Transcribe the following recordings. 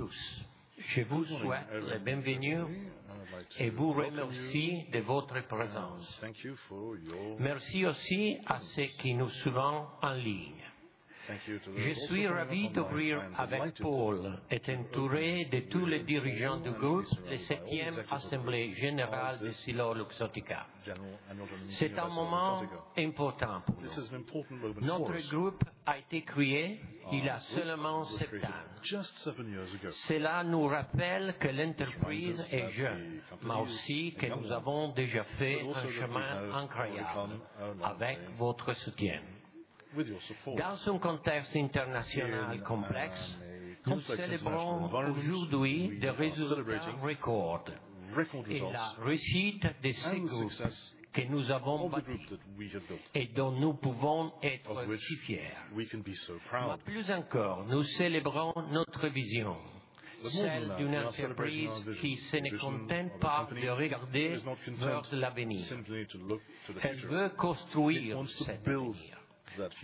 Bonjour à tous. Je vous souhaite la bienvenue et vous remercie de votre présence. Merci aussi à ceux qui nous suivent en ligne. Je suis ravi d'ouvrir avec Paul et d'entourer de tous les dirigeants du groupe la 7e Assemblée générale d'EssilorLuxottica. C'est un moment important pour nous. Notre groupe a été créé il y a seulement sept ans. Cela nous rappelle que l'entreprise est jeune, mais aussi que nous avons déjà fait un chemin incroyable avec votre soutien. Dans un contexte international complexe, nous célébrons aujourd'hui des résultats records et la réussite de ce groupe que nous avons bâtie et dont nous pouvons être si fiers. Plus encore, nous célébrons notre vision, celle d'une entreprise qui ne se contente pas de regarder vers l'avenir, elle veut construire cette ville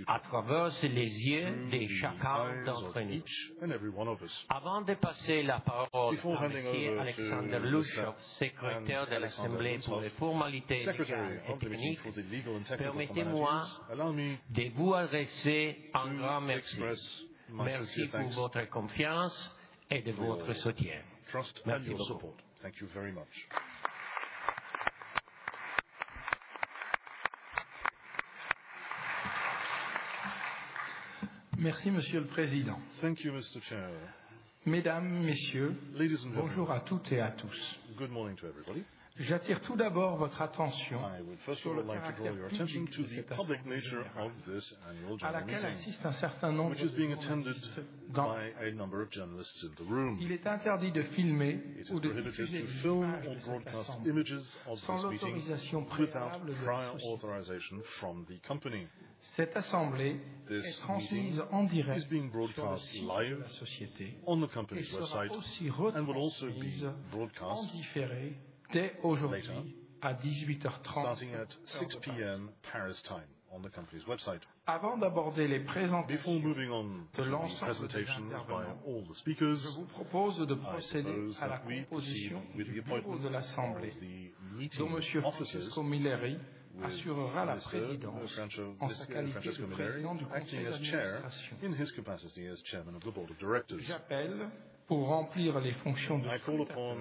à travers les yeux de chacun d'entre nous. Avant de passer la parole à Monsieur Alexander Luschov, Secrétaire de l'Assemblée pour les formalités et les économiques, permettez-moi de vous adresser un grand merci. Merci pour votre confiance et de votre soutien. Merci beaucoup. Merci, Monsieur le Président. Mesdames, Messieurs, bonjour à toutes et à tous. J'attire tout d'abord votre attention sur la nature de la publication de cette assemblée, à laquelle assiste un certain nombre de journalistes. Il est interdit de filmer ou de diffuser des films ou de broadcast images de cette assemblée. Cette assemblée est transmise en direct par la société en ligne et sera aussi diffusée en différé dès aujourd'hui à 18:30, avant d'aborder les présentations de l'ensemble des présentations par tous les speakers. Je vous propose de procéder à la proposition de dépôt de l'assemblée, dont Monsieur Francesco Milleri assurera la présidence en sa qualité de Président du Conseil d'Administration en tant que Chairman du Board of Directors. J'appelle, pour remplir les fonctions de ce président,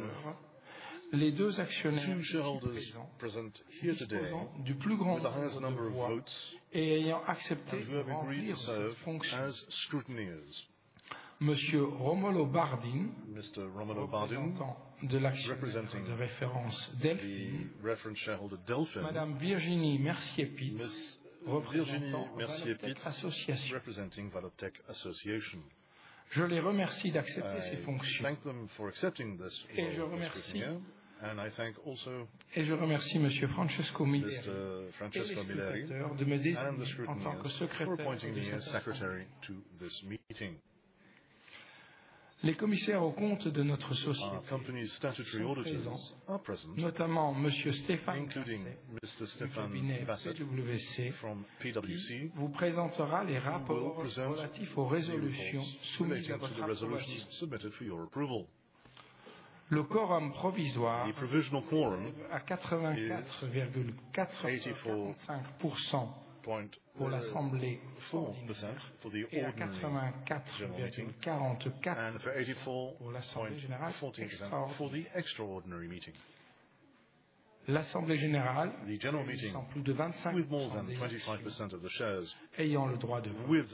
les deux actionnaires du président du plus grand nombre de votes et ayant accepté de remplir leurs fonctions scrutinières. Monsieur Romolo Bardin, représentant de l'action de référence Delfin, Madame Virginie Mercier-Pottier, représentant de l'association Valoptec Association. Je les remercie d'accepter ces fonctions. Et je remercie Monsieur Francesco Milleri, le secrétaire de cette assemblée, de me désigner en tant que secrétaire de sécurité. Les commissaires aux comptes de notre société sont présents, notamment Monsieur Stéphane Basset, vous présentera les rapports relatifs aux résolutions soumises à votre approval. Le quorum provisoire est à 84.84% pour l'assemblée générale et 84.44% pour l'assemblée générale extraordinaire. L'assemblée générale, qui est constituée de plus de 25% des shares ayant le droit de vote,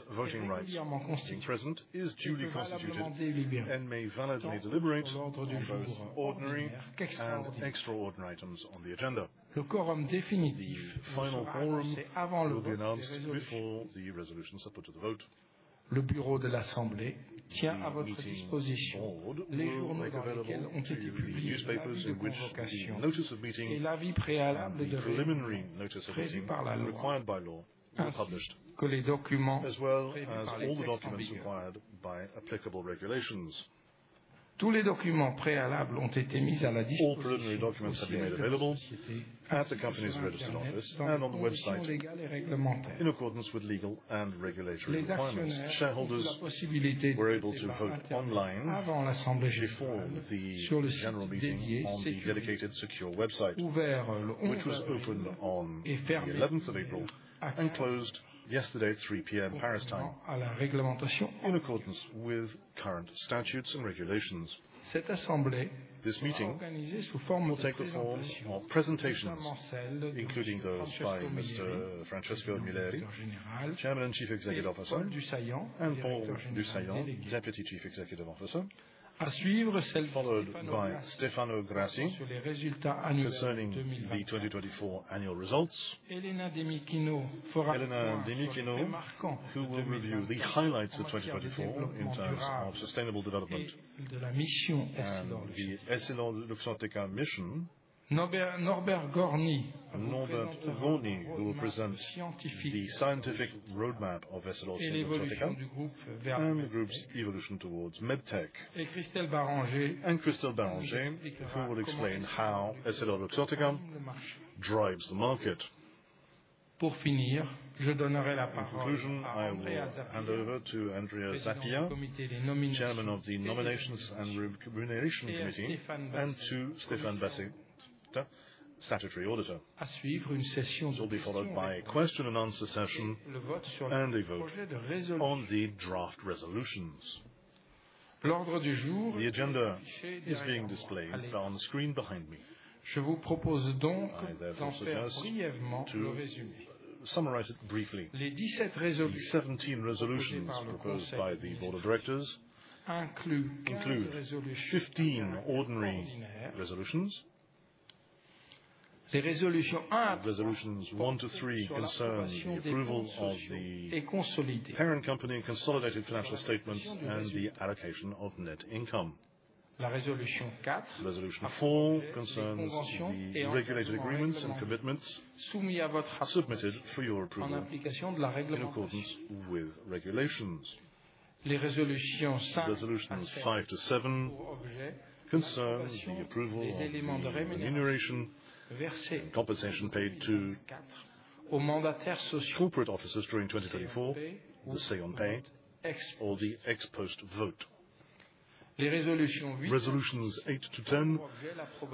est dûment constituée et elle met validement en ordre de vous présenter les extraordinaires items on the agenda. Le quorum définitif, c'est avant le vote de l'assemblée. Le bureau de l'assemblée tient à votre disposition les journaux dans lesquels ont été publiés les notices de votation et l'avis préalable de vote préliminaire requis par la loi et publiés. Que les documents, as all the documents required by applicable regulations. Tous les documents préalables ont été mis à la disposition. All preliminary documents have been made available at the company's registered office and on the website in accordance with legal and regulatory requirements. Shareholders were able to vote online avant l'assemblée générale sur le site dédié en. Dedicated secure website, which was opened on the 11th of April and closed yesterday at 3:00 P.M. Paris time in accordance with current statutes and regulations. Cette assemblée, this meeting, was organized to formal take the form of presentations, including those by Monsieur Francesco Milleri, Chairman and Chief Executive Officer, and Paul du Saillant, Deputy Chief Executive Officer, à suivre celles by Stefano Grassi concerning the 2024 annual results. Elena Dimitrino will review the highlights of 2024 in terms of sustainable development. The EssilorLuxottica mission, Norbert Gorny, who will present the scientific roadmap of EssilorLuxottica and the group's evolution towards medtech, and Christelle Béranger who will explain how EssilorLuxottica drives the market. Pour finir, je donnerai la parole and over to Andrea Zappia, Chairman of the Nominations and Compensation Committee, and to Stéphane Basset, Statutory Auditor, à suivre une session followed by a question and answer session and a vote on the draft resolutions. The agenda is being displayed on the screen behind me. Je vous propose donc, dans ce cas, to summarize it briefly. The 17 resolutions proposed by the board of directors include 15 ordinary resolutions. The resolutions 1 to 3 concern the approval of the parent company and consolidated financial statements and the allocation of net income. La résolution 4 concerns the regulatory agreements and commitments submitted for your approval in accordance with regulations. Les résolutions 5 to 7 concern the approval of remuneration and compensation paid to corporate officers during 2024, the stay-on-pay or the ex-post vote. Les résolutions 8 to 10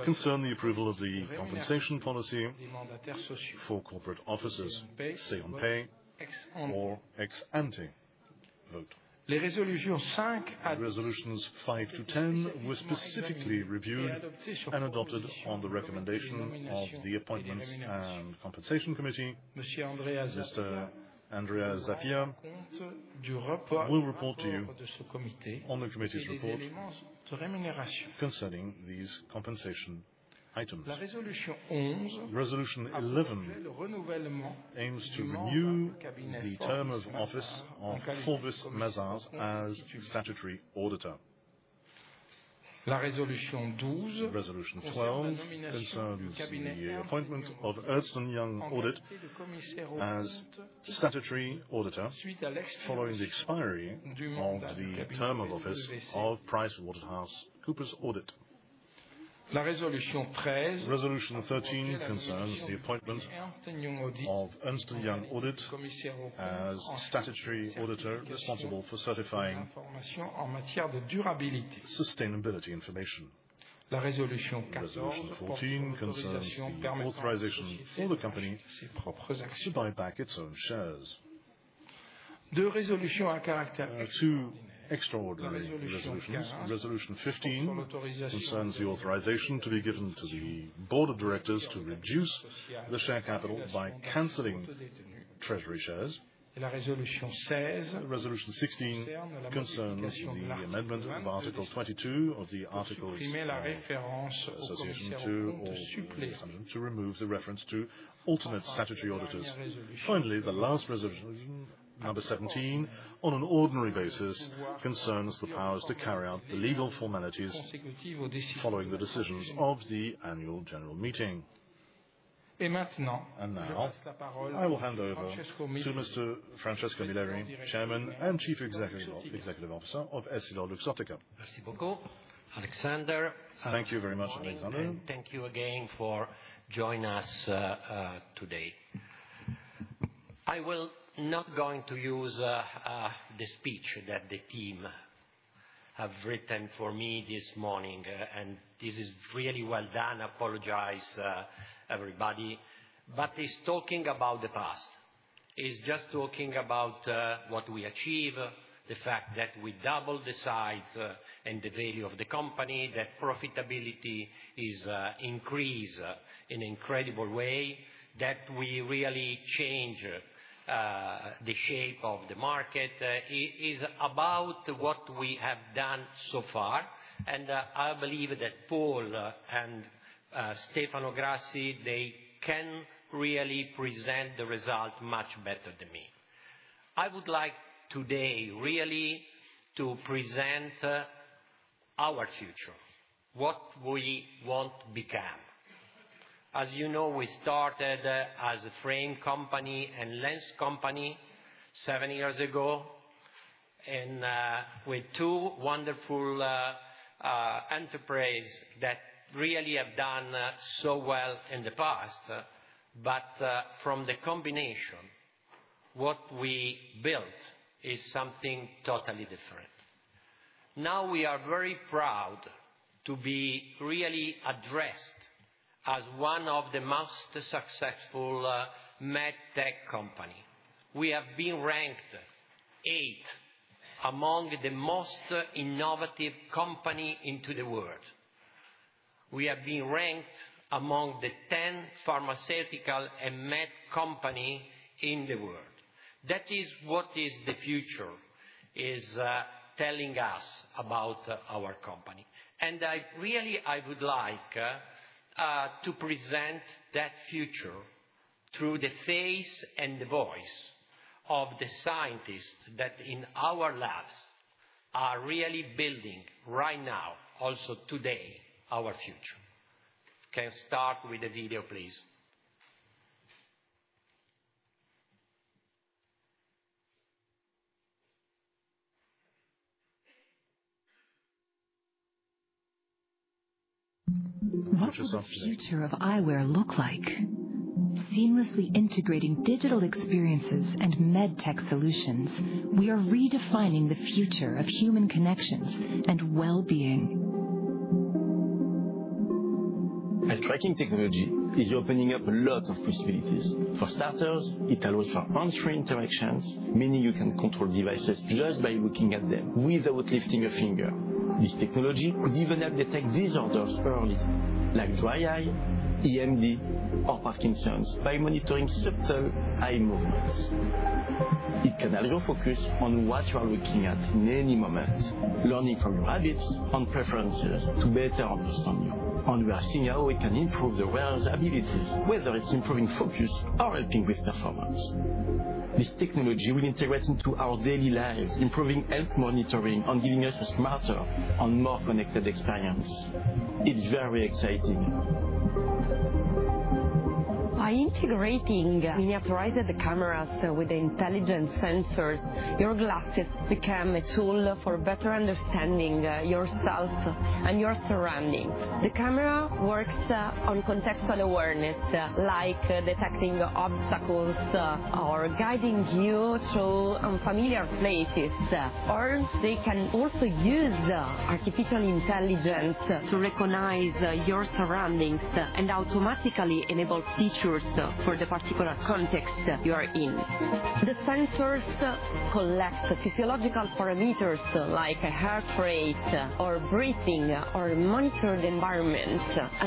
concern the approval of the compensation policy for corporate officers, stay-on-pay or ex-ante vote. Les résolutions 5 to 10 were specifically reviewed and adopted on the recommendation of the Appointments and Compensation Committee. Monsieur Andrea Zappia will report to you on the committee's report concerning these compensation items. La résolution 11 aims to renew the term of office of Fulvio Mazzotta as Statutory Auditor. La résolution 12 concerns the appointment of Ernst & Young Audit as Statutory Auditor following the expiry of the term of office of PricewaterhouseCoopers Audit. La résolution 13 concerns the appointment of Ernst & Young Audit as Statutory Auditor responsible for certifying sustainability information. La résolution 14 concerns the authorization for the company to buy back its own shares. Deux résolutions à caractère exceptionnel. Resolution 15 concerns the authorization to be given to the board of directors to reduce the share capital by canceling treasury shares. La résolution 16 concerns the amendment of Article 22 of the Article 17 to remove the reference to alternate statutory auditors. Finally, the last resolution, number 17, on an ordinary basis, concerns the powers to carry out the legal formalities following the decisions of the annual general meeting. Now, I will hand over to Monsieur Francesco Milleri, Chairman and Chief Executive Officer of EssilorLuxottica. Thank you very much, Andrea and Thomas. Thank you again for joining us today. I will not use the speech that the team have written for me this morning, and this is really well done. I apologize to everybody. It is talking about the past. It is just talking about what we achieve, the fact that we doubled the size and the value of the company, that profitability has increased in an incredible way, that we really changed the shape of the market. It is about what we have done so far, and I believe that Paul and Stefano Grassi, they can really present the result much better than me. I would like today really to present our future, what we want to become. As you know, we started as a frame company and lens company seven years ago with two wonderful enterprises that really have done so well in the past. From the combination, what we built is something totally different. Now we are very proud to be really addressed as one of the most successful medtech companies. We have been ranked eighth among the most innovative companies in the world. We have been ranked among the 10 pharmaceutical and med companies in the world. That is what the future is telling us about our company. I would like to present that future through the face and the voice of the scientists that in our labs are really building right now, also today, our future. Can you start with the video, please? What does the future of eyewear look like? Seamlessly integrating digital experiences and medtech solutions, we are redefining the future of human connections and well-being. A tracking technology is opening up a lot of possibilities. For starters, it allows for on-screen interactions, meaning you can control devices just by looking at them without lifting a finger. This technology could even help detect disorders early, like dry eye, EMD, or Parkinson's, by monitoring subtle eye movements. It can also focus on what you are looking at in any moment, learning from your habits and preferences to better understand you. We are seeing how it can improve the wearer's abilities, whether it's improving focus or helping with performance. This technology will integrate into our daily lives, improving health monitoring and giving us a smarter and more connected experience. It's very exciting. By integrating miniaturized cameras with intelligent sensors, your glasses become a tool for better understanding yourself and your surroundings. The camera works on contextual awareness, like detecting obstacles or guiding you through unfamiliar places. They can also use artificial intelligence to recognize your surroundings and automatically enable features for the particular context you are in. The sensors collect physiological parameters like heart rate or breathing or monitor the environment,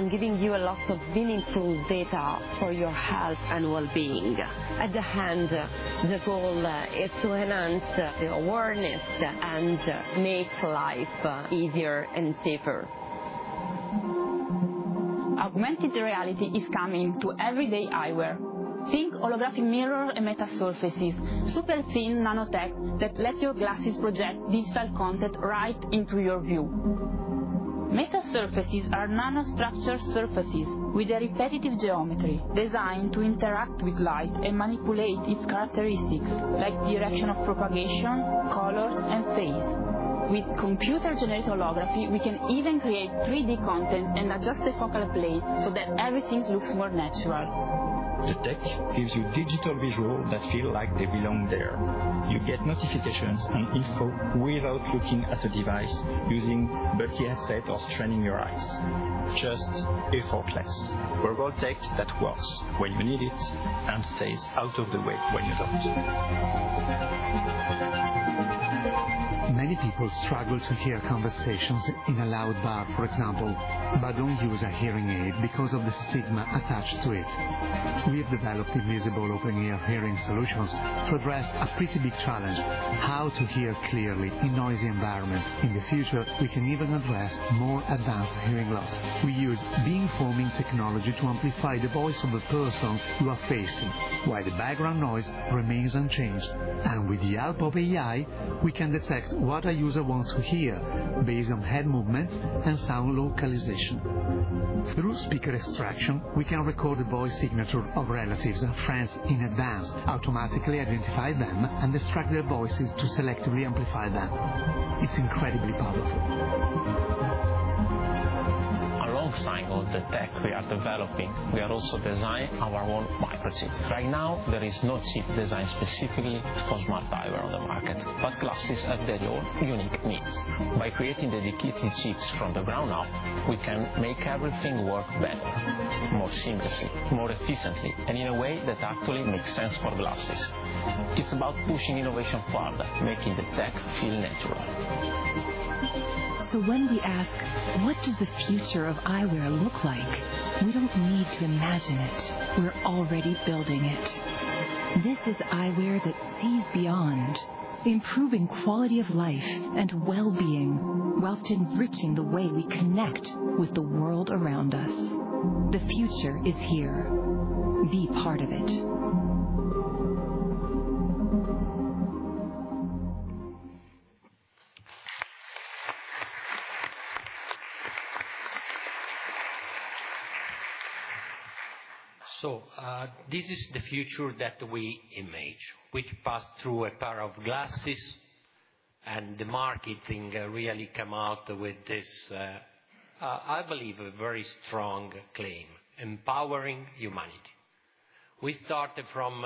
giving you a lot of meaningful data for your health and well-being. At the end, the goal is to enhance the awareness and make life easier and safer. Augmented reality is coming to everyday eyewear. Think holographic mirrors and meta surfaces, super thin nanotech that lets your glasses project digital content right into your view. Metasurfaces are nano-structured surfaces with a repetitive geometry designed to interact with light and manipulate its characteristics, like the direction of propagation, colors, and phase. With computer-generated holography, we can even create 3D content and adjust the focal plane so that everything looks more natural. The tech gives you digital visuals that feel like they belong there. You get notifications and info without looking at a device, using a headset or straining your eyes. Just a forklift for all tech that works when you need it and stays out of the way when you do not. Many people struggle to hear conversations in a loud bar, for example, but do not use a hearing aid because of the stigma attached to it. We have developed invisible open-ear hearing solutions to address a pretty big challenge: how to hear clearly in noisy environments. In the future, we can even address more advanced hearing loss. We use beamforming technology to amplify the voice of the person you are facing while the background noise remains unchanged. With the help of AI, we can detect what a user wants to hear based on head movement and sound localization. Through speaker extraction, we can record the voice signature of relatives and friends in advance, automatically identify them, and extract their voices to selectively amplify them. It's incredibly powerful. Alongside all the tech we are developing, we are also designing our own microchips. Right now, there is no chip designed specifically for smart eyewear on the market. Glasses have their own unique needs. By creating dedicated chips from the ground up, we can make everything work better, more seamlessly, more efficiently, and in a way that actually makes sense for glasses. It's about pushing innovation further, making the tech feel natural. When we ask, "What does the future of eyewear look like?" we don't need to imagine it. We're already building it. This is eyewear that sees beyond, improving quality of life and well-being, whilst enriching the way we connect with the world around us. The future is here. Be part of it. This is the future that we imagine, which passed through a pair of glasses, and the marketing really came out with this, I believe, a very strong claim: empowering humanity. We started from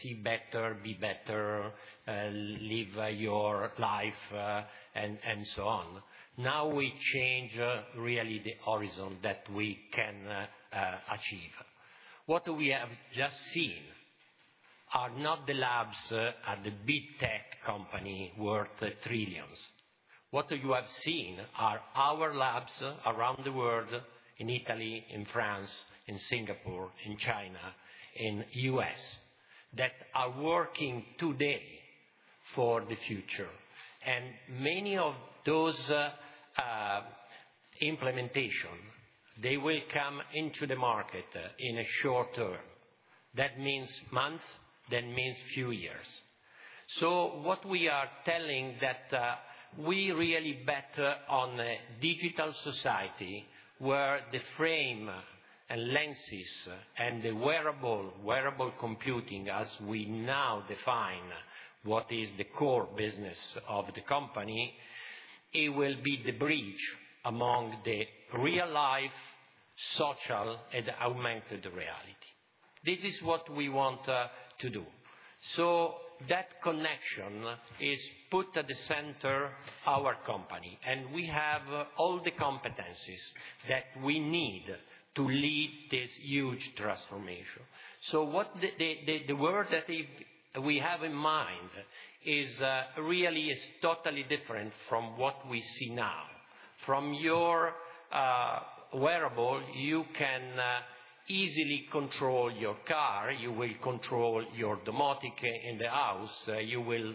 see better, be better, live your life, and so on. Now we change really the horizon that we can achieve. What we have just seen are not the labs at the big tech company worth trillions. What you have seen are our labs around the world, in Italy, in France, in Singapore, in China, in the US, that are working today for the future. Many of those implementations, they will come into the market in a short term. That means months, that means few years. What we are telling is that we really bet on a digital society where the frame and lenses and the wearable computing, as we now define what is the core business of the company, will be the bridge among the real life, social, and augmented reality. This is what we want to do. That connection is put at the center of our company, and we have all the competencies that we need to lead this huge transformation. The word that we have in mind is really totally different from what we see now. From your wearable, you can easily control your car, you will control your domotic in the house, you will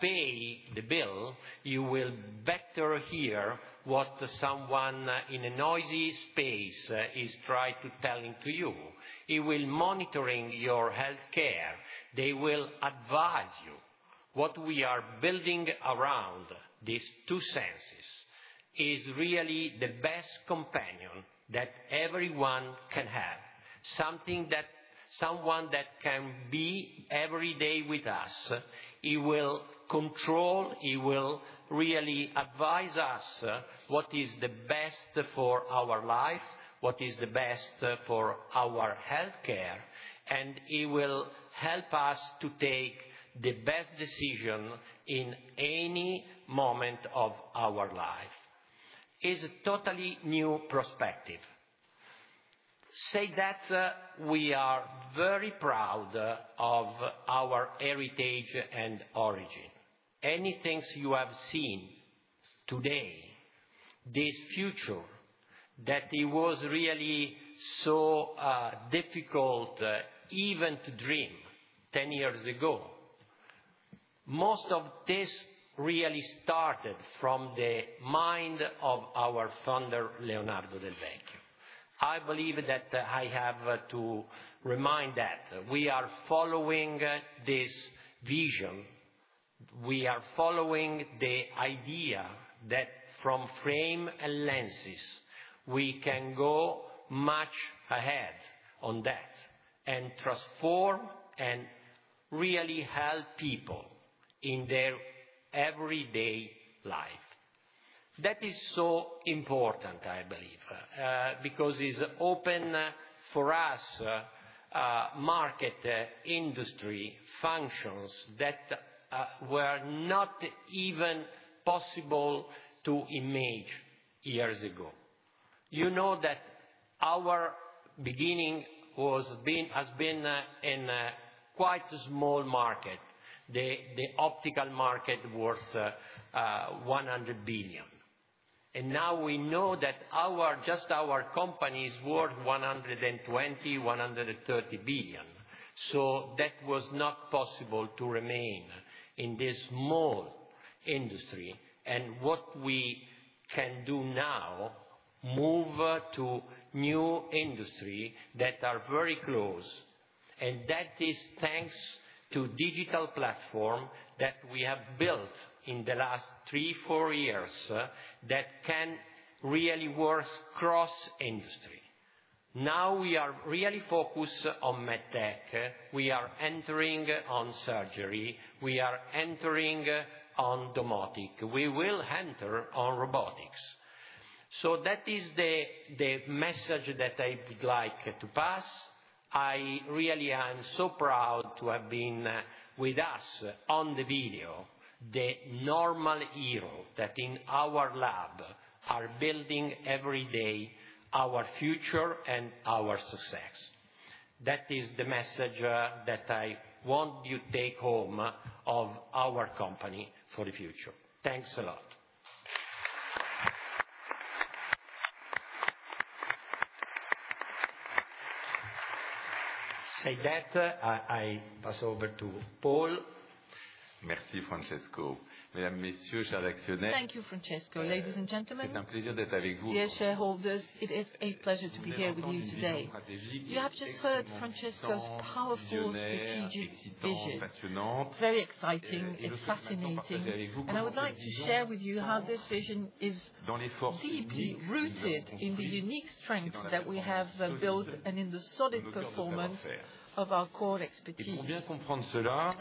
pay the bill, you will better hear what someone in a noisy space is trying to tell you. It will monitor your healthcare. They will advise you. What we are building around these two senses is really the best companion that everyone can have. Something that someone that can be every day with us, it will control, it will really advise us what is the best for our life, what is the best for our healthcare, and it will help us to take the best decision in any moment of our life. It's a totally new perspective. Say that we are very proud of our heritage and origin. Anything you have seen today, this future that was really so difficult even to dream 10 years ago, most of this really started from the mind of our founder, Leonardo Del Vecchio. I believe that I have to remind that we are following this vision. We are following the idea that from frame and lenses, we can go much ahead on that and transform and really help people in their everyday life. That is so important, I believe, because it has opened for us market industry functions that were not even possible to imagine years ago. You know that our beginning has been in a quite small market, the optical market worth 100 billion. And now we know that just our company is worth 120-130 billion. That was not possible to remain in this small industry. What we can do now is move to new industries that are very close. That is thanks to the digital platform that we have built in the last three, four years that can really work across industry. Now we are really focused on medtech. We are entering on surgery. We are entering on domotic. We will enter on robotics. That is the message that I would like to pass. I really am so proud to have been with us on the video, the normal hero that in our lab are building every day our future and our success. That is the message that I want you to take home of our company for the future. Thanks a lot. I say that I pass over to Paul. Merci, Francesco. Mesdames, Messieurs, chers actionnaires. Thank you, Francesco. Ladies and gentlemen. Dear shareholders, it is a pleasure to be here with you today. You have just heard Francesco's powerful strategic vision. Very exciting. It's fascinating. I would like to share with you how this vision is deeply rooted in the unique strength that we have built and in the solid performance of our core expertise.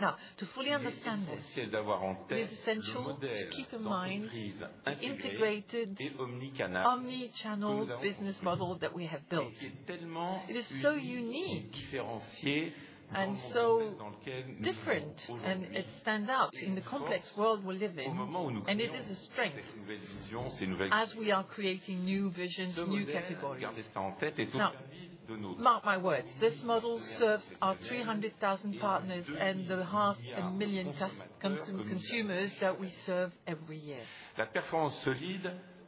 Now, to fully understand this, it is essential to keep in mind an integrated omnichannel business model that we have built. It is so unique and so different, and it stands out in the complex world we live in. It is a strength as we are creating new visions, new categories. Mark my words. This model serves our 300,000 partners and the 500,000 consumers that we serve every year.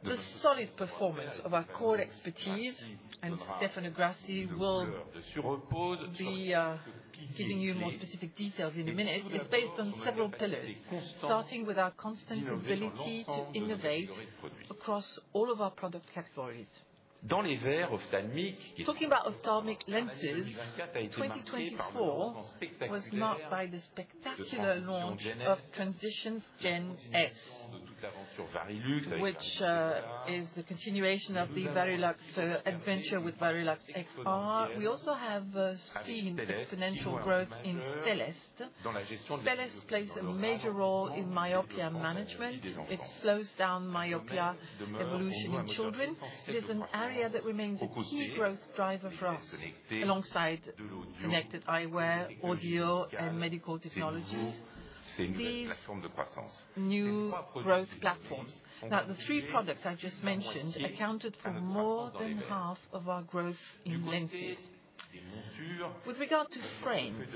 The solid performance of our core expertise, and Stefano Grassi will be giving you more specific details in a minute, is based on several pillars, starting with our constant ability to innovate across all of our product categories. Talking about ophthalmic lenses, 2024 was marked by the spectacular launch of Transitions Gen S, which is the continuation of the Verilux adventure with Verilux XR. We also have seen exponential growth in Stellest. Stellest plays a major role in myopia management. It slows down myopia evolution in children. It is an area that remains a key growth driver for us, alongside connected eyewear, audio, and medical technologies. These new growth platforms. Now, the three products I've just mentioned accounted for more than half of our growth in lenses. With regard to frames,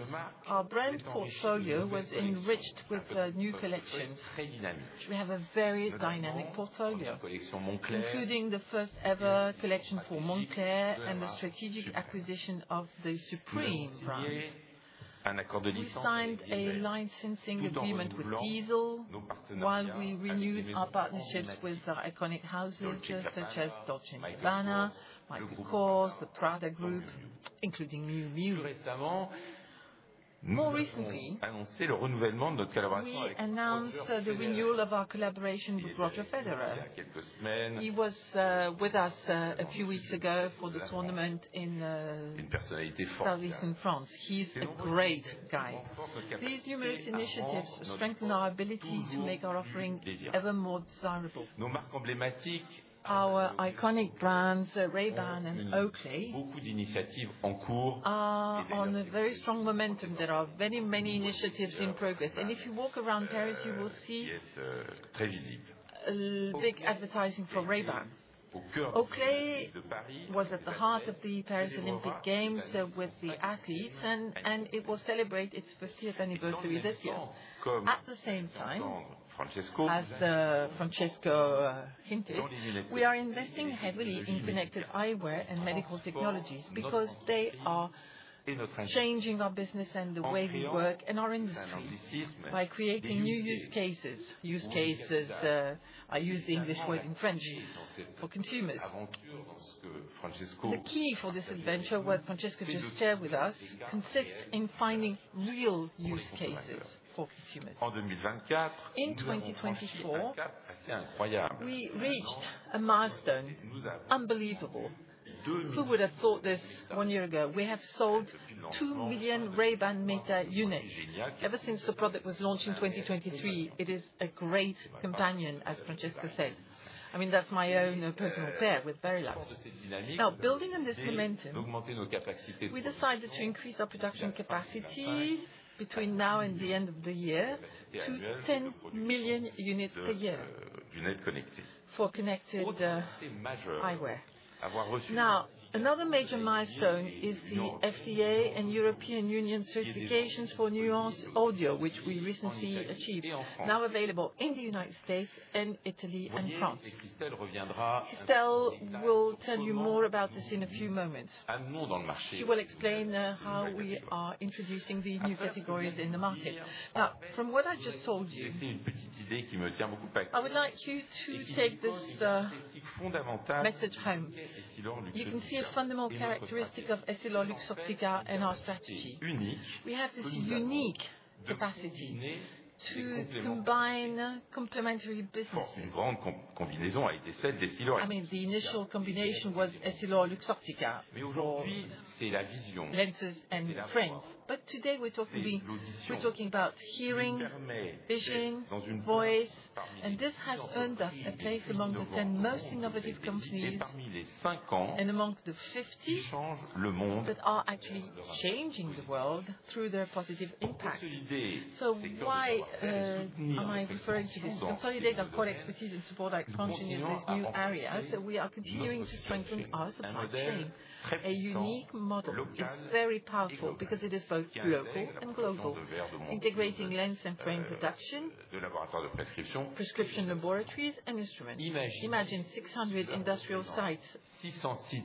our brand portfolio was enriched with new collections. We have a very dynamic portfolio, including the first-ever collection for Moncler and the strategic acquisition of the Supreme brand. We signed a licensing agreement with Diesel while we renewed our partnerships with iconic houses such as Dolce & Gabbana, Michael Kors, the Prada Group, including new murals. More recently, we announced the renewal of our collaboration with Roger Federer. He was with us a few weeks ago for the tournament in Paris in France. He's a great guy. These numerous initiatives strengthen our ability to make our offering ever more desirable. Our iconic brands, Ray-Ban and Oakley, are on a very strong momentum. There are very many initiatives in progress. If you walk around Paris, you will see big advertising for Ray-Ban. Oakley was at the heart of the Paris Olympic Games with the athletes, and it will celebrate its 50th anniversary this year. At the same time, as Francesco hinted, we are investing heavily in connected eyewear and medical technologies because they are changing our business and the way we work in our industry by creating new use cases. Use cases, I use the English word in French, for consumers. The key for this adventure, what Francesco just shared with us, consists in finding real use cases for consumers. In 2024, we reached a milestone unbelievable. Who would have thought this one year ago? We have sold 2 million Ray-Ban Meta units ever since the product was launched in 2023. It is a great companion, as Francesco said. I mean, that's my own personal pair with Varilux. Now, building on this momentum, we decided to increase our production capacity between now and the end of the year to 10 million units a year for connected eyewear. Now, another major milestone is the FDA and European Union certifications for Nuance Audio, which we recently achieved, now available in the United States, Italy, and France. Christelle will tell you more about this in a few moments. She will explain how we are introducing these new categories in the market. Now, from what I just told you, I would like you to take this message home. You can see a fundamental characteristic of EssilorLuxottica and our strategy. We have this unique capacity to combine complementary businesses. I mean, the initial combination was EssilorLuxottica. Today, we're talking about hearing, vision, voice, and this has earned us a place among the 10 most innovative companies and among the 50 that are actually changing the world through their positive impact. Why am I referring to this? To consolidate our core expertise and support our expansion in these new areas, we are continuing to strengthen our supply chain. A unique model is very powerful because it is both local and global, integrating lens and frame production, prescription laboratories, and instruments. Imagine 600 industrial sites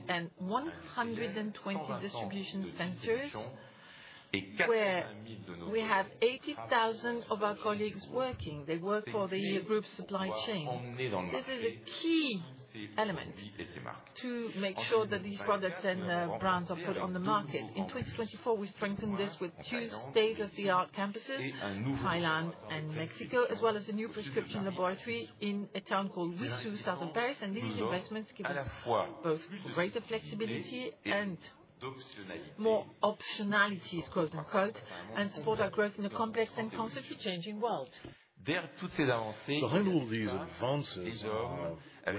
and 120 distribution centers where we have 80,000 of our colleagues working. They work for the group supply chain. This is a key element to make sure that these products and brands are put on the market. In 2024, we strengthened this with two state-of-the-art campuses, Thailand and Mexico, as well as a new prescription laboratory in a town called Wissous, south of Paris. These investments give us both greater flexibility and more optionalities, quote unquote, and support our growth in a complex and constantly changing world. We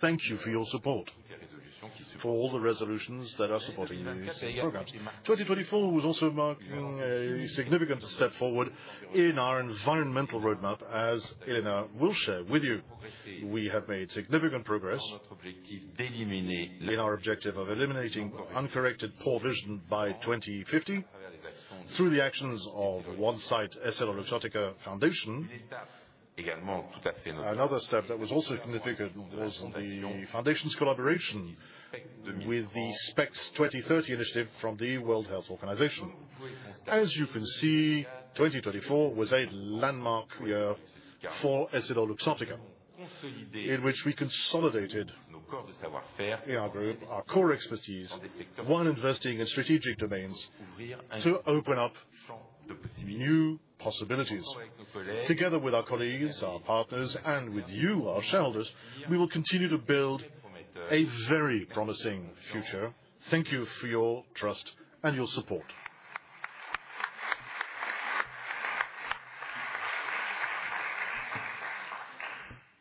thank you for your support for all the resolutions that are supporting these programs. 2024 was also marking a significant step forward in our environmental roadmap, as Elena will share with you. We have made significant progress in our objective of eliminating uncorrected poor vision by 2050 through the actions of on-site EssilorLuxottica Foundation. Another step that was also significant was the foundation's collaboration with the SPEX 2030 initiative from the World Health Organization. As you can see, 2024 was a landmark year for EssilorLuxottica, in which we consolidated our core expertise while investing in strategic domains to open up new possibilities. Together with our colleagues, our partners, and with you, our shareholders, we will continue to build a very promising future. Thank you for your trust and your support.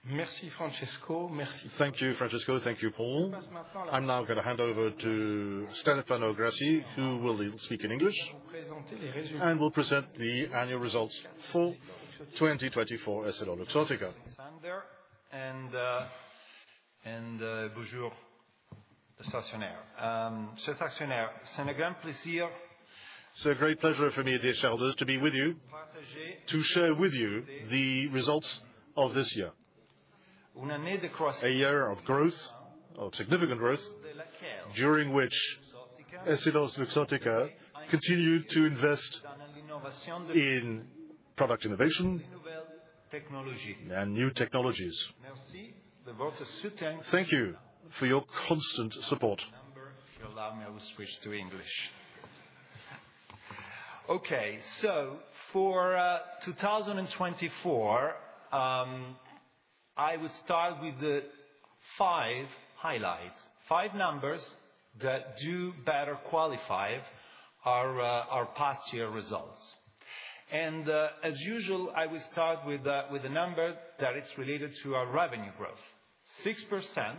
Thank you, Francesco. Thank you, Paul. I'm now going to hand over to Stefano Grassi, who will speak in English, and we'll present the annual results for 2024 EssilorLuxottica. It's a great pleasure for me, dear shareholders, to be with you, to share with you the results of this year. A year of growth, of significant growth, during which EssilorLuxottica continued to invest in product innovation and new technologies. Thank you for your constant support. Okay. For 2024, I will start with the five highlights, five numbers that do better qualify our past year results. As usual, I will start with a number that is related to our revenue growth. 6%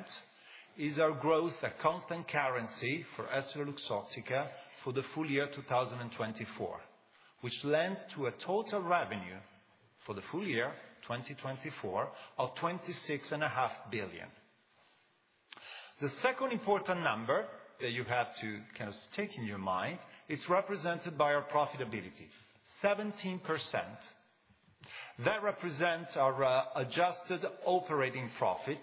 is our growth, at constant currency, for EssilorLuxottica for the full year 2024, which lends to a total revenue for the full year 2024 of 26.5 billion. The second important number that you have to kind of stick in your mind, it's represented by our profitability. 17%. That represents our adjusted operating profit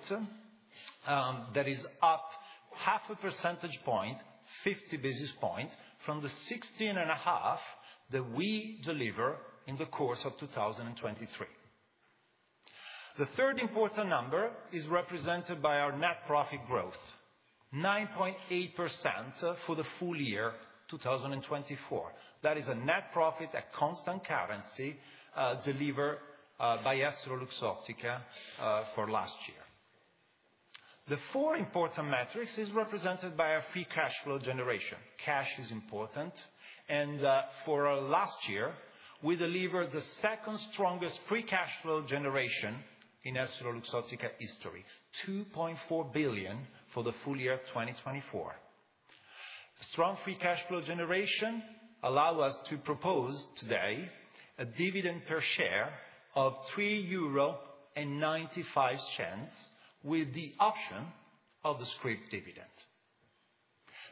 that is up half a percentage point, 50 basis points, from the 16.5% that we deliver in the course of 2023. The third important number is represented by our net profit growth, 9.8% for the full year 2024. That is a net profit, at constant currency, delivered by EssilorLuxottica for last year. The four important metrics are represented by our free cash flow generation. Cash is important. For last year, we delivered the second strongest free cash flow generation in EssilorLuxottica history, 2.4 billion for the full year 2024. Strong free cash flow generation allows us to propose today a dividend per share of 3.95 euro with the option of the script dividend.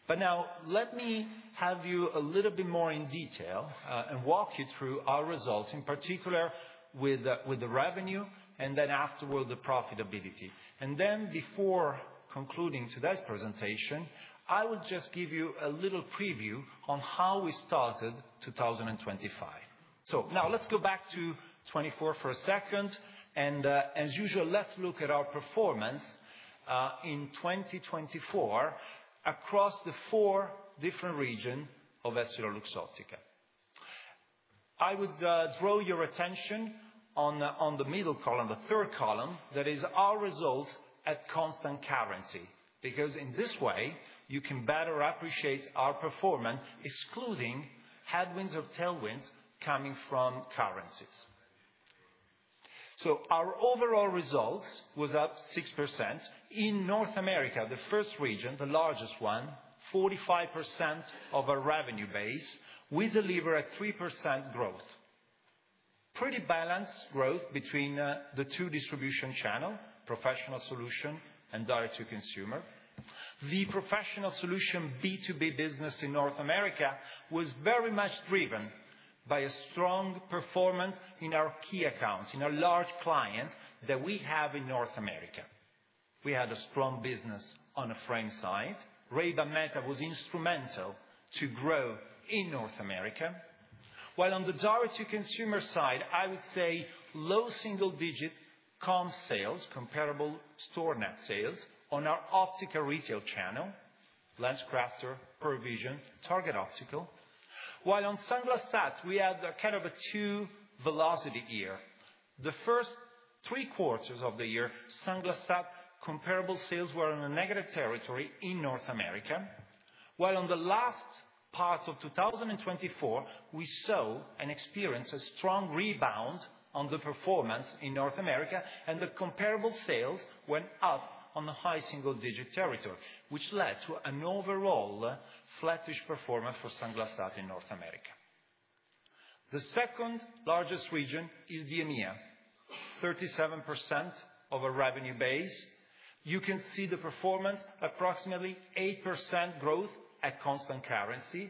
Now, let me have you a little bit more in detail and walk you through our results, in particular with the revenue, and then afterward, the profitability. Before concluding today's presentation, I will just give you a little preview on how we started 2025. Now, let's go back to 2024 for a second. As usual, let's look at our performance in 2024 across the four different regions of EssilorLuxottica. I would draw your attention on the middle column, the third column, that is our results at constant currency, because in this way, you can better appreciate our performance, excluding headwinds or tailwinds coming from currencies. Our overall results were up 6%. In North America, the first region, the largest one, 45% of our revenue base, we delivered a 3% growth. Pretty balanced growth between the two distribution channels, professional solution and direct-to-consumer. The professional solution B2B business in North America was very much driven by a strong performance in our key accounts, in our large clients that we have in North America. We had a strong business on the frame side. Ray-Ban Meta was instrumental to grow in North America. While on the direct-to-consumer side, I would say low single-digit comp sales, comparable store net sales on our optical retail channel, LensCrafters, Vision, Target Optical. While on Sunglass Hut, we had kind of a two-velocity year. The first three quarters of the year, Sunglass Hut comparable sales were on a negative territory in North America. While on the last part of 2024, we saw and experienced a strong rebound on the performance in North America, and the comparable sales went up on the high single-digit territory, which led to an overall flattish performance for Sunglass Hut in North America. The second largest region is the EMEA, 37% of our revenue base. You can see the performance, approximately 8% growth at constant currency.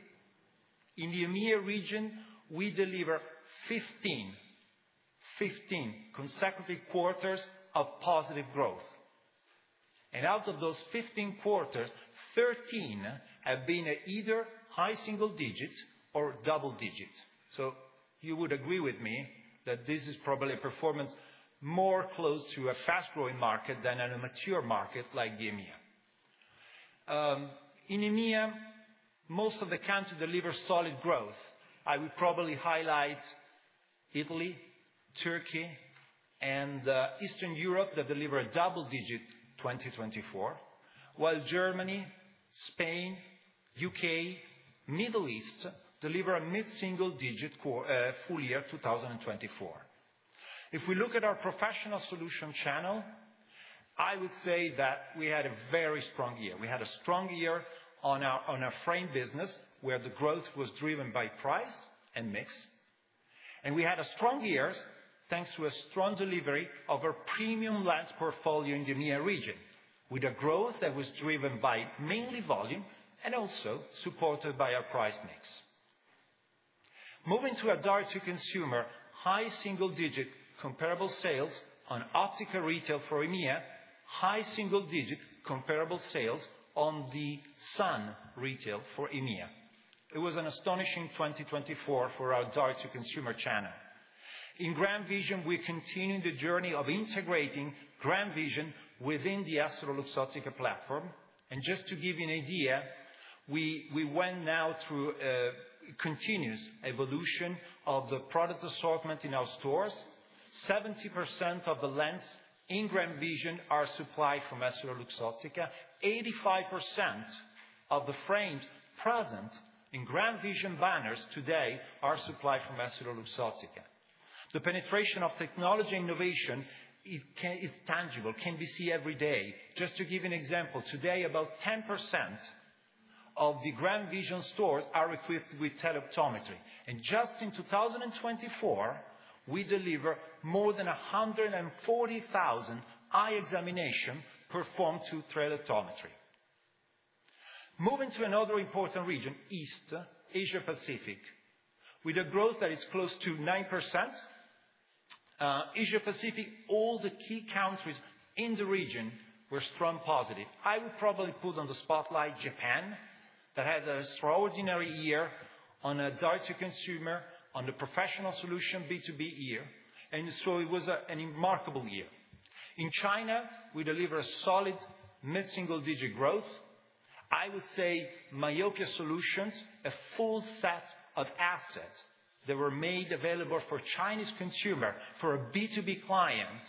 In the EMEA region, we deliver 15 consecutive quarters of positive growth. Out of those 15 quarters, 13 have been either high single-digit or double-digit. You would agree with me that this is probably a performance more close to a fast-growing market than a mature market like the EMEA. In EMEA, most of the countries deliver solid growth. I would probably highlight Italy, Turkey, and Eastern Europe that deliver a double-digit 2024, while Germany, Spain, the U.K., and the Middle East deliver a mid-single-digit full year 2024. If we look at our professional solution channel, I would say that we had a very strong year. We had a strong year on our frame business, where the growth was driven by price and mix. We had a strong year thanks to a strong delivery of our premium lens portfolio in the EMEA region, with a growth that was driven by mainly volume and also supported by our price mix. Moving to our direct-to-consumer, high single-digit comparable sales on optical retail for EMEA, high single-digit comparable sales on the SUN retail for EMEA. It was an astonishing 2024 for our direct-to-consumer channel. In Grand Vision, we continue the journey of integrating Grand Vision within the EssilorLuxottica platform. Just to give you an idea, we went now through a continuous evolution of the product assortment in our stores. 70% of the lens in Grand Vision are supplied from EssilorLuxottica. 85% of the frames present in Grand Vision banners today are supplied from EssilorLuxottica. The penetration of technology and innovation is tangible, can be seen every day. Just to give you an example, today, about 10% of the Grand Vision stores are equipped with telephotometry. In 2024, we deliver more than 140,000 eye examinations performed through telephotometry. Moving to another important region, East Asia-Pacific, with a growth that is close to 9%. Asia-Pacific, all the key countries in the region were strong positive. I would probably put on the spotlight Japan that had an extraordinary year on direct-to-consumer, on the professional solution B2B year. It was a remarkable year. In China, we deliver a solid mid-single-digit growth. I would say Mallorca Solutions, a full set of assets that were made available for Chinese consumers, for B2B clients,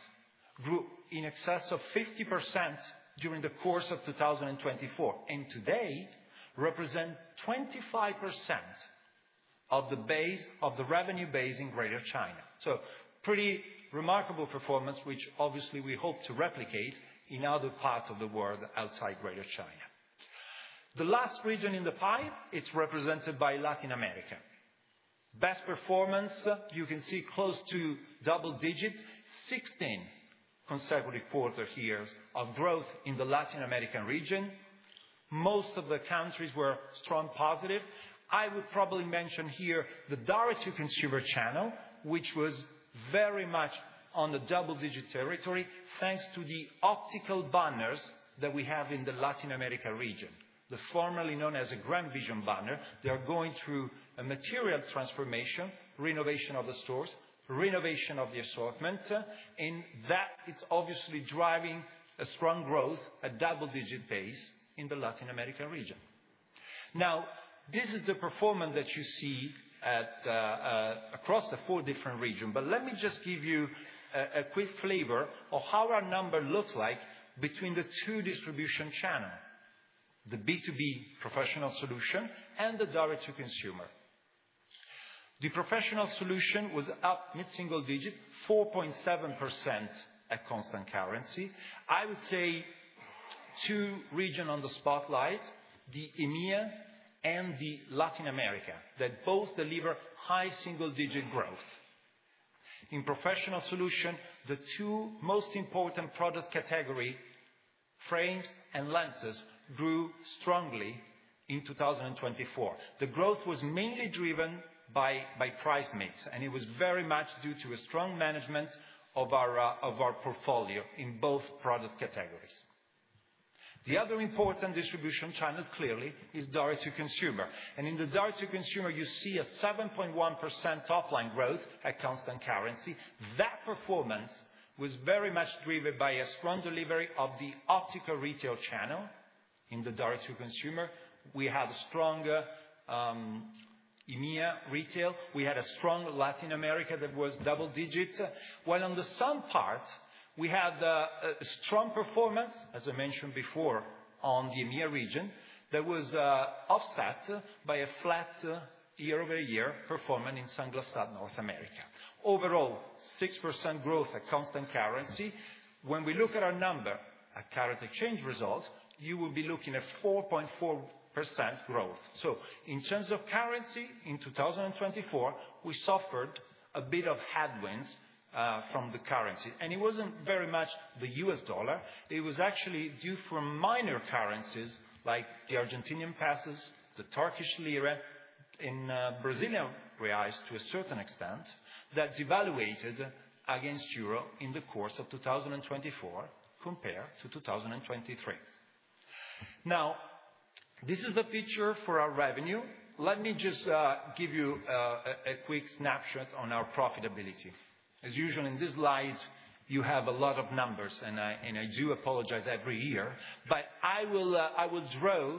grew in excess of 50% during the course of 2024, and today represents 25% of the revenue base in Greater China. Pretty remarkable performance, which obviously we hope to replicate in other parts of the world outside Greater China. The last region in the pipe is represented by Latin America. Best performance, you can see close to double-digit, 16 consecutive quarter years of growth in the Latin American region. Most of the countries were strong positive. I would probably mention here the direct-to-consumer channel, which was very much on the double-digit territory, thanks to the optical banners that we have in the Latin America region, formerly known as a Grand Vision banner. They are going through a material transformation, renovation of the stores, renovation of the assortment. That is obviously driving a strong growth at double-digit base in the Latin American region. This is the performance that you see across the four different regions. Let me just give you a quick flavor of how our number looks like between the two distribution channels, the B2B professional solution and the direct-to-consumer. The professional solution was up mid-single digit, 4.7% at constant currency. I would say two regions on the spotlight, the EMEA and the Latin America, that both deliver high single-digit growth. In professional solution, the two most important product categories, frames and lenses, grew strongly in 2024. The growth was mainly driven by price mix, and it was very much due to a strong management of our portfolio in both product categories. The other important distribution channel, clearly, is direct-to-consumer. In the direct-to-consumer, you see a 7.1% top-line growth at constant currency. That performance was very much driven by a strong delivery of the optical retail channel. In the direct-to-consumer, we had a strong EMEA retail. We had a strong Latin America that was double-digit. While on the SAN part, we had a strong performance, as I mentioned before, on the EMEA region. That was offset by a flat year-over-year performance in Sunglass Hut North America. Overall, 6% growth at constant currency. When we look at our number at current exchange results, you will be looking at 4.4% growth. In terms of currency in 2024, we suffered a bit of headwinds from the currency. It was not very much the US dollar. It was actually due from minor currencies like the Argentinian peso, the Turkish lira, and Brazilian real to a certain extent that devaluated against euro in the course of 2024 compared to 2023. Now, this is the picture for our revenue. Let me just give you a quick snapshot on our profitability. As usual, in this slide, you have a lot of numbers, and I do apologize every year. I will draw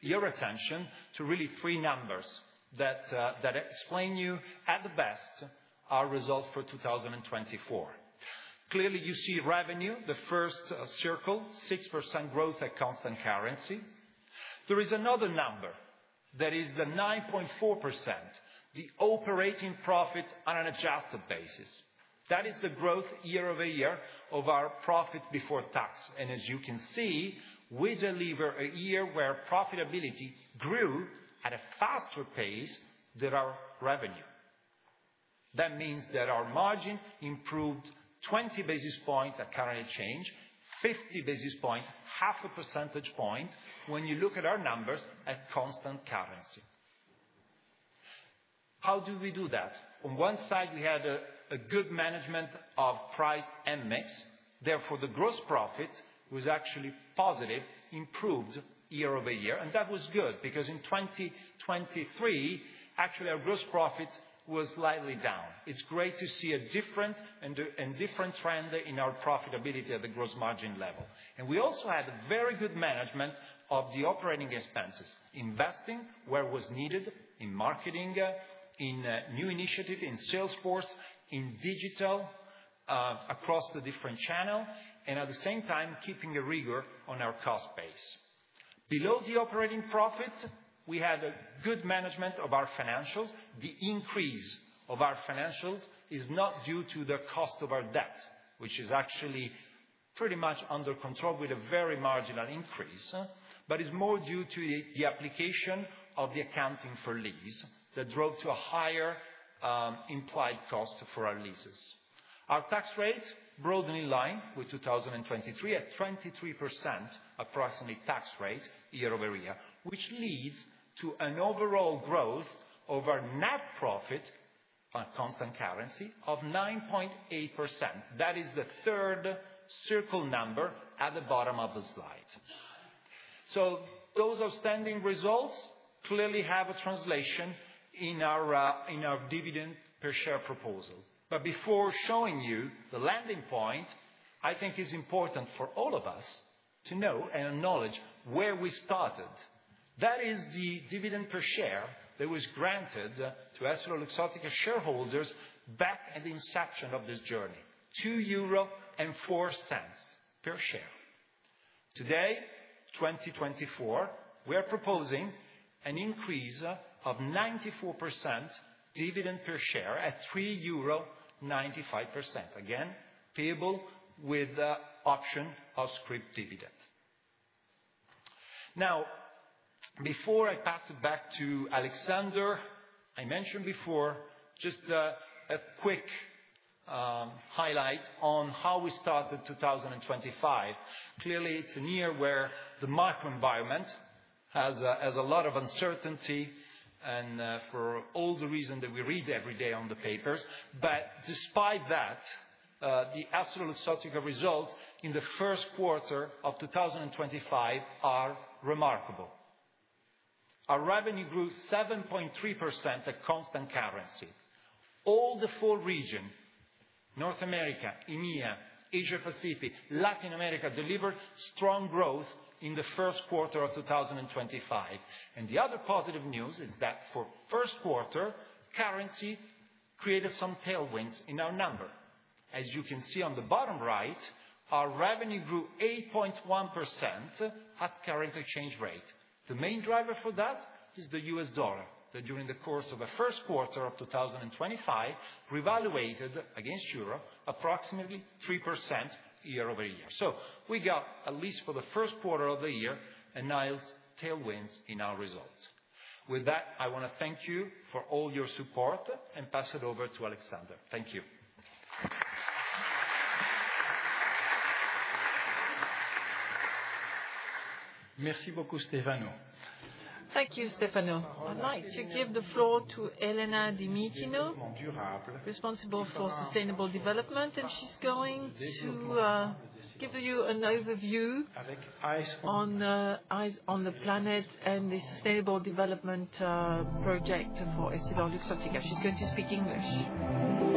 your attention to really three numbers that explain to you at the best our results for 2024. Clearly, you see revenue, the first circle, 6% growth at constant currency. There is another number that is the 9.4%, the operating profit on an adjusted basis. That is the growth year-over-year of our profit before tax. As you can see, we deliver a year where profitability grew at a faster pace than our revenue. That means that our margin improved 20 basis points at current exchange, 50 basis points, half a percentage point when you look at our numbers at constant currency. How do we do that? On one side, we had a good management of price and mix. Therefore, the gross profit was actually positive, improved year-over-year. That was good because in 2023, actually, our gross profit was slightly down. It's great to see a different trend in our profitability at the gross margin level. We also had very good management of the operating expenses, investing where it was needed, in marketing, in new initiatives, in sales force, in digital across the different channels, and at the same time, keeping a rigor on our cost base. Below the operating profit, we had a good management of our financials. The increase of our financials is not due to the cost of our debt, which is actually pretty much under control with a very marginal increase, but is more due to the application of the accounting for lease that drove to a higher implied cost for our leases. Our tax rate broadened in line with 2023 at 23% approximate tax rate year-over-year, which leads to an overall growth of our net profit on constant currency of 9.8%. That is the third circle number at the bottom of the slide. Those outstanding results clearly have a translation in our dividend per share proposal. Before showing you the landing point, I think it's important for all of us to know and acknowledge where we started. That is the dividend per share that was granted to EssilorLuxottica shareholders back at the inception of this journey, 2.04 euro per share. Today, 2024, we are proposing an increase of 94% dividend per share at 3.95 euro, again, payable with the option of script dividend. Now, before I pass it back to Alexander, I mentioned before just a quick highlight on how we started 2025. Clearly, it's a year where the macro environment has a lot of uncertainty and for all the reasons that we read every day on the papers. Despite that, the EssilorLuxottica results in the first quarter of 2025 are remarkable. Our revenue grew 7.3% at constant currency. All the four regions, North America, EMEA, Asia-Pacific, and Latin America delivered strong growth in the first quarter of 2025. The other positive news is that for the first quarter, currency created some tailwinds in our number. As you can see on the bottom right, our revenue grew 8.1% at current exchange rate. The main driver for that is the US dollar that during the course of the first quarter of 2025 revaluated against euro approximately 3% year-over-year. We got, at least for the first quarter of the year, a nice tailwind in our results. With that, I want to thank you for all your support and pass it over to Alexander. Thank you. Merci beaucoup, Stefano. Thank you, Stefano. I'd like to give the floor to Elena Dimitrino, responsible for sustainable development, and she's going to give you an overview on the planet and the sustainable development project for EssilorLuxottica. She's going to speak English.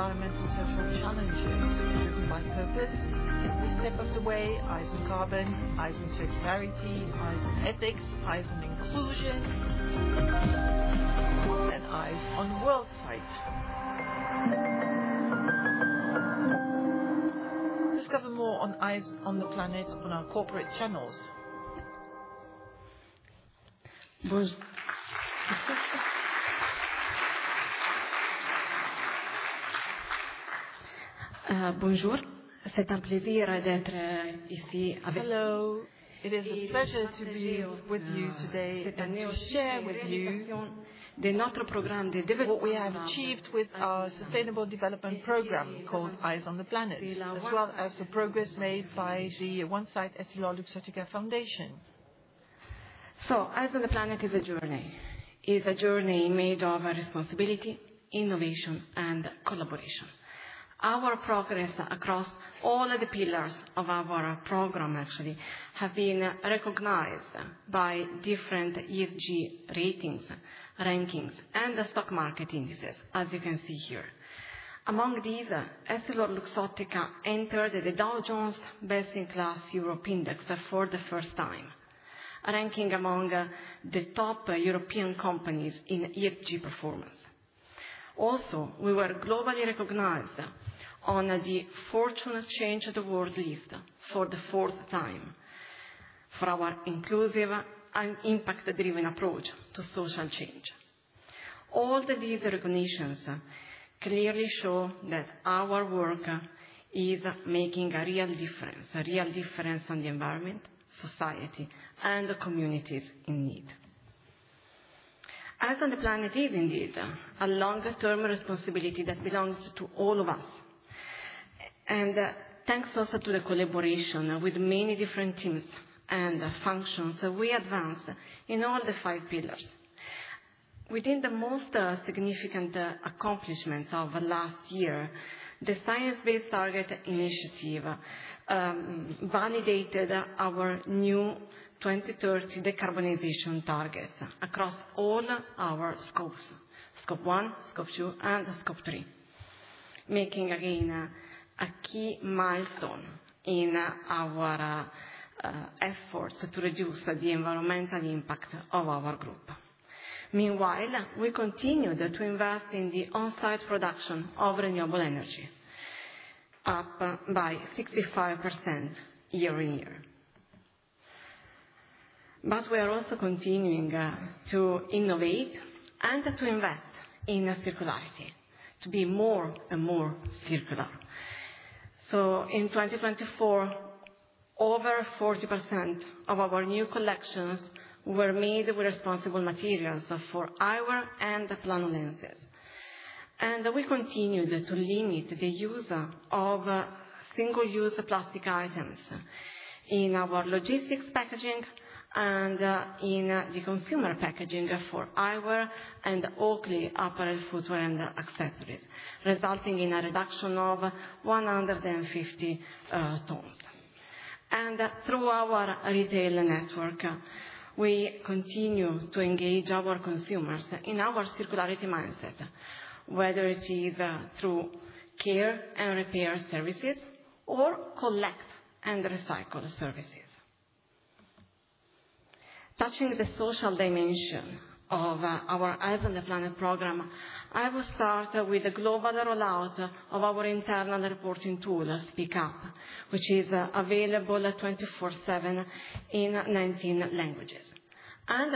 Eyes on the planet and outstanding responsibility we give to the company culture continues commitment to shaping a better world. Facing today's global environment and social challenges driven by purpose, every step of the way, eyes on carbon, eyes on circularity, eyes on ethics, eyes on inclusion, and eyes on world sight. Discover more on eyes on the planet on our corporate channels. Bonjour, c'est un plaisir d'être ici avec. Hello, it is a pleasure to be with you today and to share with you what we have achieved with our sustainable development program called Eyes on the Planet, as well as the progress made by the OneSight EssilorLuxottica Foundation. Eyes on the Planet is a journey. It is a journey made of responsibility, innovation, and collaboration. Our progress across all the pillars of our program, actually, has been recognized by different ESG ratings, rankings, and stock market indices, as you can see here. Among these, EssilorLuxottica entered the Dow Jones Best in Class Europe Index for the first time, ranking among the top European companies in ESG performance. Also, we were globally recognized on the Fortune Change the World list for the fourth time for our inclusive and impact-driven approach to social change. All these recognitions clearly show that our work is making a real difference, a real difference on the environment, society, and the communities in need. Eyes on the Planet is indeed a long-term responsibility that belongs to all of us. Thanks also to the collaboration with many different teams and functions we advanced in all the five pillars. Within the most significant accomplishments of last year, the Science Based Target Initiative validated our new 2030 decarbonization targets across all our scopes: Scope 1, Scope 2, and Scope 3, making again a key milestone in our efforts to reduce the environmental impact of our group. Meanwhile, we continued to invest in the on-site production of renewable energy, up by 65% year-on-year. We are also continuing to innovate and to invest in circularity, to be more and more circular. In 2024, over 40% of our new collections were made with responsible materials for our and the planned lenses. We continued to limit the use of single-use plastic items in our logistics packaging and in the consumer packaging for our and Oakley apparel, footwear, and accessories, resulting in a reduction of 150 tons. Through our retail network, we continue to engage our consumers in our circularity mindset, whether it is through care and repair services or collect and recycle services. Touching the social dimension of our Eyes on the Planet program, I will start with the global rollout of our internal reporting tool, Speak Up, which is available 24/7 in 19 languages.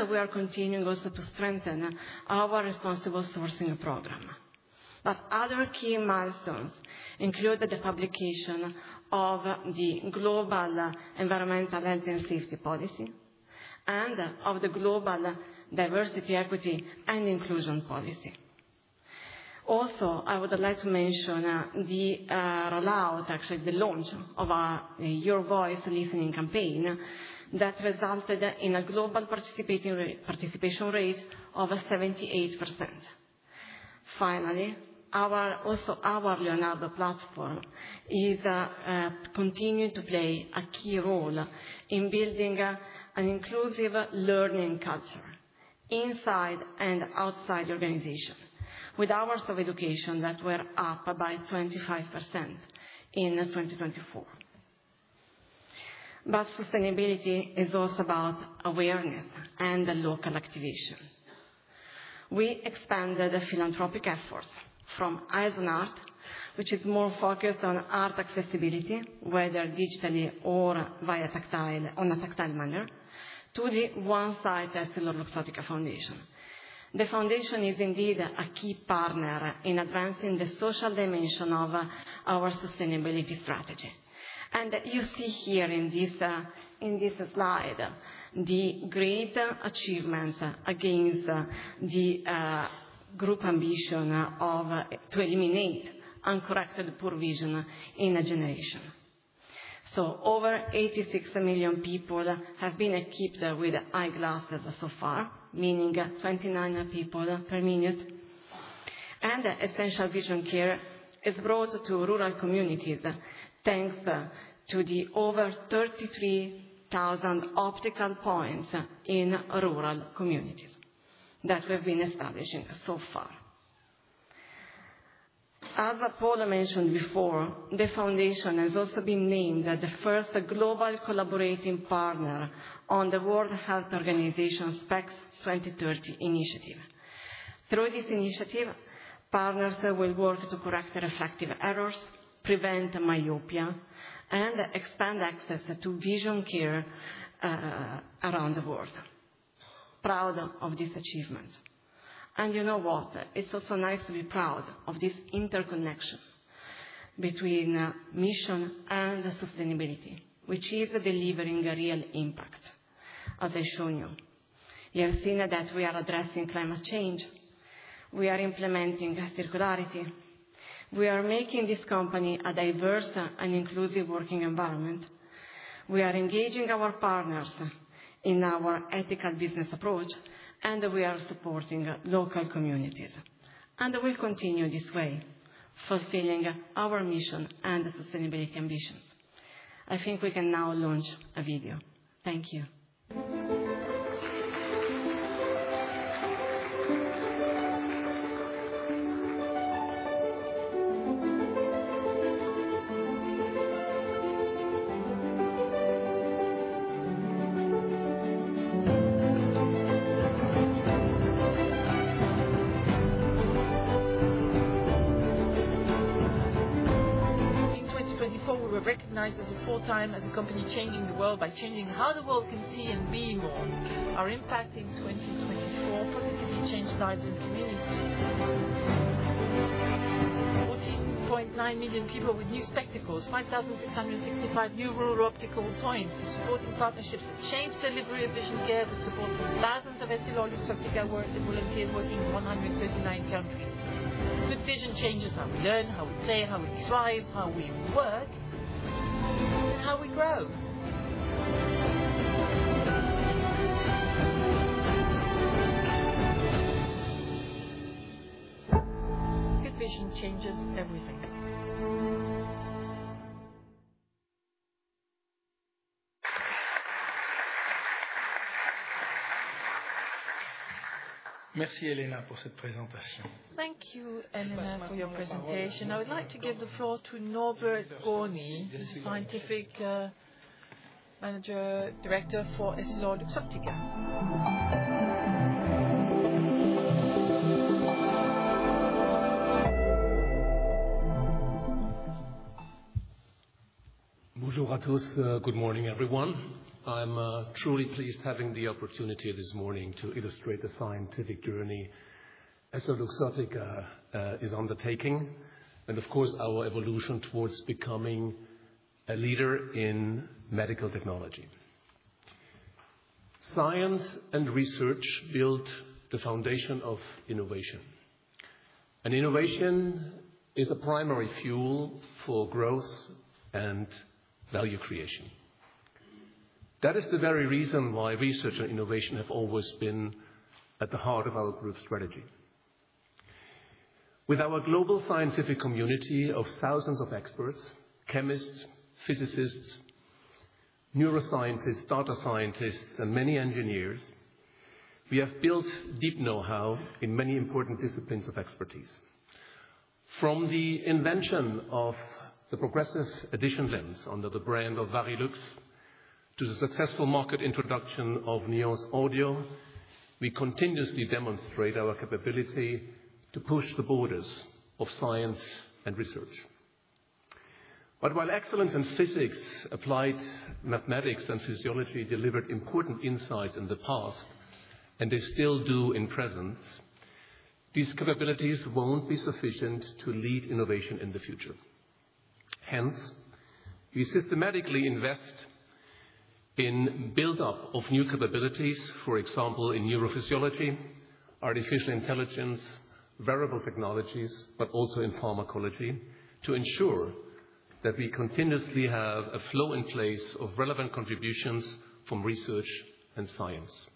We are continuing also to strengthen our responsible sourcing program. Other key milestones include the publication of the Global Environmental Health and Safety Policy and of the Global Diversity, Equity, and Inclusion Policy. Also, I would like to mention the rollout, actually the launch of our Your Voice Listening campaign that resulted in a global participation rate of 78%. Finally, also our Leonardo platform is continuing to play a key role in building an inclusive learning culture inside and outside the organization, with hours of education that were up by 25% in 2024. Sustainability is also about awareness and local activation. We expanded philanthropic efforts from Eyes on Art, which is more focused on art accessibility, whether digitally or in a tactile manner, to the OneSight EssilorLuxottica Foundation. The foundation is indeed a key partner in advancing the social dimension of our sustainability strategy. You see here in this slide the great achievements against the group ambition to eliminate uncorrected poor vision in a generation. Over 86 million people have been equipped with eyeglasses so far, meaning 29 people per minute. Essential vision care is brought to rural communities thanks to the over 33,000 optical points in rural communities that we've been establishing so far. As Paula mentioned before, the foundation has also been named the first global collaborating partner on the World Health Organization's PECS 2030 initiative. Through this initiative, partners will work to correct refractive errors, prevent myopia, and expand access to vision care around the world. Proud of this achievement. You know what? It's also nice to be proud of this interconnection between mission and sustainability, which is delivering a real impact, as I've shown you. You have seen that we are addressing climate change. We are implementing circularity. We are making this company a diverse and inclusive working environment. We are engaging our partners in our ethical business approach, and we are supporting local communities. We will continue this way, fulfilling our mission and sustainability ambitions. I think we can now launch a video. Thank you. In 2024, we were recognized as a four-time company changing the world by changing how the world can see and be more. Our impact in 2024 positively changed lives and communities. 14.9 million people with new spectacles, 5,665 new rural optical points, supporting partnerships that change delivery of vision care with support from thousands of EssilorLuxottica volunteers working in 139 countries. Good vision changes how we learn, how we play, how we thrive, how we work, and how we grow. Good vision changes everything. Merci, Elena, pour cette présentation. Thank you, Elena, for your presentation. I would like to give the floor to Norbert Gorny, the Scientific Director for EssilorLuxottica. Bonjour à tous. Good morning, everyone. I'm truly pleased having the opportunity this morning to illustrate the scientific journey EssilorLuxottica is undertaking and, of course, our evolution towards becoming a leader in medical technology. Science and research build the foundation of innovation. Innovation is the primary fuel for growth and value creation. That is the very reason why research and innovation have always been at the heart of our group strategy. With our global scientific community of thousands of experts, chemists, physicists, neuroscientists, data scientists, and many engineers, we have built deep know-how in many important disciplines of expertise. From the invention of the progressive addition lens under the brand of Varilux to the successful market introduction of Nuance Audio, we continuously demonstrate our capability to push the borders of science and research. While excellence in physics, applied mathematics, and physiology delivered important insights in the past, and they still do in present, these capabilities won't be sufficient to lead innovation in the future. Hence, we systematically invest in the build-up of new capabilities, for example, in neurophysiology, artificial intelligence, wearable technologies, but also in pharmacology to ensure that we continuously have a flow in place of relevant contributions from research and science.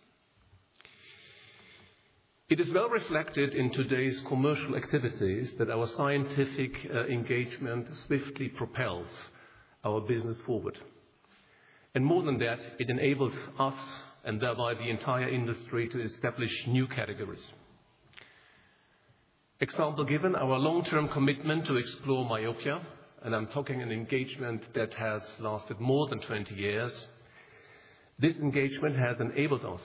It is well reflected in today's commercial activities that our scientific engagement swiftly propels our business forward. More than that, it enables us and thereby the entire industry to establish new categories. Example given, our long-term commitment to explore myopia, and I'm talking an engagement that has lasted more than 20 years. This engagement has enabled us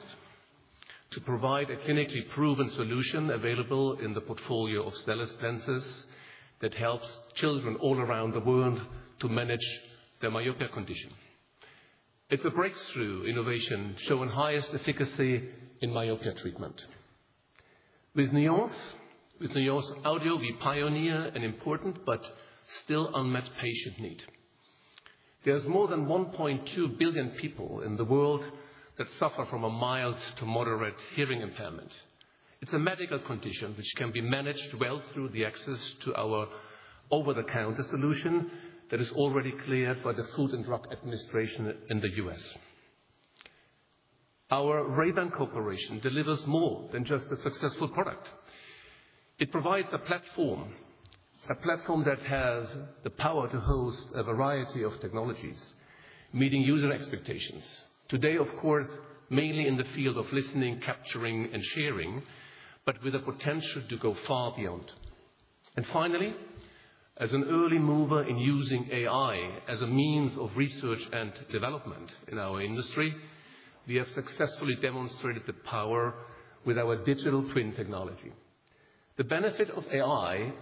to provide a clinically proven solution available in the portfolio of Stellest lenses that helps children all around the world to manage their myopia condition. It's a breakthrough innovation showing highest efficacy in myopia treatment. With Nuance Audio, we pioneer an important but still unmet patient need. There's more than 1.2 billion people in the world that suffer from a mild to moderate hearing impairment. It's a medical condition which can be managed well through the access to our over-the-counter solution that is already cleared by the Food and Drug Administration in the US. Our Ray-Ban Meta delivers more than just a successful product. It provides a platform, a platform that has the power to host a variety of technologies, meeting user expectations. Today, of course, mainly in the field of listening, capturing, and sharing, but with a potential to go far beyond. Finally, as an early mover in using AI as a means of research and development in our industry, we have successfully demonstrated the power with our digital twin technology. The benefit of AI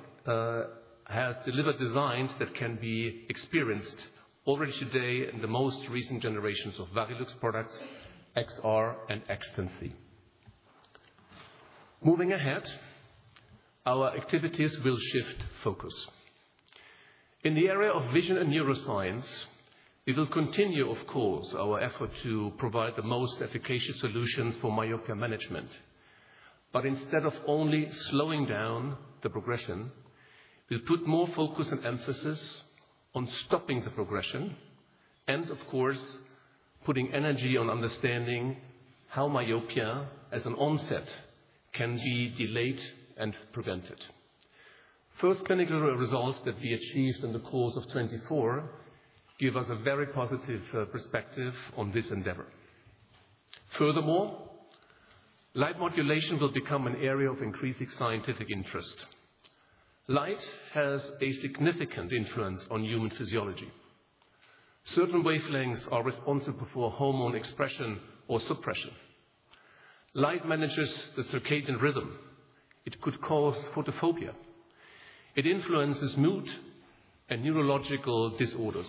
has delivered designs that can be experienced already today in the most recent generations of Varilux products, XR and X10C. Moving ahead, our activities will shift focus. In the area of vision and neuroscience, we will continue, of course, our effort to provide the most efficacious solutions for myopia management. Instead of only slowing down the progression, we will put more focus and emphasis on stopping the progression and, of course, putting energy on understanding how myopia as an onset can be delayed and prevented. First clinical results that we achieved in the course of 2024 give us a very positive perspective on this endeavor. Furthermore, light modulation will become an area of increasing scientific interest. Light has a significant influence on human physiology. Certain wavelengths are responsible for hormone expression or suppression. Light manages the circadian rhythm. It could cause photophobia. It influences mood and neurological disorders.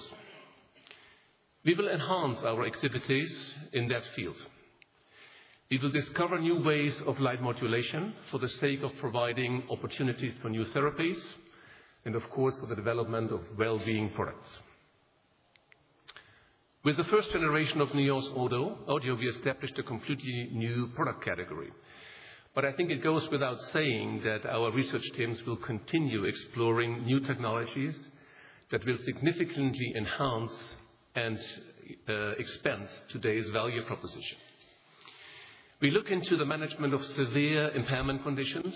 We will enhance our activities in that field. We will discover new ways of light modulation for the sake of providing opportunities for new therapies and, of course, for the development of well-being products. With the first generation of Nuance Audio, we established a completely new product category. I think it goes without saying that our research teams will continue exploring new technologies that will significantly enhance and expand today's value proposition. We look into the management of severe impairment conditions.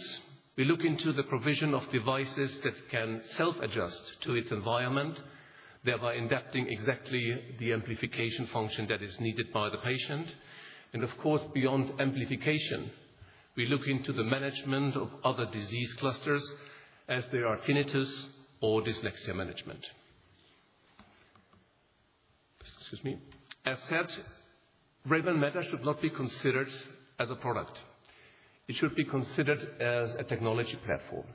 We look into the provision of devices that can self-adjust to its environment, thereby adapting exactly the amplification function that is needed by the patient. Of course, beyond amplification, we look into the management of other disease clusters as they are tinnitus or dyslexia management. Excuse me. As said, Ray-Ban Meta should not be considered as a product. It should be considered as a technology platform.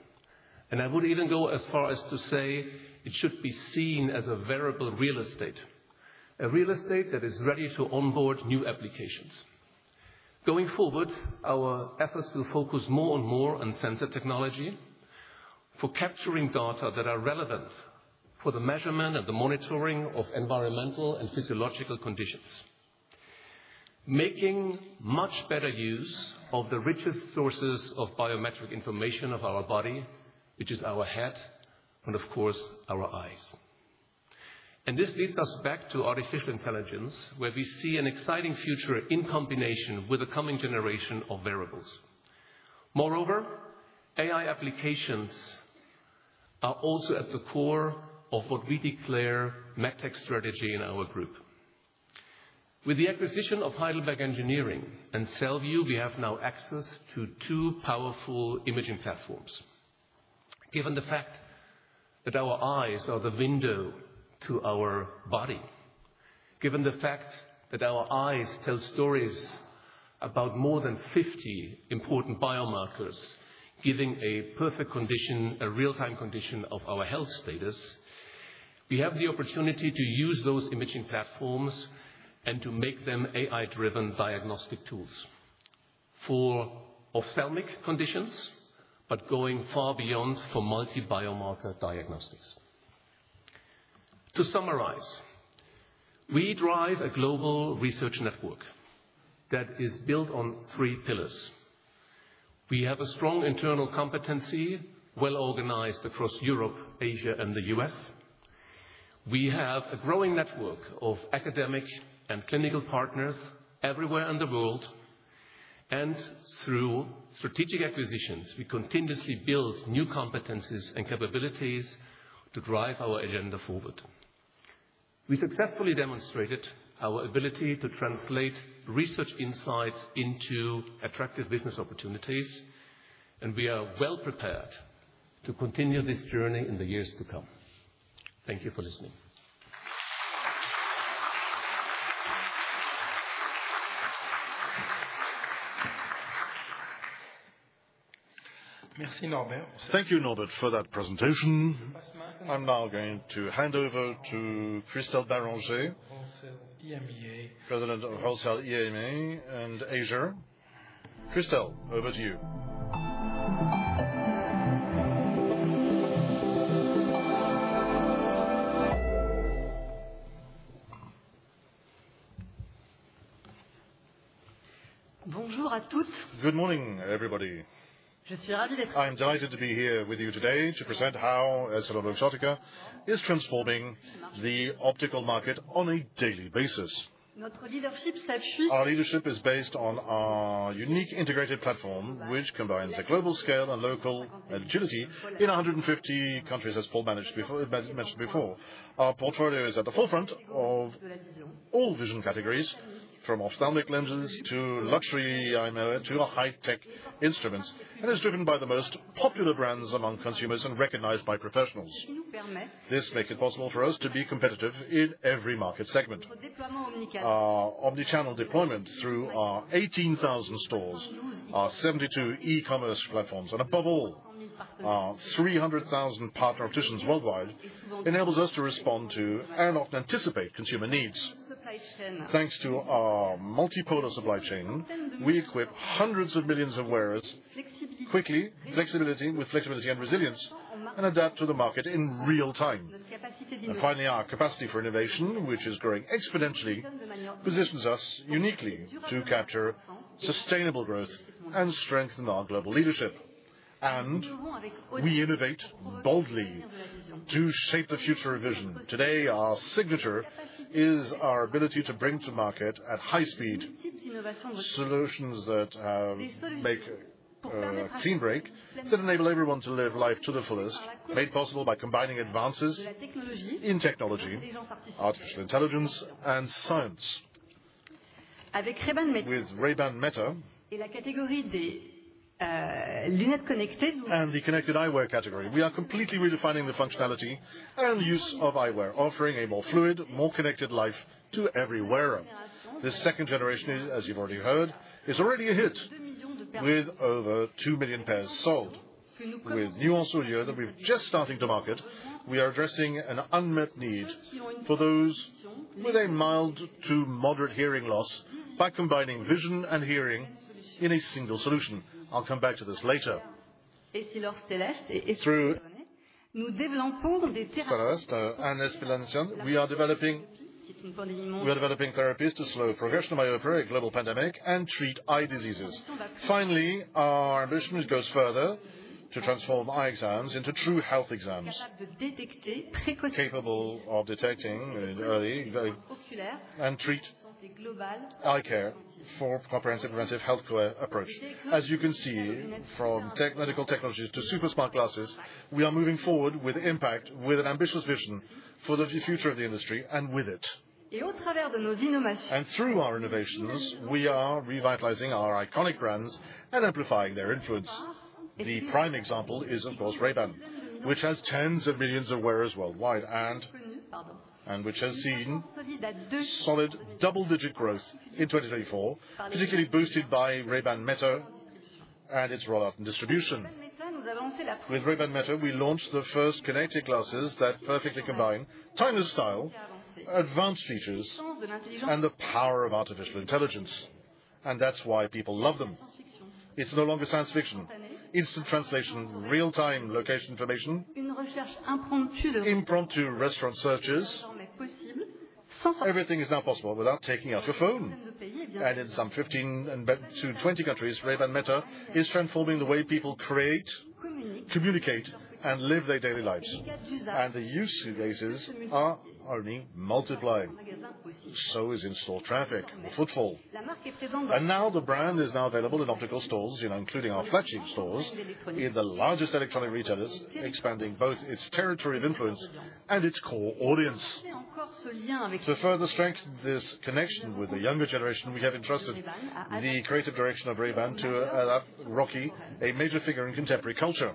I would even go as far as to say it should be seen as a variable real estate, a real estate that is ready to onboard new applications. Going forward, our efforts will focus more and more on sensor technology for capturing data that are relevant for the measurement and the monitoring of environmental and physiological conditions, making much better use of the richest sources of biometric information of our body, which is our head and, of course, our eyes. This leads us back to artificial intelligence, where we see an exciting future in combination with the coming generation of variables. Moreover, AI applications are also at the core of what we declare Medtech strategy in our group. With the acquisition of Heidelberg Engineering and Cellview Imaging, we have now access to two powerful imaging platforms. Given the fact that our eyes are the window to our body, given the fact that our eyes tell stories about more than 50 important biomarkers giving a perfect condition, a real-time condition of our health status, we have the opportunity to use those imaging platforms and to make them AI-driven diagnostic tools for ophthalmic conditions, but going far beyond for multi-biomarker diagnostics. To summarize, we drive a global research network that is built on three pillars. We have a strong internal competency well organized across Europe, Asia, and the US. We have a growing network of academic and clinical partners everywhere in the world. Through strategic acquisitions, we continuously build new competencies and capabilities to drive our agenda forward. We successfully demonstrated our ability to translate research insights into attractive business opportunities, and we are well prepared to continue this journey in the years to come. Thank you for listening. Merci, Norbert. Thank you, Norbert, for that presentation. I'm now going to hand over to Christelle Béranger, President of Wholesale EMEA and Asia. Christelle, over to you. Bonjour à toutes. Good morning, everybody. Je suis ravie d'être ici. I'm delighted to be here with you today to present how EssilorLuxottica is transforming the optical market on a daily basis. Notre leadership s'appuie. Our leadership is based on our unique integrated platform, which combines a global scale and local agility in 150 countries, as Paul mentioned before. Our portfolio is at the forefront of all vision categories, from ophthalmic lenses to luxury eye to high-tech instruments, and is driven by the most popular brands among consumers and recognized by professionals. This makes it possible for us to be competitive in every market segment. Our omnichannel deployment through our 18,000 stores, our 72 e-commerce platforms, and above all, our 300,000 partner opticians worldwide enables us to respond to and often anticipate consumer needs. Thanks to our multipolar supply chain, we equip hundreds of millions of wearers quickly, with flexibility and resilience, and adapt to the market in real time. Finally, our capacity for innovation, which is growing exponentially, positions us uniquely to capture sustainable growth and strengthen our global leadership. We innovate boldly to shape the future of vision. Today, our signature is our ability to bring to market at high speed solutions that have made a clean break that enables everyone to live life to the fullest, made possible by combining advances in technology, artificial intelligence, and science. Avec Ray-Ban Meta. In the connected eyewear category, we are completely redefining the functionality and use of eyewear, offering a more fluid, more connected life to every wearer. This second generation, as you've already heard, is already a hit with over 2 million pairs sold. With Nuance Audio that we're just starting to market, we are addressing an unmet need for those with a mild to moderate hearing loss by combining vision and hearing in a single solution. I'll come back to this later. Through Stellest, we are developing therapies to slow progression of myopia in a global pandemic and treat eye diseases. Finally, our ambition goes further to transform eye exams into true health exams, capable of detecting early and treat eye care for comprehensive preventive healthcare approach. As you can see, from medical technologies to super smart glasses, we are moving forward with impact, with an ambitious vision for the future of the industry and with it. Et au travers de nos innovations. Through our innovations, we are revitalizing our iconic brands and amplifying their influence. The prime example is, of course, Ray-Ban, which has tens of millions of wearers worldwide and which has seen solid double-digit growth in 2024, particularly boosted by Ray-Ban Meta and its rollout and distribution. With Ray-Ban Meta, we launched the first connected glasses that perfectly combine timeless style, advanced features, and the power of artificial intelligence. That is why people love them. It's no longer science fiction. Instant translation, real-time location information, impromptu restaurant searches, everything is now possible without taking out your phone. In some 15-20 countries, Ray-Ban Meta is transforming the way people create, communicate, and live their daily lives. The use cases are only multiplying. In-store traffic, the footfall, is also increasing. The brand is now available in optical stores, including our flagship stores and the largest electronic retailers, expanding both its territory of influence and its core audience. To further strengthen this connection with the younger generation, we have entrusted the creative direction of Ray-Ban to Rocky Bee, a major figure in contemporary culture.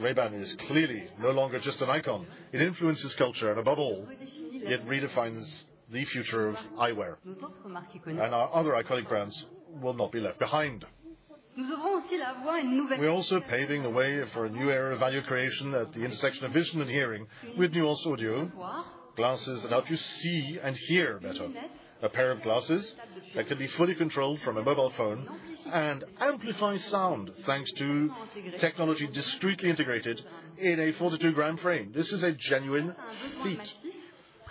Ray-Ban is clearly no longer just an icon. It influences culture and, above all, it redefines the future of eyewear. Our other iconic brands will not be left behind. We're also paving the way for a new era of value creation at the intersection of vision and hearing with Nuance Audio, glasses that help you see and hear better, a pair of glasses that can be fully controlled from a mobile phone and amplify sound thanks to technology discreetly integrated in a 42-gram frame. This is a genuine feat.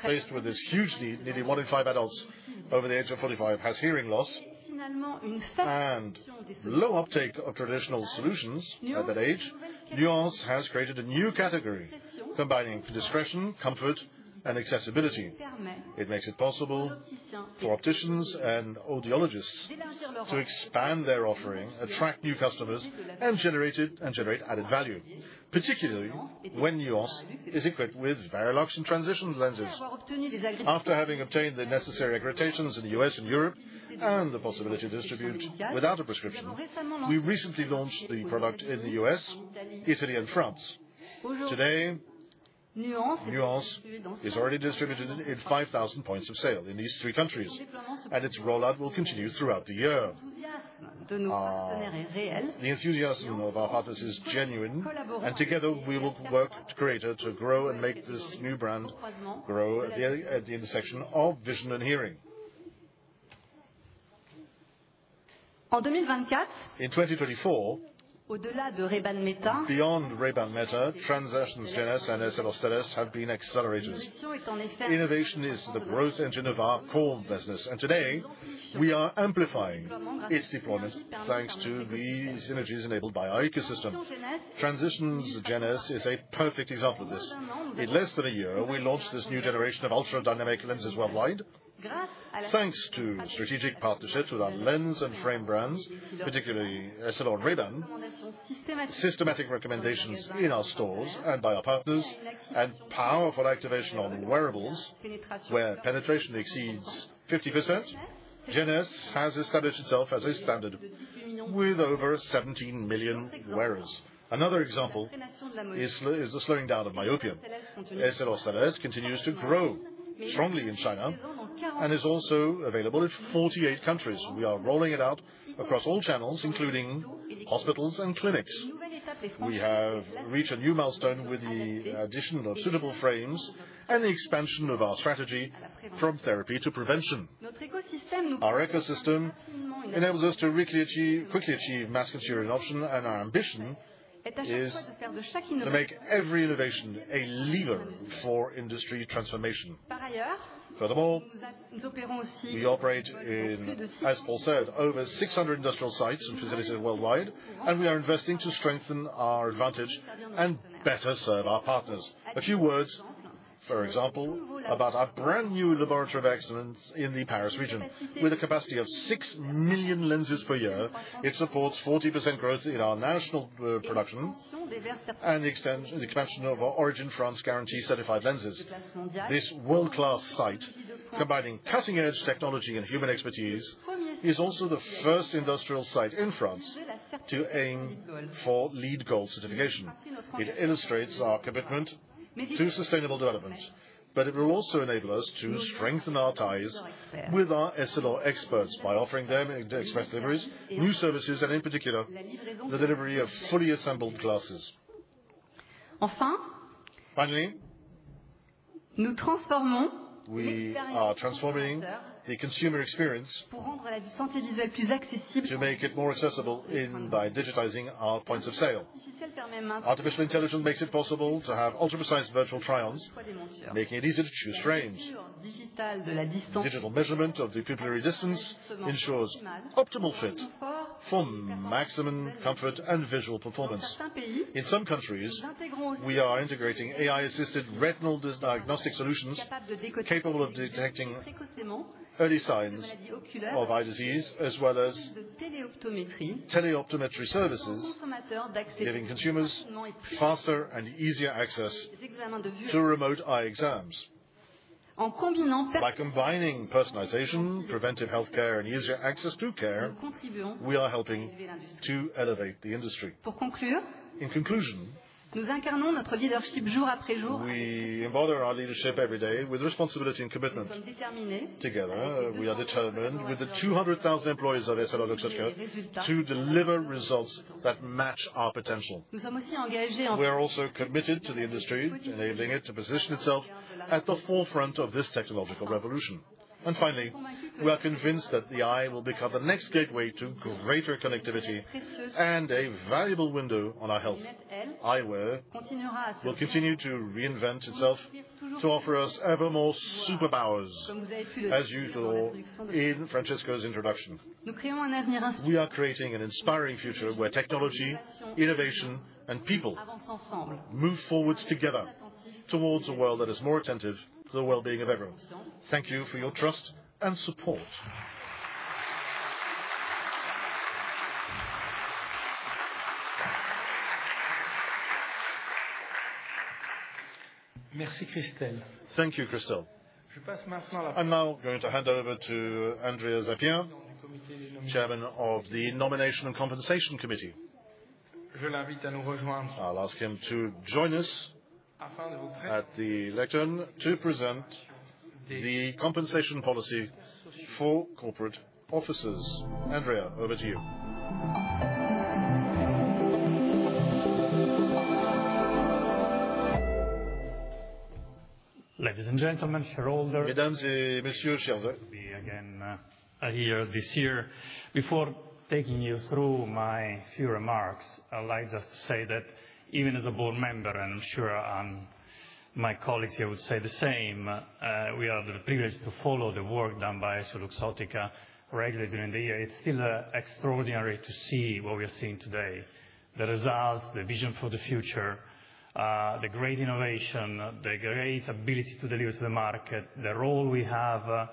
Faced with this huge need, nearly one in five adults over the age of 45 has hearing loss and low uptake of traditional solutions at that age, Nuance has created a new category combining discretion, comfort, and accessibility. It makes it possible for opticians and audiologists to expand their offering, attract new customers, and generate added value, particularly when Nuance is equipped with Varilux and Transitions lenses. After having obtained the necessary accreditations in the US and Europe and the possibility to distribute without a prescription, we recently launched the product in the US, Italy, and France. Today, Nuance Audio is already distributed in 5,000 points of sale in these three countries, and its rollout will continue throughout the year. The enthusiasm of our partners is genuine, and together we will work greater to grow and make this new brand grow at the intersection of vision and hearing. In 2024, beyond Ray-Ban Meta, Transitions Gen S and Essilor Stellest have been accelerated. Innovation is the growth engine of our core business, and today, we are amplifying its deployment thanks to the synergies enabled by our ecosystem. Transitions Gen S is a perfect example of this. In less than a year, we launched this new generation of ultra-dynamic lenses worldwide, thanks to strategic partnerships with our lens and frame brands, particularly Essilor Ray-Ban, systematic recommendations in our stores and by our partners, and powerful activation on wearables where penetration exceeds 50%. Gen S has established itself as a standard with over 17 million wearers. Another example is the slowing down of myopia. Essilor Stellest continues to grow strongly in China and is also available in 48 countries. We are rolling it out across all channels, including hospitals and clinics. We have reached a new milestone with the addition of suitable frames and the expansion of our strategy from therapy to prevention. Our ecosystem enables us to quickly achieve mass-consumer adoption, and our ambition is to make every innovation a lever for industry transformation. Furthermore, we operate in, as Paul said, over 600 industrial sites and facilities worldwide, and we are investing to strengthen our advantage and better serve our partners. A few words, for example, about our brand new laboratory of excellence in the Paris region. With a capacity of 6 million lenses per year, it supports 40% growth in our national production and the expansion of our Origin France guarantee certified lenses. This world-class site, combining cutting-edge technology and human expertise, is also the first industrial site in France to aim for LEED Gold certification. It illustrates our commitment to sustainable development, but it will also enable us to strengthen our ties with our Essilor experts by offering them express deliveries, new services, and in particular, the delivery of fully assembled glasses. Enfin, nous transformons et transformons the consumer experience to make it more accessible by digitizing our points of sale. Artificial intelligence makes it possible to have ultra-precise virtual trials, making it easier to choose frames. Digital measurement of the pupillary distance ensures optimal fit for maximum comfort and visual performance. In some countries, we are integrating AI-assisted retinal diagnostic solutions capable of detecting early signs of eye disease as well as teleoptometry services, giving consumers faster and easier access to remote eye exams. By combining personalization, preventive healthcare, and easier access to care, we are helping to elevate the industry. In conclusion, nous incarnons notre leadership jour après jour. We embody our leadership every day with responsibility and commitment. Together, we are determined, with the 200,000 employees of EssilorLuxottica, to deliver results that match our potential. We are also committed to the industry, enabling it to position itself at the forefront of this technological revolution. Finally, we are convinced that the eye will become the next gateway to greater connectivity and a valuable window on our health. Eyewear will continue to reinvent itself to offer us ever more superpowers, as you saw in Francesco's introduction. We are creating an inspiring future where technology, innovation, and people move forwards together towards a world that is more attentive to the well-being of everyone. Thank you for your trust and support. Thank you, Christelle. I'm now going to hand over to Andrea Zappia, Chairman of the Nominations and Compensation Committee. I'll ask him to join us at the lectern to present the compensation policy for corporate officers. Andrea, over to you. Ladies and gentlemen, I hear this year. Before taking you through my few remarks, I'd like just to say that even as a board member, and I'm sure my colleagues here would say the same, we are privileged to follow the work done by EssilorLuxottica regularly during the year. It's still extraordinary to see what we are seeing today: the results, the vision for the future, the great innovation, the great ability to deliver to the market, the role we have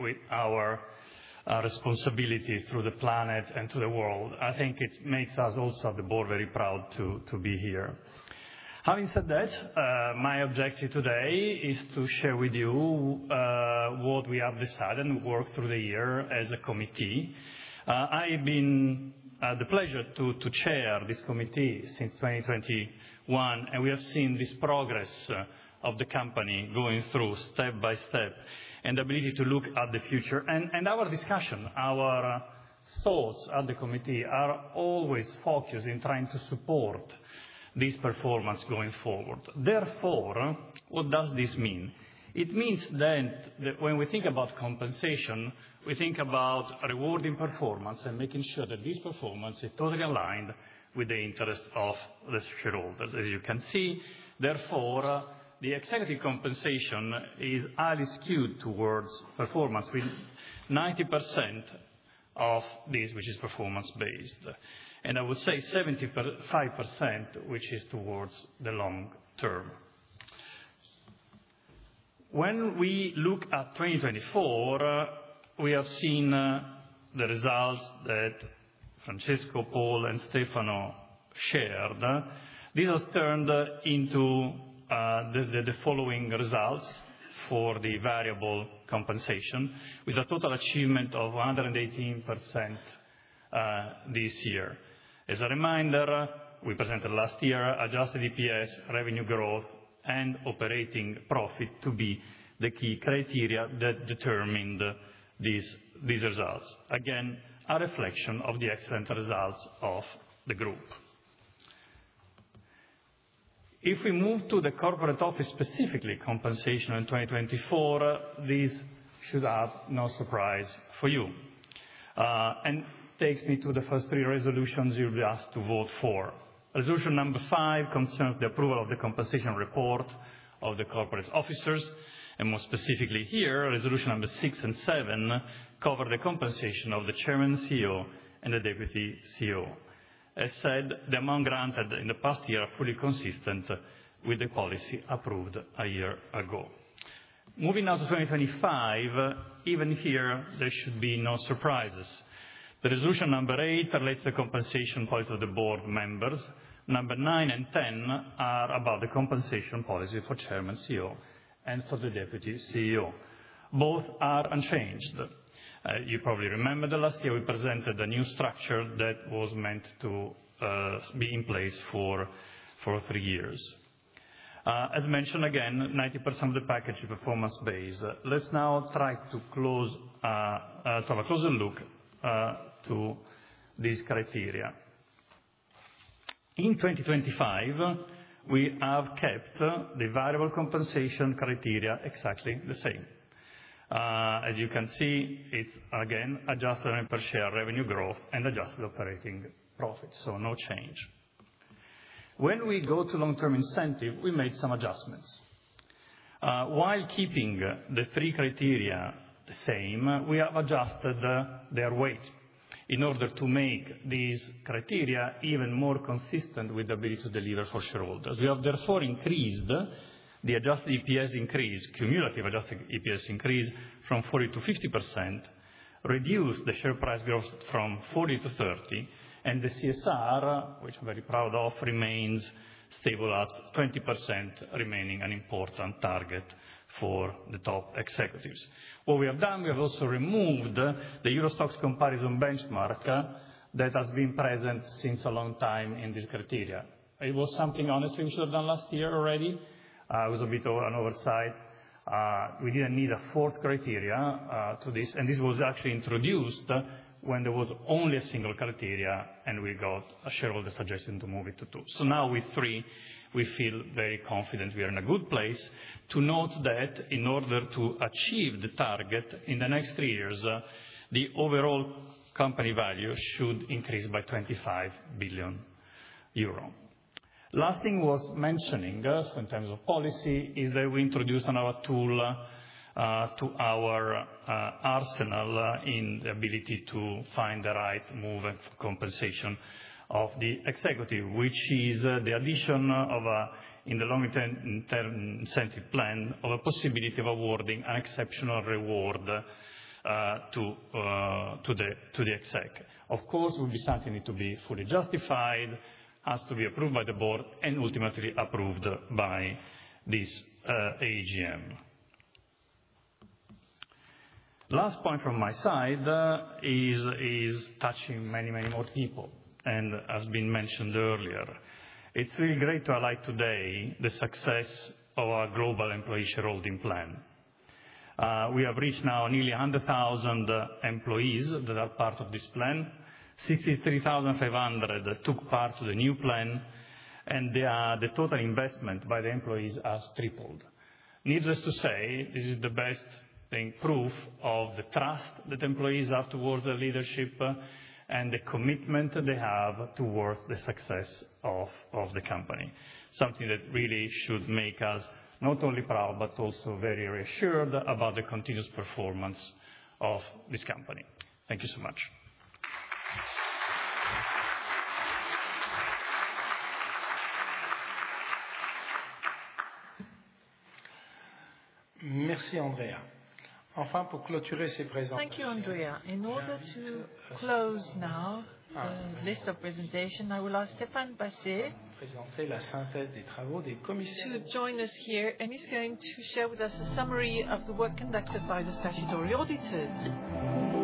with our responsibility through the planet and to the world. I think it makes us also at the board very proud to be here. Having said that, my objective today is to share with you what we have decided and worked through the year as a committee. I have had the pleasure to chair this committee since 2021, and we have seen this progress of the company going through step by step and the ability to look at the future. Our discussion, our thoughts at the committee are always focused in trying to support this performance going forward. Therefore, what does this mean? It means that when we think about compensation, we think about rewarding performance and making sure that this performance is totally aligned with the interest of the shareholders. As you can see, therefore, the executive compensation is highly skewed towards performance with 90% of this, which is performance-based, and I would say 75%, which is towards the long term. When we look at 2024, we have seen the results that Francesco, Paul, and Stefano shared. These have turned into the following results for the variable compensation, with a total achievement of 118% this year. As a reminder, we presented last year adjusted EPS, revenue growth, and operating profit to be the key criteria that determined these results. Again, a reflection of the excellent results of the group. If we move to the corporate office specifically, compensation in 2024, this should not surprise you and takes me to the first three resolutions you'll be asked to vote for. Resolution number five concerns the approval of the compensation report of the corporate officers, and more specifically here, resolution number six and seven cover the compensation of the Chairman CEO and the Deputy CEO. As said, the amount granted in the past year is fully consistent with the policy approved a year ago. Moving now to 2025, even here, there should be no surprises. The resolution number eight relates to the compensation policy of the board members. Number nine and ten are about the compensation policy for Chairman CEO and for the Deputy CEO. Both are unchanged. You probably remember that last year we presented a new structure that was meant to be in place for three years. As mentioned, again, 90% of the package is performance-based. Let's now try to have a closer look at these criteria. In 2025, we have kept the variable compensation criteria exactly the same. As you can see, it's again adjusted per share revenue growth and adjusted operating profit, so no change. When we go to long-term incentive, we made some adjustments. While keeping the three criteria the same, we have adjusted their weight in order to make these criteria even more consistent with the ability to deliver for shareholders. We have therefore increased the adjusted EPS increase, cumulative adjusted EPS increase from 40% to 50%, reduced the share price growth from 40% to 30%, and the CSR, which I'm very proud of, remains stable at 20%, remaining an important target for the top executives. What we have done, we have also removed the Eurostoxx comparison benchmark that has been present since a long time in these criteria. It was something, honestly, we should have done last year already. It was a bit of an oversight. We didn't need a fourth criteria to this, and this was actually introduced when there was only a single criteria, and we got a shareholder suggestion to move it to two. Now, with three, we feel very confident we are in a good place to note that in order to achieve the target in the next three years, the overall company value should increase by 25 billion euro. Last thing worth mentioning, in terms of policy, is that we introduced another tool to our arsenal in the ability to find the right move and compensation of the executive, which is the addition of, in the long-term incentive plan, of a possibility of awarding an exceptional reward to the exec. Of course, it would be something that needs to be fully justified, has to be approved by the board, and ultimately approved by this AGM. Last point from my side is touching many, many more people and has been mentioned earlier. It's really great to highlight today the success of our global employee shareholding plan. We have reached now nearly 100,000 employees that are part of this plan. 63,500 took part to the new plan, and the total investment by the employees has tripled. Needless to say, this is the best proof of the trust that employees have towards the leadership and the commitment they have towards the success of the company, something that really should make us not only proud but also very reassured about the continuous performance of this company. Thank you so much. Merci, Andrea. Enfin, pour clôturer ces présentations. Thank you, Andrea. In order to close now the list of presentations, I will ask Stéphane Basset de présenter la synthèse des travaux des commissions. To join us here, and he's going to share with us a summary of the work conducted by the statutory auditors. Monsieur le Président, Mesdames et Messieurs.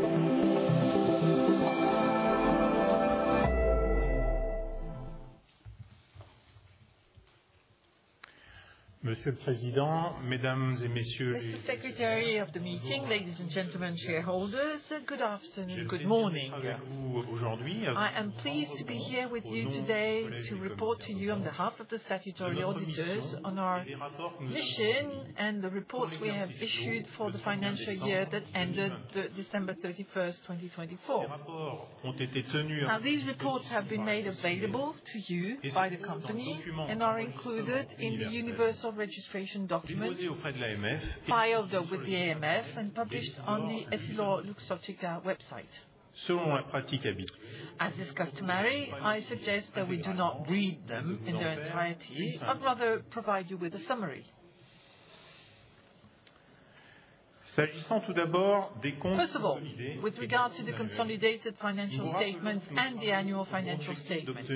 Mr. Secretary of the meeting, ladies and gentlemen shareholders, good afternoon, good morning. Je suis avec vous aujourd'hui. I am pleased to be here with you today to report to you on behalf of the statutory auditors on our mission and the reports we have issued for the financial year that ended December 31, 2024. Now, these reports have been made available to you by the company and are included in the universal registration documents filed with the AMF and published on the EssilorLuxottica website. Selon la pratique habituelle. As discussed to Mary, I suggest that we do not read them in their entirety, but rather provide you with a summary. S'agissant tout d'abord des comptes consolidés. First of all, with regard to the consolidated financial statements and the annual financial statements,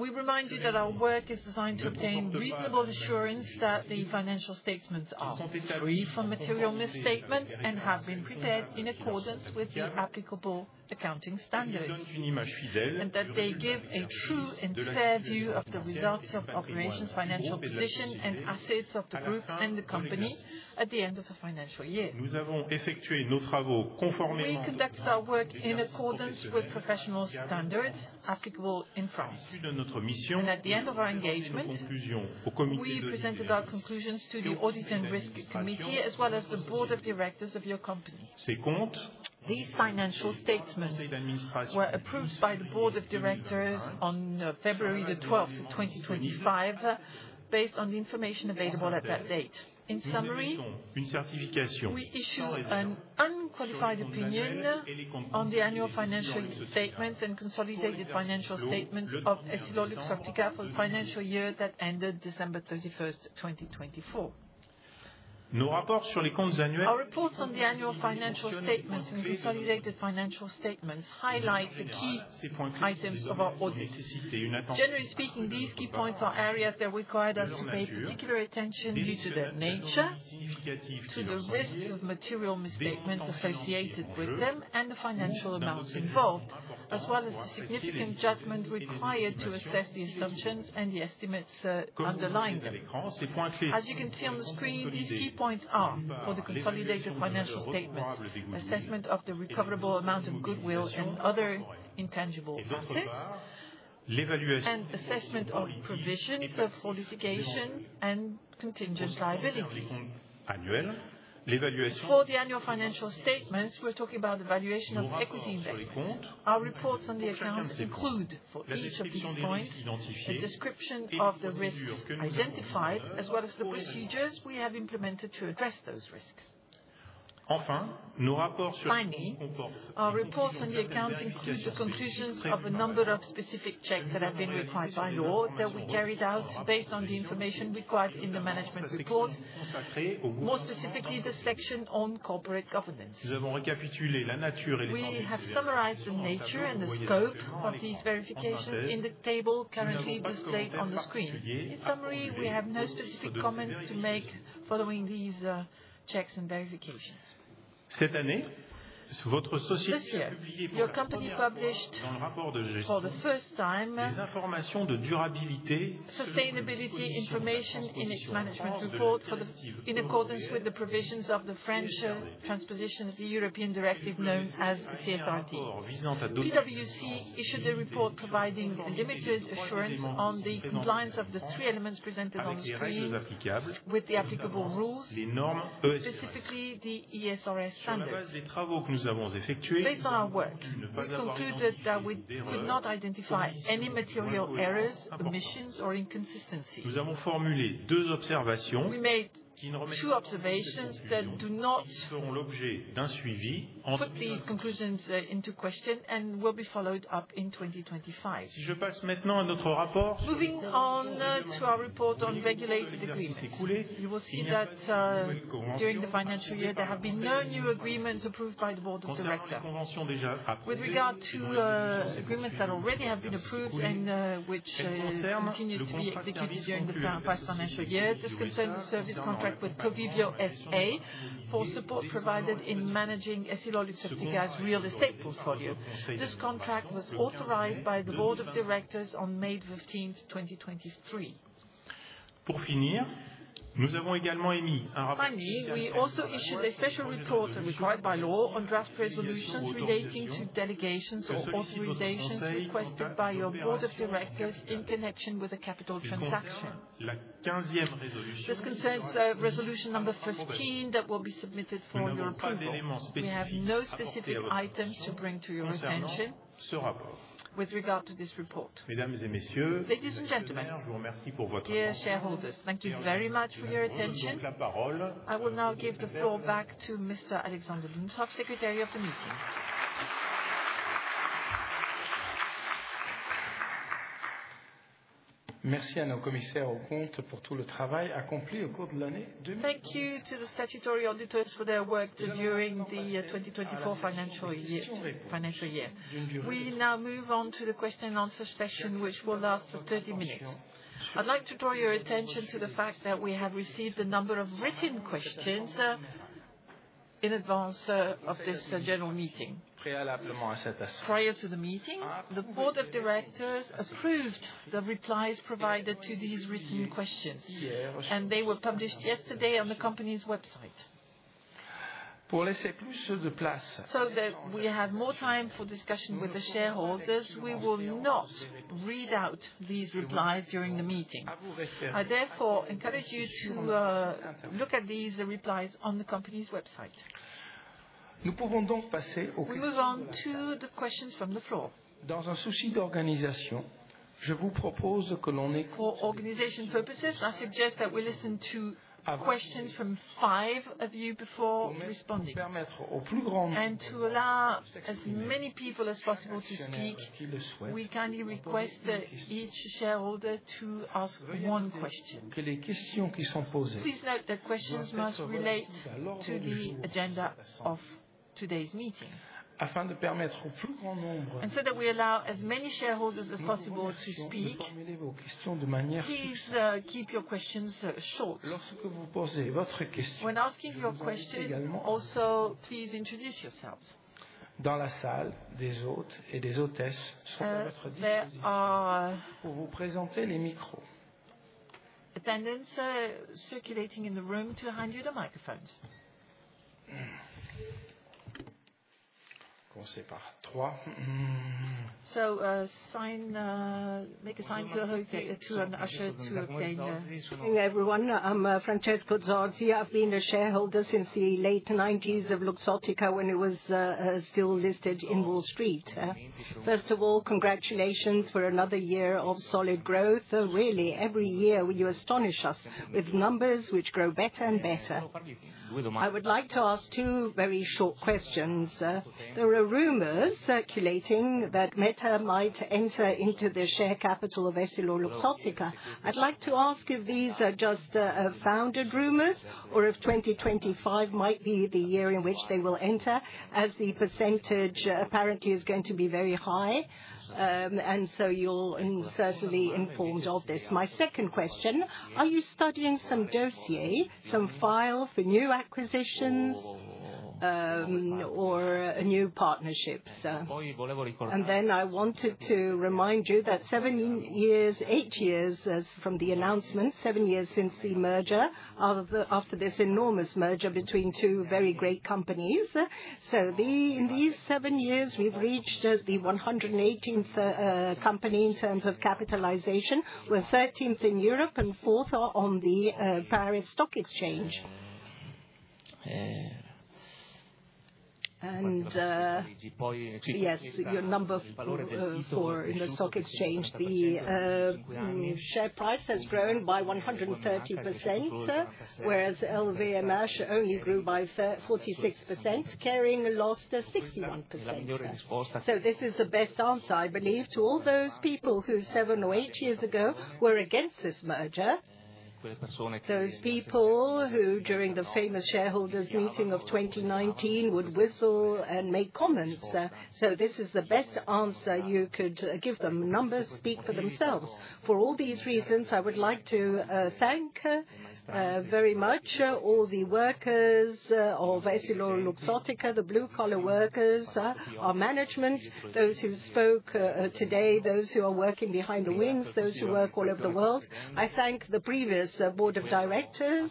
we remind you that our work is designed to obtain reasonable assurance that the financial statements are free from material misstatements and have been prepared in accordance with the applicable accounting standards, and that they give a true and fair view of the results of operations, financial position, and assets of the group and the company at the end of the financial year. Nous avons effectué nos travaux conformément. We conduct our work in accordance with professional standards applicable in France. Et à la conclusion, au committee, we presented our conclusions to the audit and risk committee as well as the board of directors of your company. Ces comptes, these financial statements, were approved by the board of directors on February 12th, 2025, based on the information available at that date. In summary, we issued an unqualified opinion on the annual financial statements and consolidated financial statements of EssilorLuxottica for the financial year that ended December 31, 2024. Nos rapports sur les comptes annuels, our reports on the annual financial statements and consolidated financial statements highlight the key items of our audit. Generally speaking, these key points are areas that require us to pay particular attention due to their nature, to the risks of material misstatements associated with them, and the financial amounts involved, as well as the significant judgment required to assess the assumptions and the estimates underlying them. As you can see on the screen, these key points are for the consolidated financial statements, assessment of the recoverable amount of goodwill and other intangible assets, and assessment of provisions for litigation and contingent liabilities. For the annual financial statements, we're talking about the valuation of equity investments. Our reports on the accounts include each of these points, a description of the risks identified, as well as the procedures we have implemented to address those risks. Enfin, nos rapports sur les comptes comportent our reports on the accounts include the conclusions of a number of specific checks that have been required by law that we carried out based on the information required in the management report, more specifically the section on corporate governance. Nous avons récapitulé la nature et les conséquences. We have summarized the nature and the scope of these verifications in the table currently displayed on the screen. In summary, we have no specific comments to make following these checks and verifications. Cette année, your company published for the first time sustainability information in its management report in accordance with the provisions of the French transposition of the European directive known as the CSRD. PwC issued a report providing limited assurance on the compliance of the three elements presented on the screen with the applicable rules, specifically the ESRS standards. Based on our work, we concluded that we could not identify any material errors, omissions, or inconsistencies. Nous avons formulé deux observations we made two observations that do not put these conclusions into question, and will be followed up in 2025. Si je passe maintenant à notre rapport, moving on to our report on regulated agreements, you will see that during the financial year there have been no new agreements approved by the board of directors with regard to agreements that already have been approved and which continue to be executed during the past financial year. This concerns a service contract with Provivio SA for support provided in managing EssilorLuxottica's real estate portfolio. This contract was authorized by the board of directors on May 15th, 2023. Pour finir, nous avons également émis un rapport. Finally, we also issued a special report required by law on draft resolutions relating to delegations or authorizations requested by your board of directors in connection with a capital transaction. This concerns resolution number 15 that will be submitted for your approval. We have no specific items to bring to your attention with regard to this report. Mesdames et Messieurs, ladies and gentlemen, dear shareholders, thank you very much for your attention. I will now give the floor back to Mr. Alexander Linthoff, Secretary of the meeting. Merci à nos commissaires aux comptes pour tout le travail accompli au cours de l'année. Thank you to the statutory auditors for their work during the 2024 financial year. We now move on to the question-and-answer session, which will last for 30 minutes. I'd like to draw your attention to the fact that we have received a number of written questions in advance of this general meeting. Prior to the meeting, the board of directors approved the replies provided to these written questions, and they were published yesterday on the company's website. Pour laisser plus de place. So that we have more time for discussion with the shareholders, we will not read out these replies during the meeting. I therefore encourage you to look at these replies on the company's website. Nous pouvons donc passer aux questions. We move on to the questions from the floor. Dans un souci d'organisation, je vous propose que l'on écoute. For organization purposes, I suggest that we listen to questions from five of you before responding. Et tout à la, as many people as possible to speak, we kindly request each shareholder to ask one question. Please note that questions must relate to the agenda of today's meeting. And so that we allow as many shareholders as possible to speak, please keep your questions short. When asking your question, also, please introduce yourselves. Dans la salle, des hôtes et des hôtesses sont à votre disposition pour vous présenter les micros. Attendance circulating in the room to hand you the microphones. Commencez par trois. Make a sign to usher to obtain the. Thank you, everyone. I'm Francesco Zorzi. I've been a shareholder since the late 1990s of Luxottica when it was still listed in Wall Street. First of all, congratulations for another year of solid growth. Really, every year you astonish us with numbers which grow better and better. I would like to ask two very short questions. There are rumors circulating that Meta might enter into the share capital of EssilorLuxottica. I'd like to ask if these are just founded rumors or if 2025 might be the year in which they will enter, as the percentage apparently is going to be very high, and you will certainly be informed of this. My second question: are you studying some dossier, some file for new acquisitions or new partnerships? I wanted to remind you that eight years from the announcement, seven years since the merger, after this enormous merger between two very great companies. In these seven years, we've reached the 118th company in terms of capitalization. We're 13th in Europe and 4th on the Paris Stock Exchange. Yes, your number of people in the stock exchange, the share price has grown by 130%, whereas LVMH only grew by 46%, carrying a loss of 61%. This is the best answer, I believe, to all those people who, seven or eight years ago, were against this merger. Those people who, during the famous shareholders' meeting of 2019, would whistle and make comments. This is the best answer you could give them. Numbers speak for themselves. For all these reasons, I would like to thank very much all the workers of EssilorLuxottica, the blue-collar workers, our management, those who spoke today, those who are working behind the wings, those who work all over the world. I thank the previous board of directors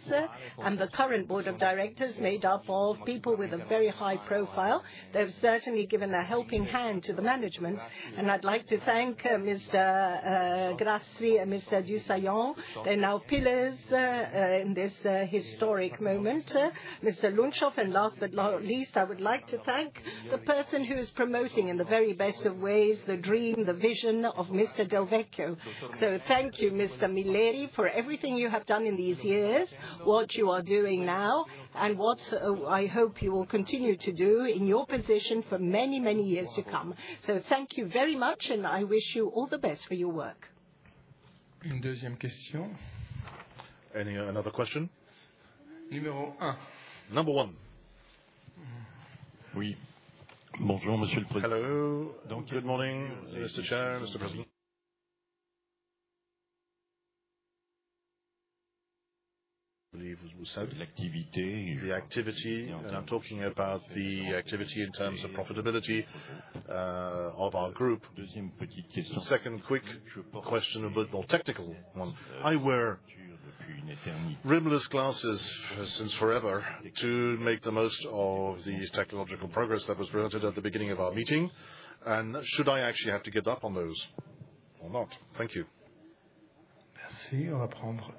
and the current board of directors made up of people with a very high profile. They have certainly given a helping hand to the management. I would like to thank Mr. Grassi and Mr. du Saillant. They are now pillars in this historic moment. Mr. Iannella, and last but not least, I would like to thank the person who is promoting in the very best of ways the dream, the vision of Mr. Del Vecchio. Thank you, Mr. Milleri, for everything you have done in these years, what you are doing now, and what I hope you will continue to do in your position for many, many years to come. Thank you very much, and I wish you all the best for your work. Une deuxième question. Any other questions? Numéro un. Number one. Oui. Bonjour, Monsieur le Président. Hello. Good morning, Mr. Chair, Mr. President. L'activité. The activity. And I am talking about the activity in terms of profitability of our group. Deuxième petite question. Second quick question about technical one. I wear rimless glasses since forever to make the most of the technological progress that was presented at the beginning of our meeting. Should I actually have to get up on those or not? Thank you. Merci. On va prendre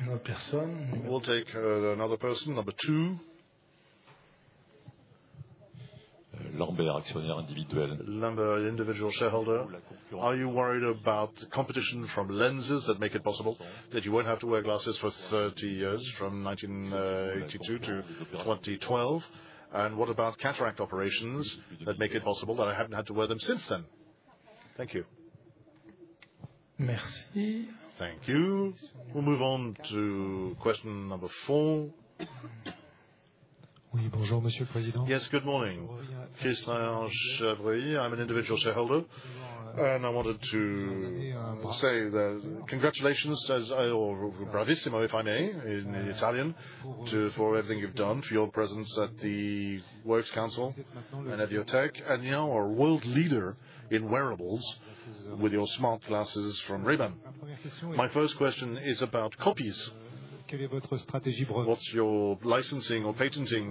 une autre personne. We'll take another person. Number two. L'un des individuels. Number individual shareholder. Are you worried about competition from lenses that make it possible that you won't have to wear glasses for 30 years, from 1982 to 2012? And what about cataract operations that make it possible that I haven't had to wear them since then? Thank you. Merci. Thank you. We'll move on to question number four. Oui, bonjour, Monsieur le Président. Yes, good morning. Christian Chabreri. I'm an individual shareholder, and I wanted to say that congratulations, as or bravissimo, if I may, in Italian, for everything you've done, for your presence at the Works Council and at your tech, and now a world leader in wearables with your smart glasses from Ray-Ban. My first question is about copies. Quelle est votre stratégie? What's your licensing or patenting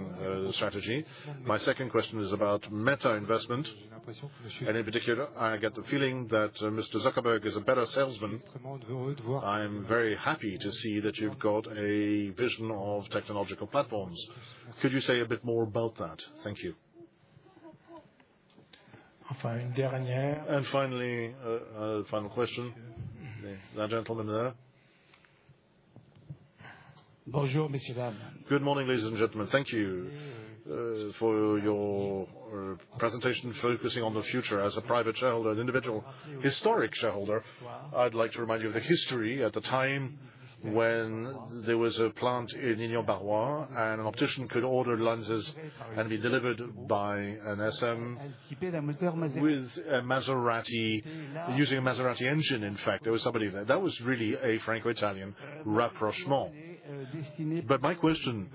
strategy? My second question is about Meta investment. And in particular, I get the feeling that Mr. Zuckerberg is a better salesman. I'm very happy to see that you've got a vision of technological platforms. Could you say a bit more about that? Thank you. Enfin, une dernière. And finally, a final question. La gentleman there. Bonjour, Monsieur Lamme. Good morning, ladies and gentlemen. Thank you for your presentation focusing on the future as a private shareholder, an individual historic shareholder. I'd like to remind you of the history at the time when there was a plant in Lyon-Barrois and an optician could order lenses and be delivered by an SM with a Maserati, using a Maserati engine, in fact. There was somebody there. That was really a Franco-Italian rapprochement. My question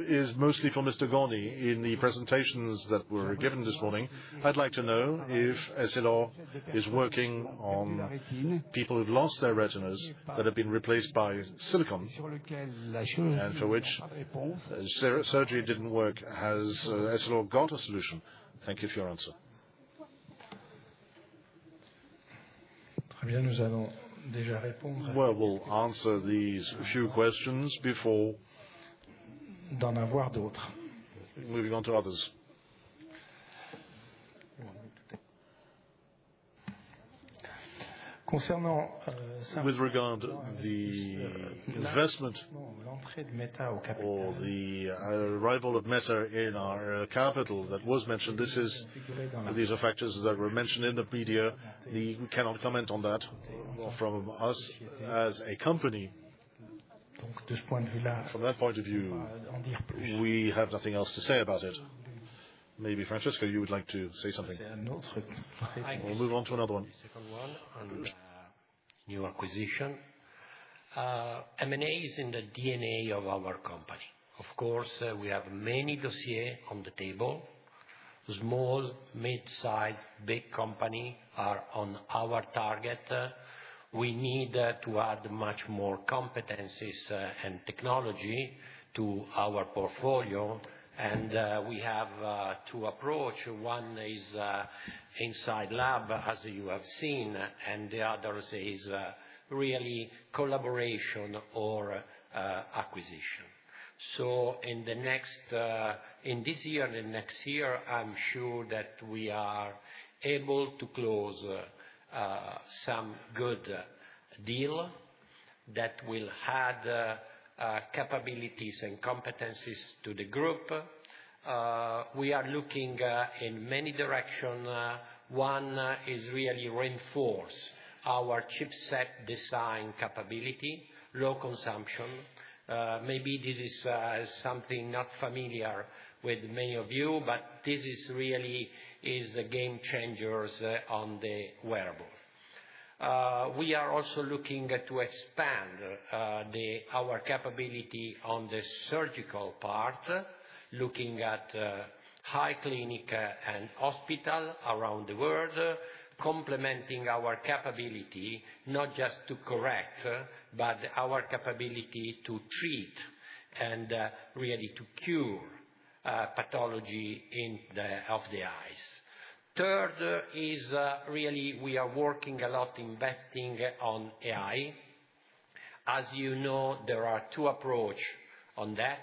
is mostly for Mr. Gorny in the presentations that were given this morning. I'd like to know if Essilor is working on people who've lost their retinas that have been replaced by silicone and for which surgery didn't work. Has Essilor got a solution? Thank you for your answer. Très bien, nous allons déjà répondre. We will answer these few questions before moving on to others. Concerning with regard to the investment or the arrival of Meta in our capital that was mentioned, these are factors that were mentioned in the media. We cannot comment on that from us as a company. Donc, de ce point de vue-là, from that point of view, we have nothing else to say about it. Maybe Francesco, you would like to say something. C'est un autre truc. We'll move on to another one. New acquisition. M&A is in the DNA of our company. Of course, we have many dossiers on the table. Small, midsize, big companies are on our target. We need to add much more competencies and technology to our portfolio. And we have two approaches. One is inside lab, as you have seen, and the other is really collaboration or acquisition. In this year and the next year, I'm sure that we are able to close some good deals that will add capabilities and competencies to the group. We are looking in many directions. One is really reinforcing our chipset design capability, low consumption. Maybe this is something not familiar with many of you, but this really is a game changer on the wearable. We are also looking to expand our capability on the surgical part, looking at high clinical and hospital around the world, complementing our capability, not just to correct, but our capability to treat and really to cure pathology of the eyes. Third is really we are working a lot investing on AI. As you know, there are two approaches on that.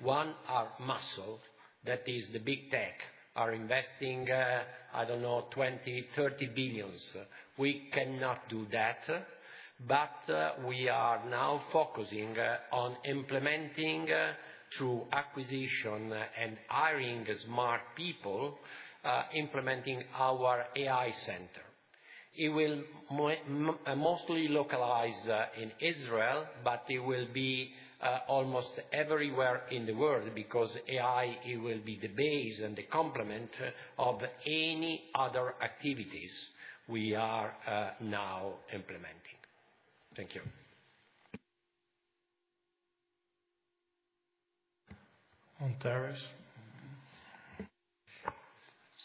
One is muscle. That is the big tech are investing, I don't know, $20 billion, $30 billion. We cannot do that. We are now focusing on implementing through acquisition and hiring smart people, implementing our AI center. It will mostly localize in Israel, but it will be almost everywhere in the world because AI will be the base and the complement of any other activities we are now implementing. Thank you. On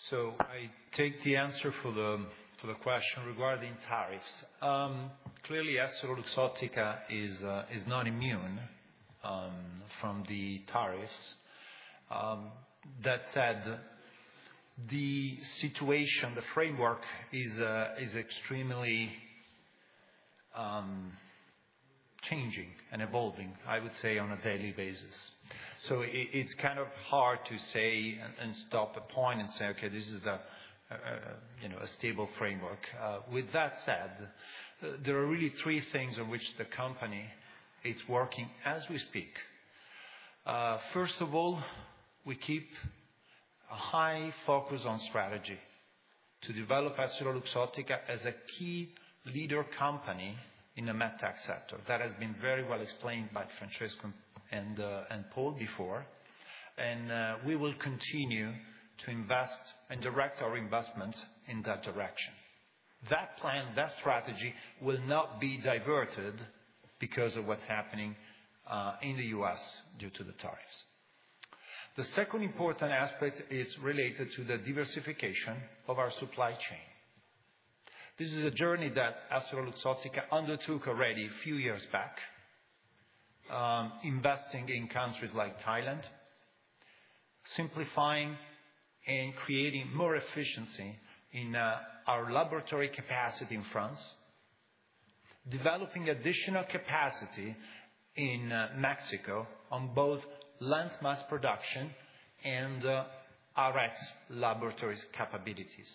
tariffs. I take the answer for the question regarding tariffs. Clearly, EssilorLuxottica is not immune from the tariffs. That said, the situation, the framework is extremely changing and evolving, I would say, on a daily basis. It is kind of hard to say and stop a point and say, "Okay, this is a stable framework." With that said, there are really three things on which the company is working as we speak. First of all, we keep a high focus on strategy to develop EssilorLuxottica as a key leader company in the medtech sector. That has been very well explained by Francesco and Paul before. We will continue to invest and direct our investments in that direction. That plan, that strategy will not be diverted because of what's happening in the U.S. due to the tariffs. The second important aspect is related to the diversification of our supply chain. This is a journey that EssilorLuxottica undertook already a few years back, investing in countries like Thailand, simplifying and creating more efficiency in our laboratory capacity in France, developing additional capacity in Mexico on both lens mass production and RX laboratories capabilities.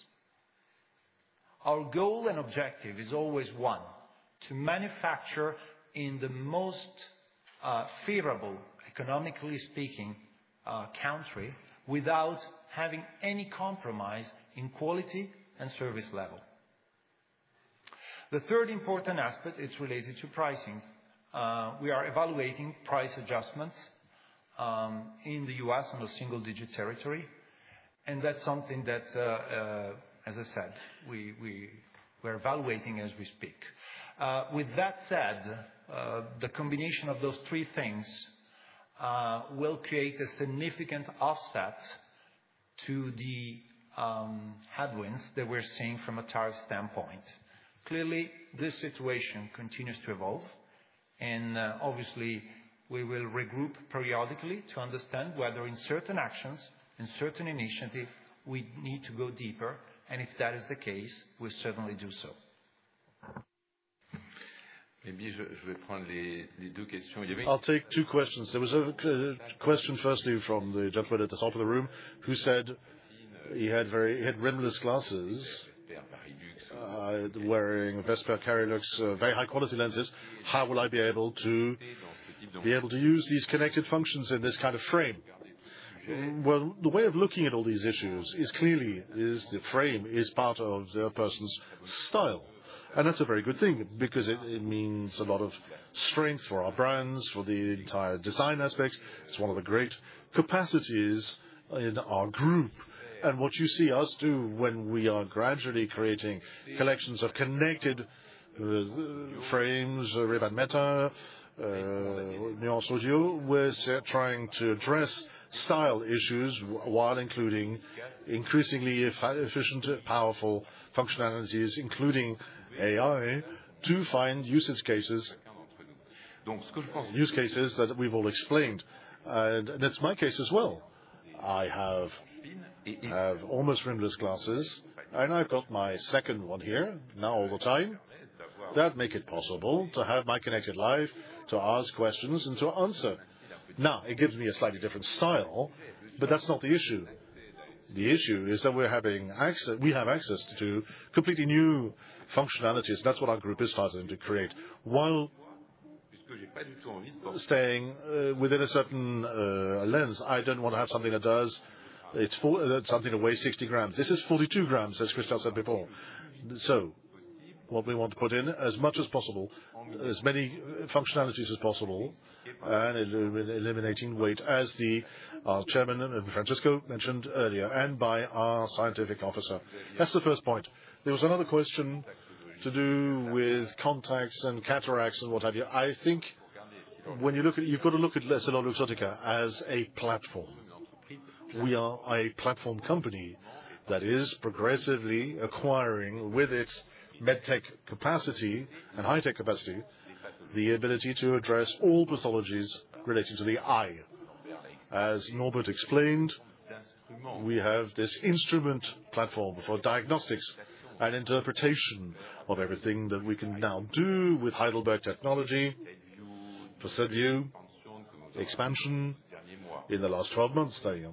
Our goal and objective is always one: to manufacture in the most favorable, economically speaking, country without having any compromise in quality and service level. The third important aspect is related to pricing. We are evaluating price adjustments in the US on a single-digit territory. That is something that, as I said, we're evaluating as we speak. With that said, the combination of those three things will create a significant offset to the headwinds that we're seeing from a tariff standpoint. Clearly, this situation continues to evolve. Obviously, we will regroup periodically to understand whether in certain actions, in certain initiatives, we need to go deeper. If that is the case, we'll certainly do so. Je vais prendre les deux questions. I'll take two questions. There was a question firstly from the gentleman at the top of the room who said he had rimless glasses, wearing Vespa Carrylux very high-quality lenses. How will I be able to use these connected functions in this kind of frame? The way of looking at all these issues is clearly the frame is part of the person's style. That is a very good thing because it means a lot of strength for our brands, for the entire design aspect. It is one of the great capacities in our group. What you see us do when we are gradually creating collections of connected frames, Ray-Ban Meta, Nuance Audio, we are trying to address style issues while including increasingly efficient, powerful functionalities, including AI, to find use cases, use cases that we have all explained. That is my case as well. I have almost rimless glasses, and I have got my second one here now all the time. That makes it possible to have my connected life, to ask questions, and to answer. It gives me a slightly different style, but that is not the issue. The issue is that we have access to completely new functionalities. That's what our group is starting to create. While staying within a certain lens, I don't want to have something that weighs 60 grams. This is 42 grams, as Christelle said before. What we want is to put in as much as possible, as many functionalities as possible, and eliminating weight, as the Chairman, Francesco, mentioned earlier, and by our Scientific Officer. That's the first point. There was another question to do with contacts and cataracts and what have you. I think when you look at EssilorLuxottica as a platform, we are a platform company that is progressively acquiring, with its medtech capacity and high-tech capacity, the ability to address all pathologies relating to the eye. As Norbert explained, we have this instrument platform for diagnostics and interpretation of everything that we can now do with Heidelberg technology for Cellview expansion in the last 12 months there.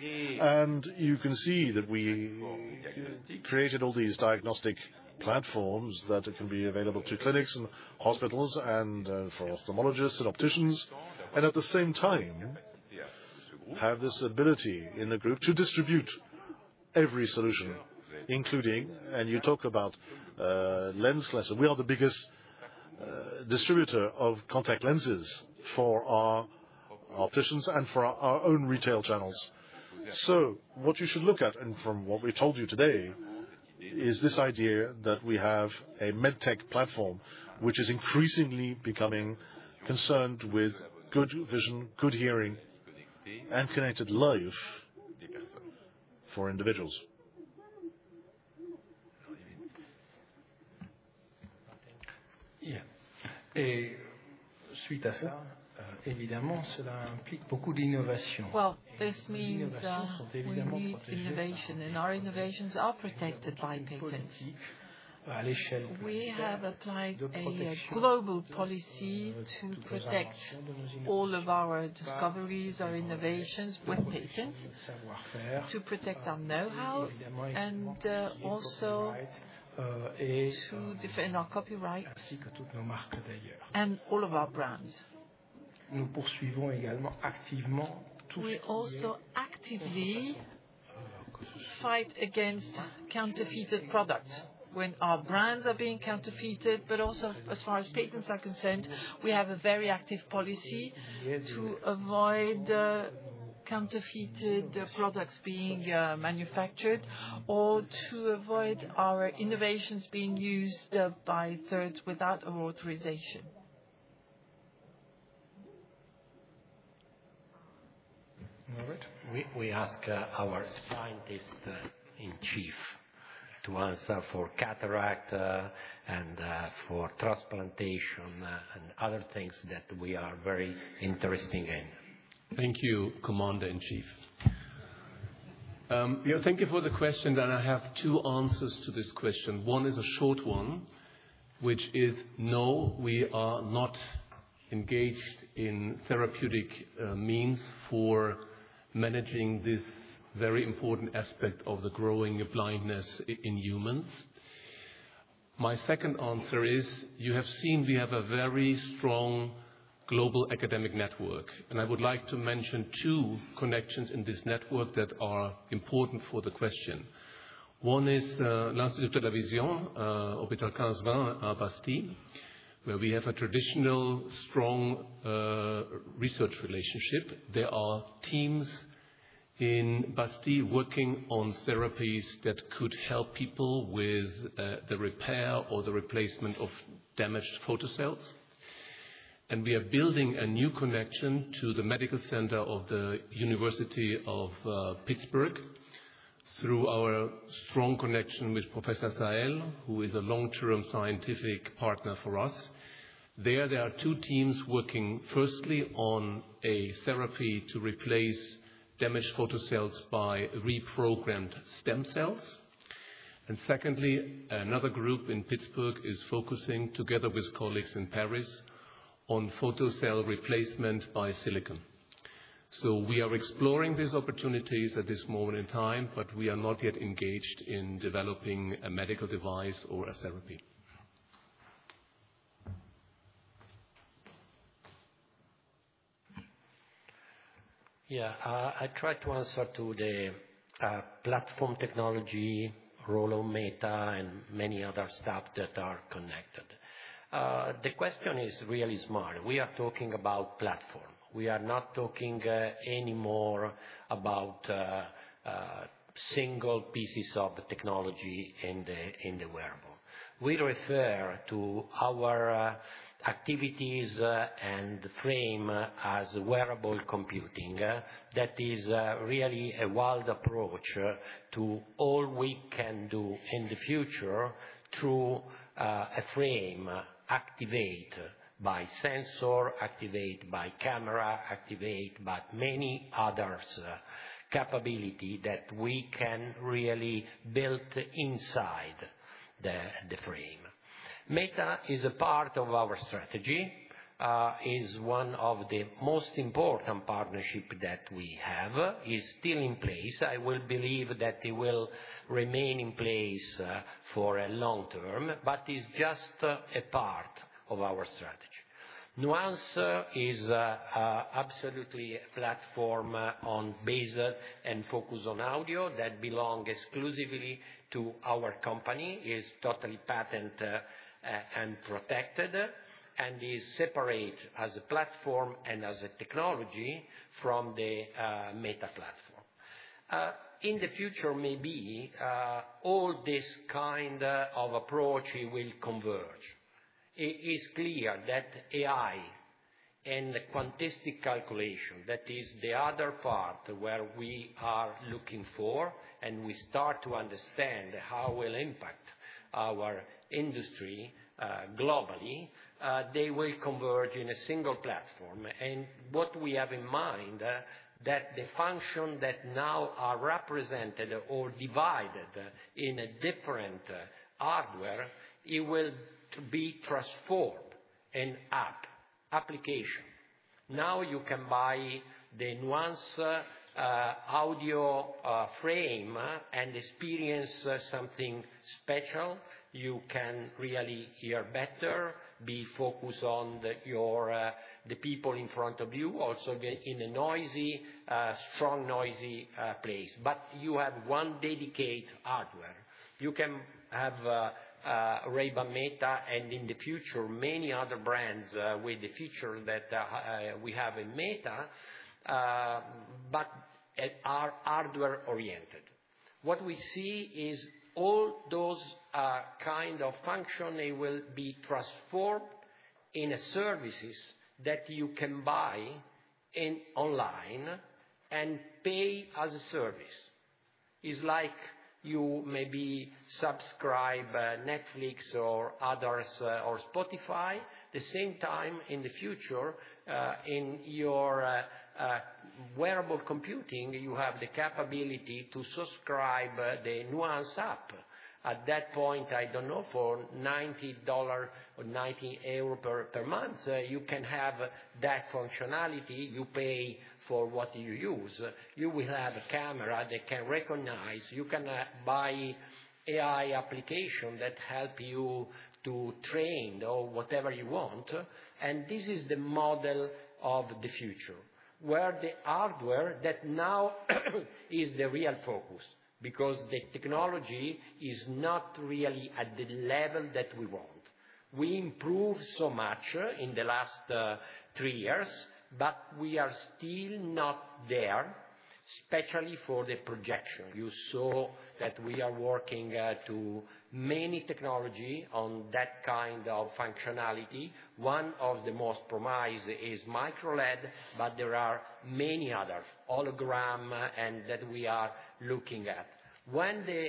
You can see that we created all these diagnostic platforms that can be available to clinics and hospitals and for ophthalmologists and opticians. At the same time, we have this ability in the group to distribute every solution, including—you talk about lens classes—we are the biggest distributor of contact lenses for our opticians and for our own retail channels. What you should look at, and from what we told you today, is this idea that we have a medtech platform which is increasingly becoming concerned with good vision, good hearing, and connected life for individuals. Et suite à cela, évidemment, cela implique beaucoup d'innovations. This means that innovation and our innovations are protected by patents. We have applied global policy to protect all of our discoveries, our innovations with patents, to protect our know-how, and also to defend our copyright and all of our brands. We also actively fight against counterfeited products. When our brands are being counterfeited, but also as far as patents are concerned, we have a very active policy to avoid counterfeited products being manufactured or to avoid our innovations being used by thirds without our authorization. We ask our scientist in chief to answer for cataract and for transplantation and other things that we are very interested in. Thank you, Commander in Chief. Thank you for the question, and I have two answers to this question. One is a short one, which is no, we are not engaged in therapeutic means for managing this very important aspect of the growing blindness in humans. My second answer is, you have seen we have a very strong global academic network, and I would like to mention two connections in this network that are important for the question. One is l'Institut de la Vision, Hôpital Carlsbad à Bastille, where we have a traditional strong research relationship. There are teams in Bastille working on therapies that could help people with the repair or the replacement of damaged photocells. We are building a new connection to the medical center of the University of Pittsburgh through our strong connection with Professor Sael, who is a long-term scientific partner for us. There, there are two teams working firstly on a therapy to replace damaged photocells by reprogrammed stem cells. Secondly, another group in Pittsburgh is focusing, together with colleagues in Paris, on photocell replacement by silicon. We are exploring these opportunities at this moment in time, but we are not yet engaged in developing a medical device or a therapy. Yeah, I tried to answer to the platform technology, Ray-Ban Meta, and many other stuff that are connected. The question is really smart. We are talking about platform. We are not talking anymore about single pieces of technology in the wearable. We refer to our activities and frame as wearable computing. That is really a wild approach to all we can do in the future through a frame activated by sensor, activated by camera, activated by many other capabilities that we can really build inside the frame. Meta is a part of our strategy, is one of the most important partnerships that we have, is still in place. I will believe that it will remain in place for a long term, but it's just a part of our strategy. Nuance is absolutely a platform based and focused on audio that belongs exclusively to our company, is totally patented and protected, and is separate as a platform and as a technology from the Meta platform. In the future, maybe all this kind of approach will converge. It is clear that AI and quantistic calculation, that is the other part where we are looking for, and we start to understand how it will impact our industry globally, they will converge in a single platform. What we have in mind is that the functions that now are represented or divided in different hardware will be transformed in an app application. Now you can buy the Nuance Audio frame and experience something special. You can really hear better, be focused on the people in front of you, also in a noisy, strong noisy place. You have one dedicated hardware. You can have Ray-Ban Meta and in the future many other brands with the feature that we have in Meta, but are hardware-oriented. What we see is all those kinds of functions will be transformed into services that you can buy online and pay as a service. It's like you maybe subscribe to Netflix or others or Spotify. At the same time, in the future, in your wearable computing, you have the capability to subscribe to the Nuance app. At that point, I don't know, for $90 or 90 euro per month, you can have that functionality. You pay for what you use. You will have a camera that can recognize. You can buy an AI application that helps you to train or whatever you want. This is the model of the future, where the hardware that now is the real focus because the technology is not really at the level that we want. We improved so much in the last three years, but we are still not there, especially for the projection. You saw that we are working to many technologies on that kind of functionality. One of the most promising is microLED, but there are many others, hologram, and that we are looking at. When the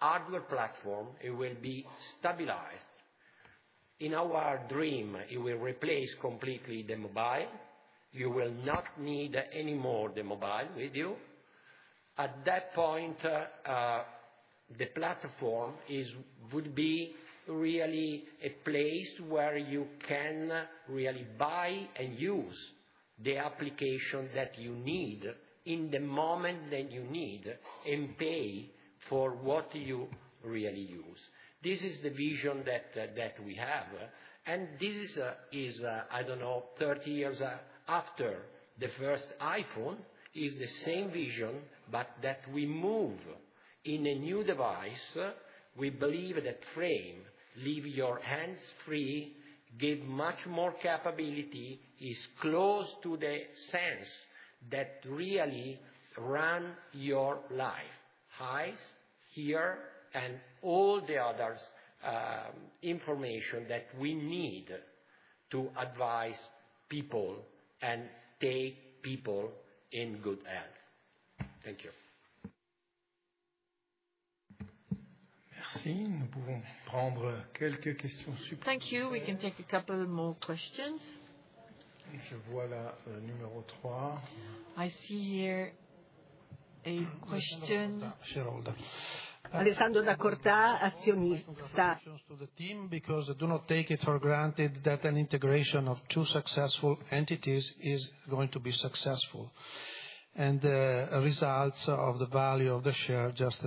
hardware platform will be stabilized, in our dream, it will replace completely the mobile. You will not need anymore the mobile with you. At that point, the platform would be really a place where you can really buy and use the application that you need in the moment that you need and pay for what you really use. This is the vision that we have. This is, I do not know, 30 years after the first iPhone, is the same vision, but that we move in a new device. We believe that frame leaves your hands free, gives much more capability, is close to the sense that really runs your life, eyes, ear, and all the other information that we need to advise people and take people in good health. Thank you. Merci. Nous pouvons prendre quelques questions. Thank you. We can take a couple more questions. Je vois la numéro 3. I see here a question. Geralda. Geralda. Alessandro D'Acorta, azionista. Question to the team because I do not take it for granted that an integration of two successful entities is going to be successful. The results of the value of the share just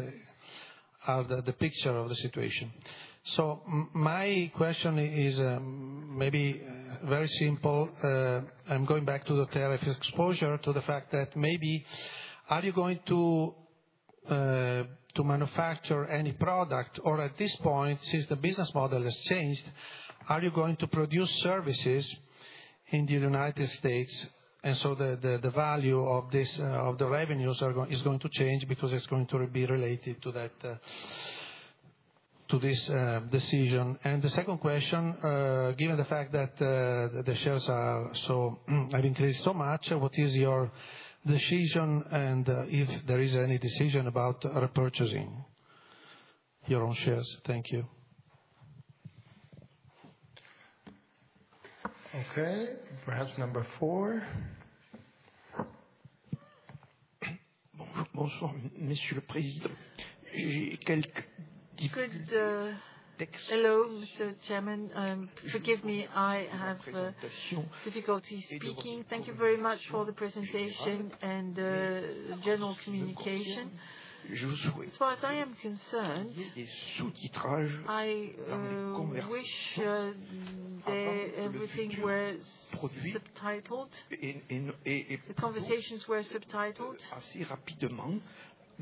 are the picture of the situation. My question is maybe very simple. I'm going back to the tariff exposure, to the fact that maybe are you going to manufacture any product? At this point, since the business model has changed, are you going to produce services in the United States? The value of the revenues is going to change because it's going to be related to this decision. The second question, given the fact that the shares have increased so much, what is your decision? If there is any decision about repurchasing your own shares? Thank you. Okay. Perhaps number 4. Bonjour, Monsieur le Président. Could—hello, Mr.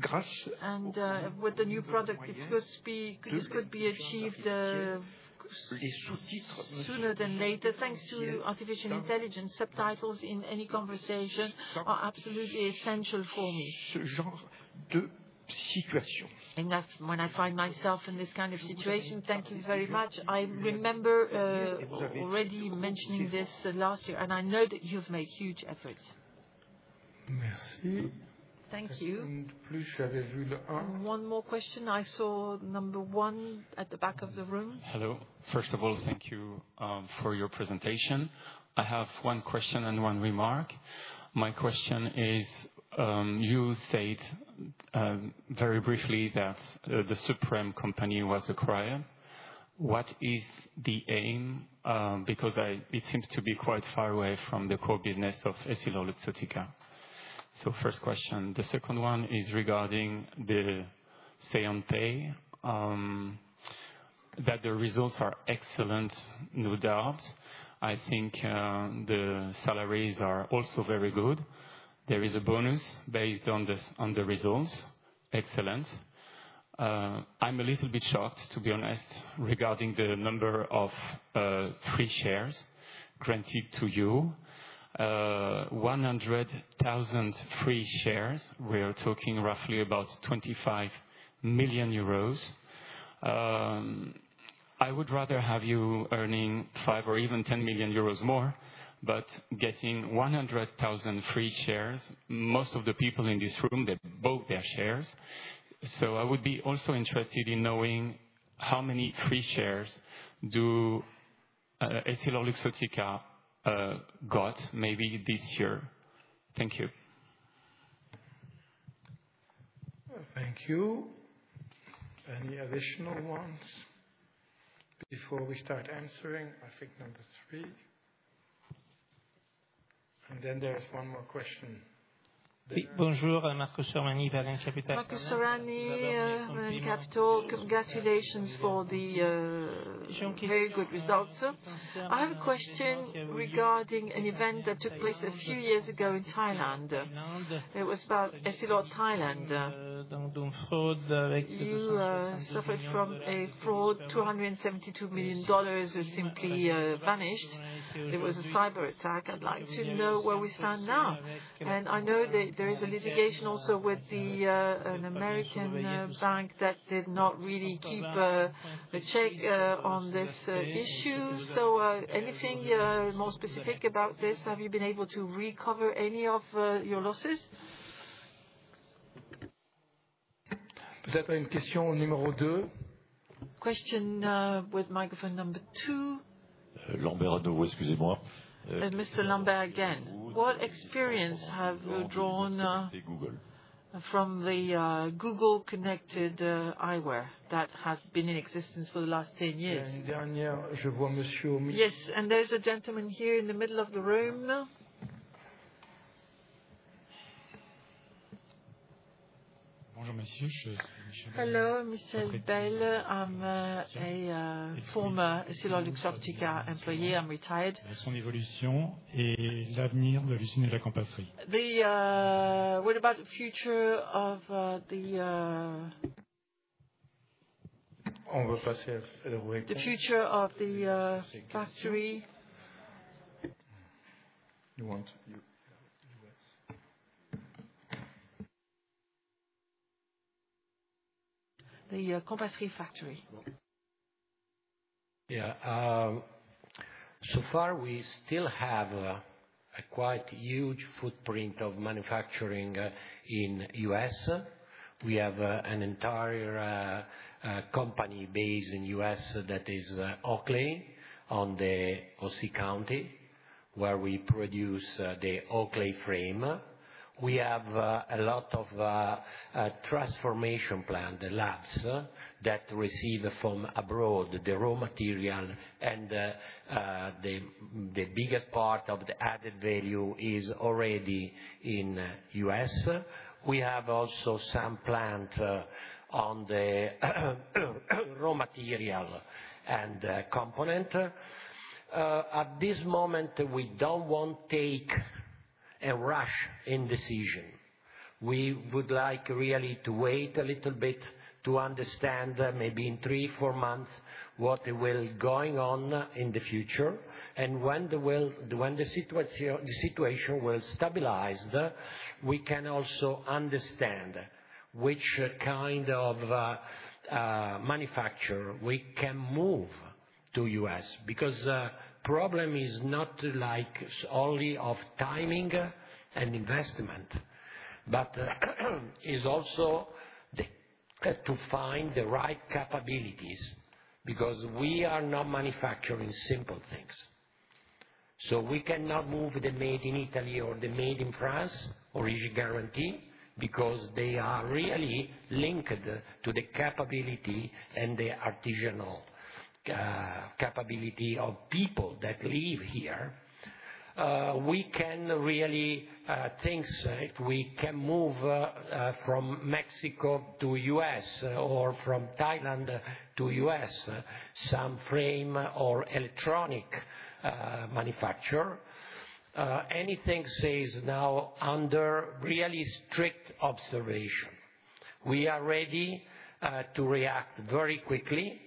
Chairman. Forgive me, I have difficulty speaking. Thank you very much for the presentation and general communication. As far as I am concerned, I wish that everything were subtitled. The conversations were subtitled. With the new product, this could be achieved sooner than later. Thanks to artificial intelligence, subtitles in any conversation are absolutely essential for me. Ce genre de situation. When I find myself in this kind of situation, thank you very much. I remember already mentioning this last year, and I know that you have made huge efforts. Thank you. One more question. I saw number one at the back of the room. Hello. First of all, thank you for your presentation. I have one question and one remark. My question is, you said very briefly that the Supreme company was acquired. What is the aim? Because it seems to be quite far away from the core business of EssilorLuxottica. First question. The second one is regarding the séante. The results are excellent, no doubt. I think the salaries are also very good. There is a bonus based on the results. Excellent. I'm a little bit shocked, to be honest, regarding the number of free shares granted to you. 100,000 free shares, we are talking roughly about 25 million euros. I would rather have you earning 5 million or even 10 million euros more, but getting 100,000 free shares. Most of the people in this room, they bought their shares. I would be also interested in knowing how many free shares EssilorLuxottica got maybe this year. Thank you. Thank you. Any additional ones? Before we start answering, I think number 3. There is one more question. Oui, bonjour, Marcus Sormani, Baleine Capital. Marcus Sormani Capital, congratulations for the very good results. I have a question regarding an event that took place a few years ago in Thailand. It was about Essilor Thailand. You suffered from a fraud of $272 million that simply vanished. It was a cyber attack. I'd like to know where we stand now. I know that there is a litigation also with an American bank that did not really keep a check on this issue. Anything more specific about this? Have you been able to recover any of your losses? Peut-être une question numéro 2. Question with microphone number 2. Lambert à nouveau, excusez-moi. Mr. Lambert again. What experience have you drawn from the Google-connected eyewear that has been in existence for the last 10 years? Yes, and there's a gentleman here in the middle of the room. Bonjour, monsieur. Hello, Mr. Bell. I'm a former EssilorLuxottica employee. I'm retired. Quelle est son évolution et l'avenir de l'usine et de la compasserie? What about the future of the factory? The compassery factory. Yeah. So far, we still have a quite huge footprint of manufacturing in the U.S. We have an entire company based in the U.S. that is Oakley in Orange County, where we produce the Oakley frame. We have a lot of transformation plants, the labs that receive from abroad the raw material, and the biggest part of the added value is already in the U.S. We have also some plants on the raw material and component. At this moment, we don't want to take a rush in decision. We would like really to wait a little bit to understand maybe in three or four months what will be going on in the future. When the situation will stabilize, we can also understand which kind of manufacturer we can move to the US because the problem is not only of timing and investment, but it is also to find the right capabilities because we are not manufacturing simple things. We cannot move the made in Italy or the made in France or issued guarantee because they are really linked to the capability and the artisanal capability of people that live here. We can really think we can move from Mexico to the US or from Thailand to the US some frame or electronic manufacturer. Anything stays now under really strict observation. We are ready to react very quickly.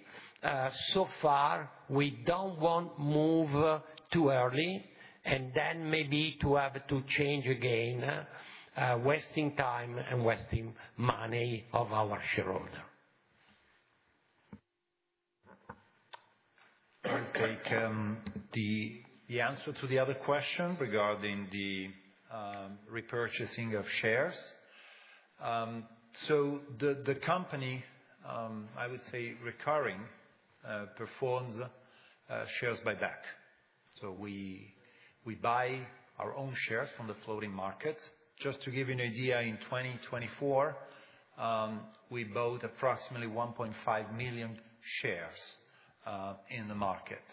So far, we do not want to move too early and then maybe to have to change again, wasting time and wasting money of our shareholder. I'll take the answer to the other question regarding the repurchasing of shares. The company, I would say recurring, performs shares buyback. We buy our own shares from the floating market. Just to give you an idea, in 2024, we bought approximately 1.5 million shares in the market.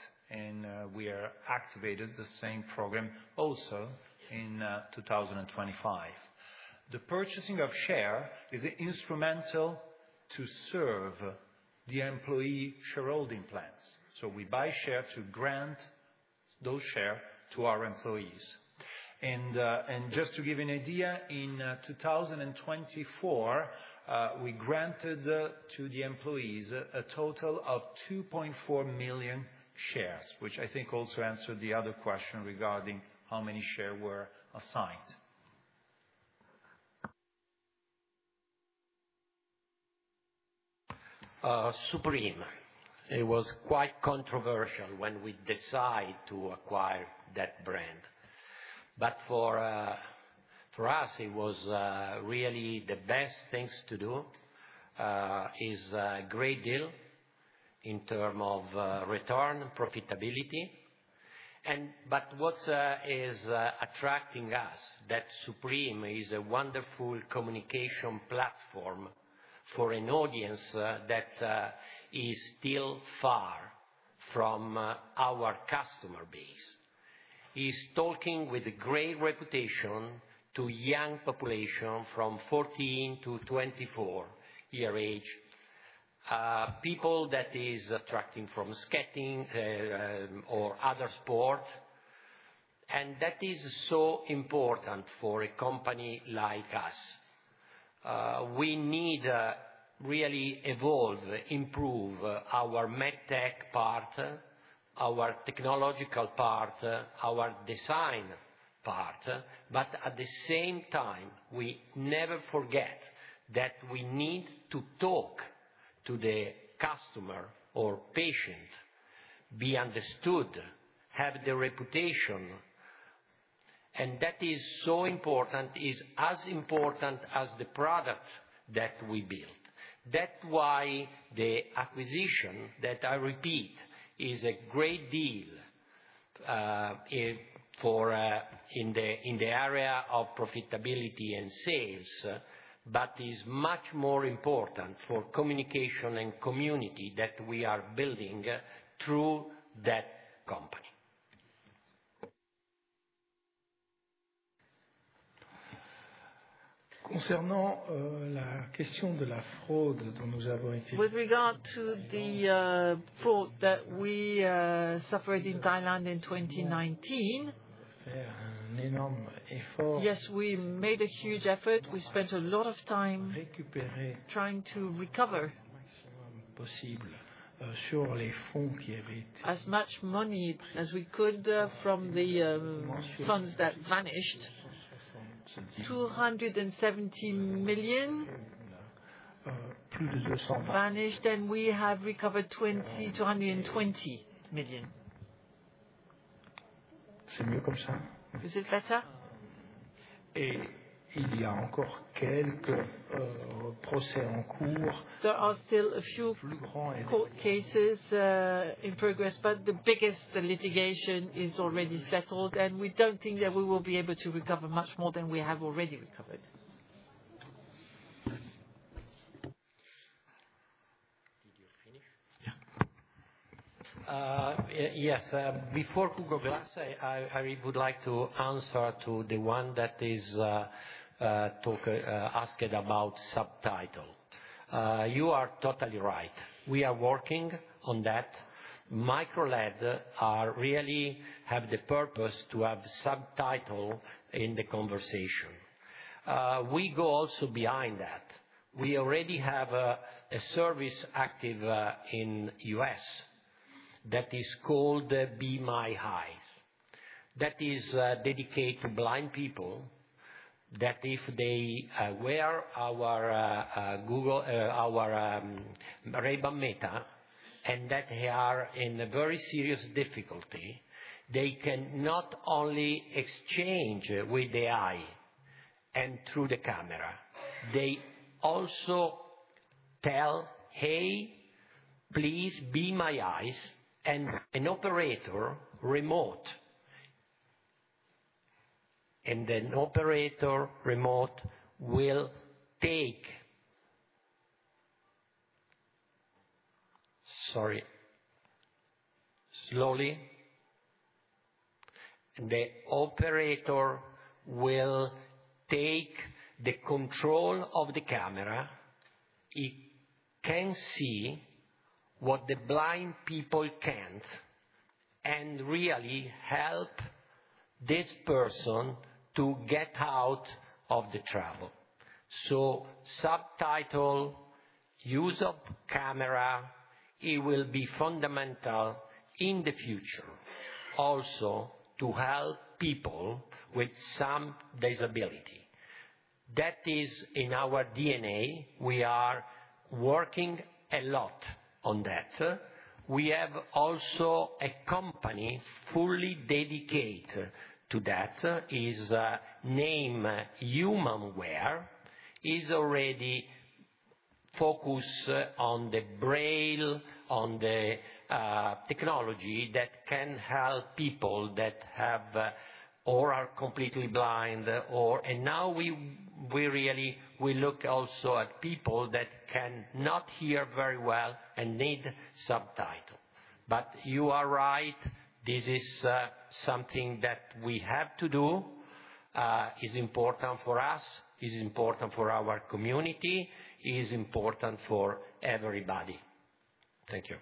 We activated the same program also in 2025. The purchasing of share is instrumental to serve the employee shareholding plans. We buy shares to grant those shares to our employees. Just to give you an idea, in 2024, we granted to the employees a total of 2.4 million shares, which I think also answered the other question regarding how many shares were assigned. Supreme. It was quite controversial when we decided to acquire that brand. For us, it was really the best things to do. It's a great deal in terms of return and profitability. What is attracting us is that Supreme is a wonderful communication platform for an audience that is still far from our customer base. It is talking with a great reputation to a young population from 14-24-year-old age. People that are attracted from skating or other sports. That is so important for a company like us. We need to really evolve, improve our medtech part, our technological part, our design part. At the same time, we never forget that we need to talk to the customer or patient, be understood, have the reputation. That is so important, it is as important as the product that we build. That is why the acquisition, that I repeat is a great deal in the area of profitability and sales, is much more important for communication and community that we are building through that company. Concernant la question de la fraude dont nous avons été. With regard to the fraud that we suffered in Thailand in 2019. We made a huge effort. We spent a lot of time trying to recover as much money as we could from the funds that vanished. $270 million vanished, and we have recovered $220 million. C'est mieux comme ça? Is it better? Et il y a encore quelques procès en cours. There are still a few cases in progress, but the biggest litigation is already settled. We do not think that we will be able to recover much more than we have already recovered. Yes. Before Google Glass, I would like to answer to the one that is asking about subtitles. You are totally right. We are working on that. MicroLED really has the purpose to have subtitles in the conversation. We go also behind that. We already have a service active in the US that is called Be My Eyes. That is dedicated to blind people that, if they wear our Ray-Ban Meta and that they are in very serious difficulty, they can not only exchange with the eye and through the camera. They also tell, "Hey, please be my eyes," and an operator remote. The operator remote will take—sorry. Slowly. The operator will take the control of the camera. It can see what the blind people can't and really help this person to get out of the trouble. Subtitle, use of camera, it will be fundamental in the future also to help people with some disability. That is in our DNA. We are working a lot on that. We have also a company fully dedicated to that. Its name, HumanWear, is already focused on the braille, on the technology that can help people that are completely blind. Now we really look also at people that cannot hear very well and need subtitles. You are right. This is something that we have to do. It's important for us. It's important for our community. It's important for everybody. Thank you.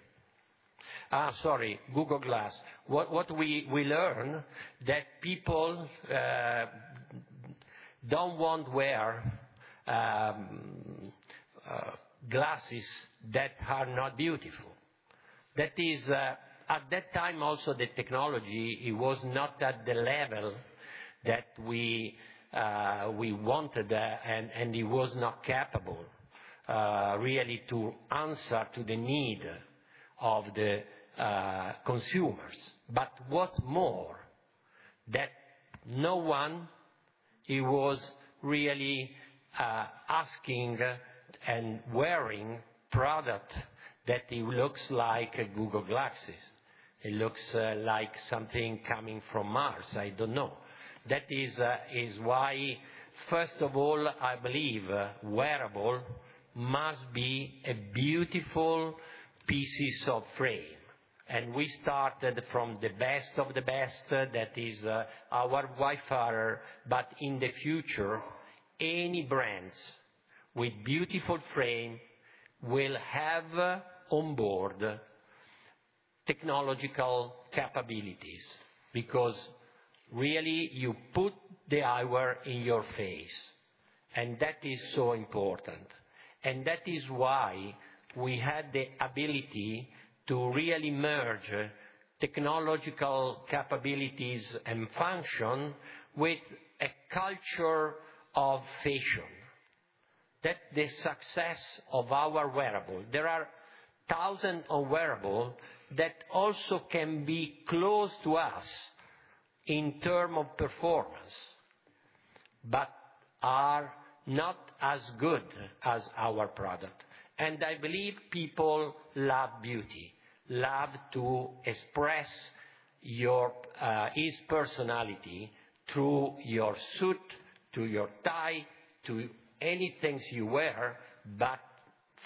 Sorry. Google Glass. What we learned is that people don't want to wear glasses that are not beautiful. That is, at that time also, the technology was not at the level that we wanted, and it was not capable really to answer to the need of the consumers. What's more, no one was really asking and wearing a product that looks like Google Glass. It looks like something coming from Mars. I don't know. That is why, first of all, I believe wearable must be a beautiful piece of frame. We started from the best of the best. That is our wise error. In the future, any brands with beautiful frames will have onboard technological capabilities because really you put the eyewear in your face. That is so important. That is why we had the ability to really merge technological capabilities and functions with a culture of fashion. That is the success of our wearable. There are thousands of wearables that also can be close to us in terms of performance but are not as good as our product. I believe people love beauty, love to express your personality through your suit, through your tie, through anything you wear, but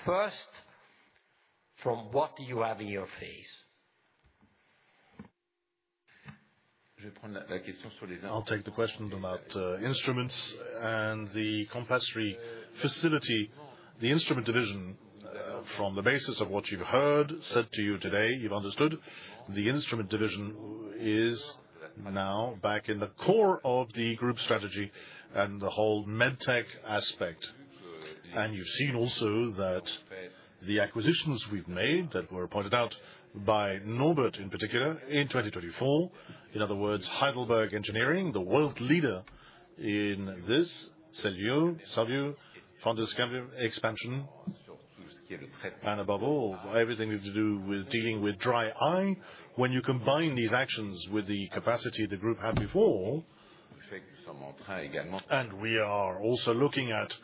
first from what you have in your face. Je vais prendre la question sur les instruments. I'll take the question about instruments and the compulsory facility. The instrument division, from the basis of what you've heard said to you today, you've understood. The instrument division is now back in the core of the group strategy and the whole medtech aspect. You have seen also that the acquisitions we've made that were pointed out by Norbert in particular in 2024, in other words, Heidelberg Engineering, the world leader in this Cellview Imaging-funded expansion. Above all, everything we've to do with dealing with dry eye. When you combine these actions with the capacity the group had before. Et we think someone try également. We are also looking at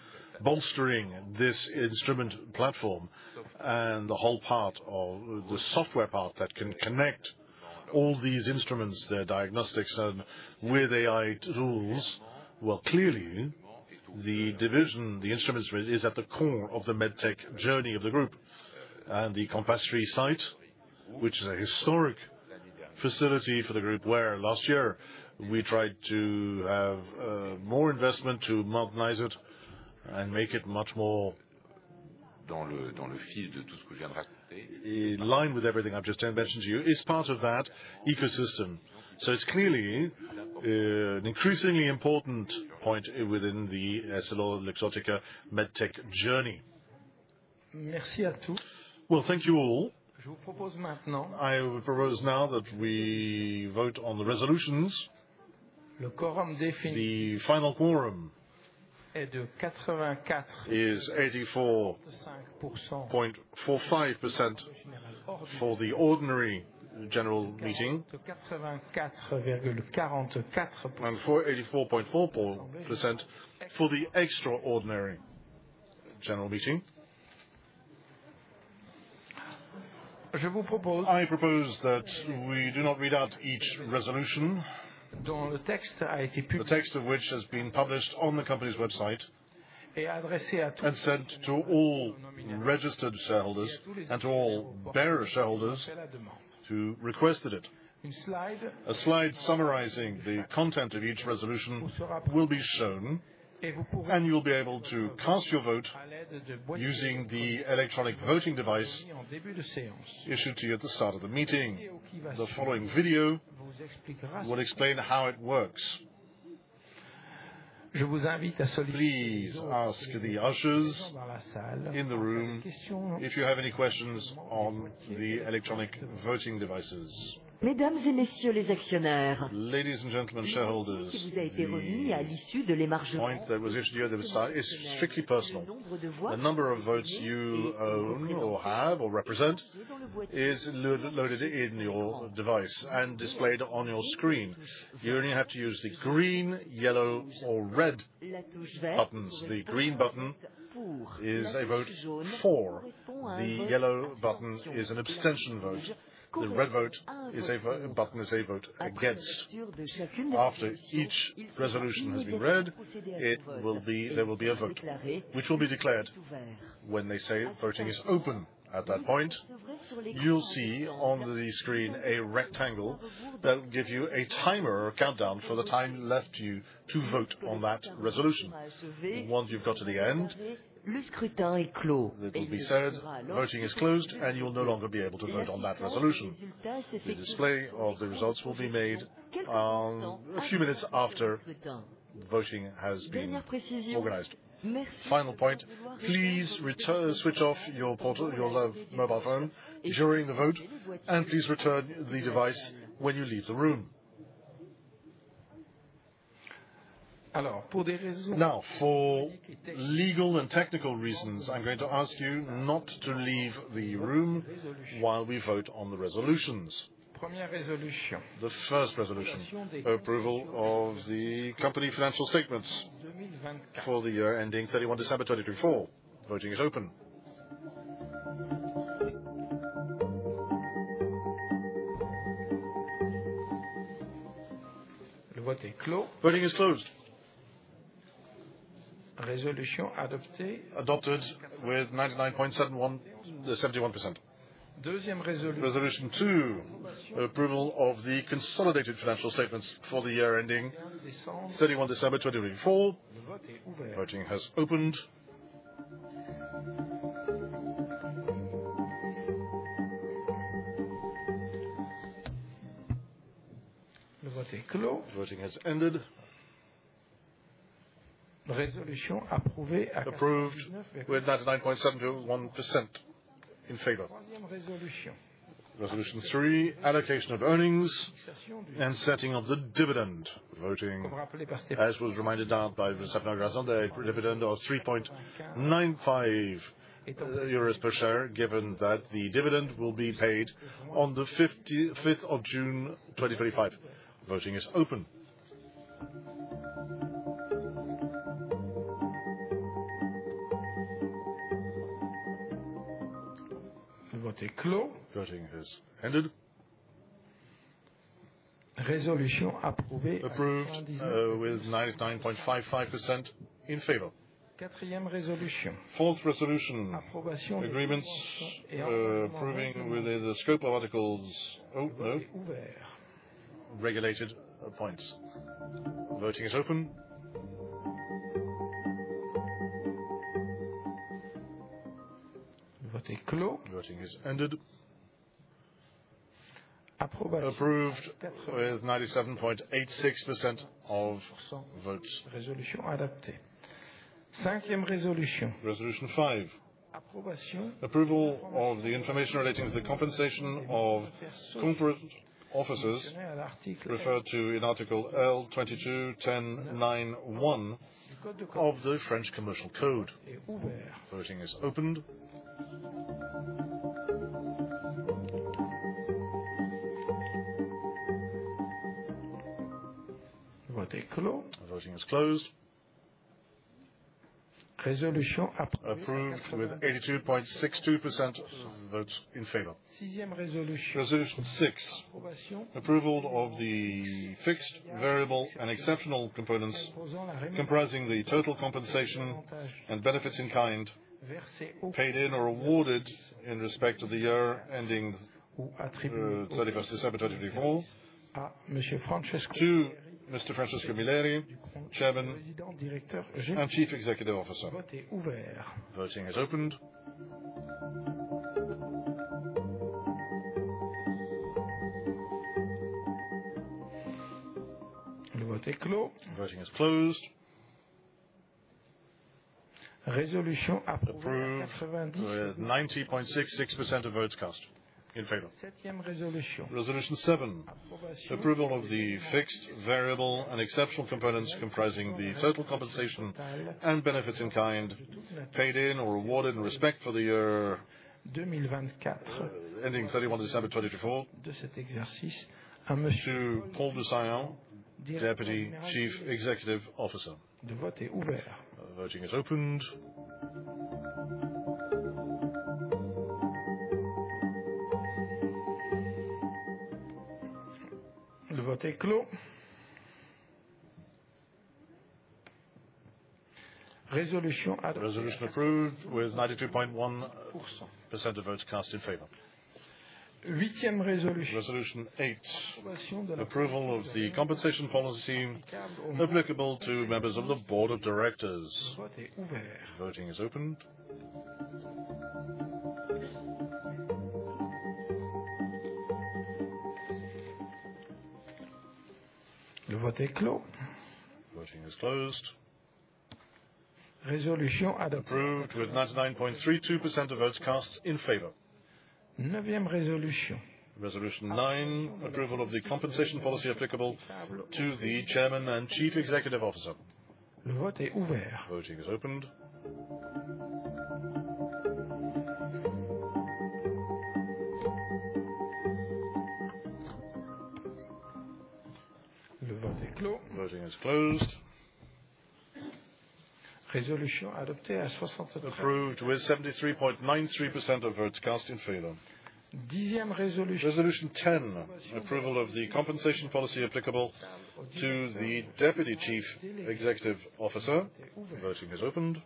bolstering this instrument platform and the whole part of the software part that can connect all these instruments, the diagnostics, and with AI tools. Clearly, the division, the instruments, is at the core of the medtech journey of the group. The compassery site, which is a historic facility for the group, where last year we tried to have more investment to modernize it and make it much more. Dans le fil de tout ce que je viens de raconter. In line with everything I've just mentioned to you, it's part of that ecosystem. It is clearly an increasingly important point within the EssilorLuxottica medtech journey. Merci à tous. Thank you all. Je vous propose maintenant. I would propose now that we vote on the resolutions. Le quorum défini. The final quorum is 84.45% for the ordinary general meeting. Et 84,44%. And 84.4% for the extraordinary general meeting. Je vous propose. I propose that we do not read out each resolution. Dont le texte a été. The text of which has been published on the company's website. Et adressé à tous. And sent to all registered shareholders and to all bearer shareholders who requested it. A slide summarizing the content of each resolution will be shown, and you'll be able to cast your vote using the electronic voting device issued to you at the start of the meeting. The following video will explain how it works. Je vous invite à. Please ask the ushers in the room if you have any questions on the electronic voting devices. Mesdames et messieurs les actionnaires. Ladies and gentlemen shareholders. Qui vous a été remis à l'issue de l'émergence. Point that was issued to you at the start is strictly personal. The number of votes you own or have or represent is loaded in your device and displayed on your screen. You only have to use the green, yellow, or red buttons. The green button is a vote for. The yellow button is an abstention vote. The red button is a vote against. After each resolution has been read, there will be a vote which will be declared. When they say voting is open at that point, you'll see on the screen a rectangle that will give you a timer or countdown for the time left to you to vote on that resolution. Once you've got to the end. Le scrutin est clos. It will be said, "Voting is closed," and you'll no longer be able to vote on that resolution. The display of the results will be made a few minutes after voting has been organized. Final point, please switch off your mobile phone during the vote, and please return the device when you leave the room. Now, for legal and technical reasons, I'm going to ask you not to leave the room while we vote on the resolutions. The first resolution. Approval of the company financial statements for the year ending 31 December 2024. Voting is open. Voting is closed. Resolution adopted with 99.71%. Resolution two. Approval of the consolidated financial statements for the year ending 31 December 2024. Voting has opened. Voting has ended. Resolution approved with 99.71% in favor. Resolution three. Allocation of earnings and setting of the dividend. Voting, as was reminded now by Monsieur Glasson, dividend of 3.95 euros per share, given that the dividend will be paid on the 5th of June 2025. Voting is open. Voting has ended. Resolution approved with 99.55% in favor. Fourth resolution. Approval of the scope of articles regulated points. Voting is open. Voting is ended. Approved with 97.86% of votes. Resolution five. Approval of the information relating to the compensation of corporate officers referred to in article L221091 of the French commercial code. Voting is opened. Voting is closed. Approved with 82.62% of votes in favor. Resolution six. Approval of the fixed, variable, and exceptional components comprising the total compensation and benefits in kind paid in or awarded in respect of the year ending 31st December 2024 to Monsieur Francesco Milleri, Chairman and Chief Executive Officer. Voting is opened. Resolution approved with 90.66% of votes cast in favor. Resolution seven. Approval of the fixed, variable, and exceptional components comprising the total compensation and benefits in kind paid in or awarded in respect of the year ending 31st December 2024 to Paul du Saillant, Deputy Chief Executive Officer. Voting is opened. Resolution approved with 92.1% of votes cast in favor. Resolution eight. Approval of the compensation policy applicable to members of the board of directors. Voting is opened. Resolution approved with 99.32% of votes cast in favor. Resolution nine. Approval of the compensation policy applicable to the Chairman and Chief Executive Officer. Voting is opened. Resolution approved with 73.93% of votes cast in favor. Resolution ten. Approval of the compensation policy applicable to the Deputy Chief Executive Officer. Voting is opened.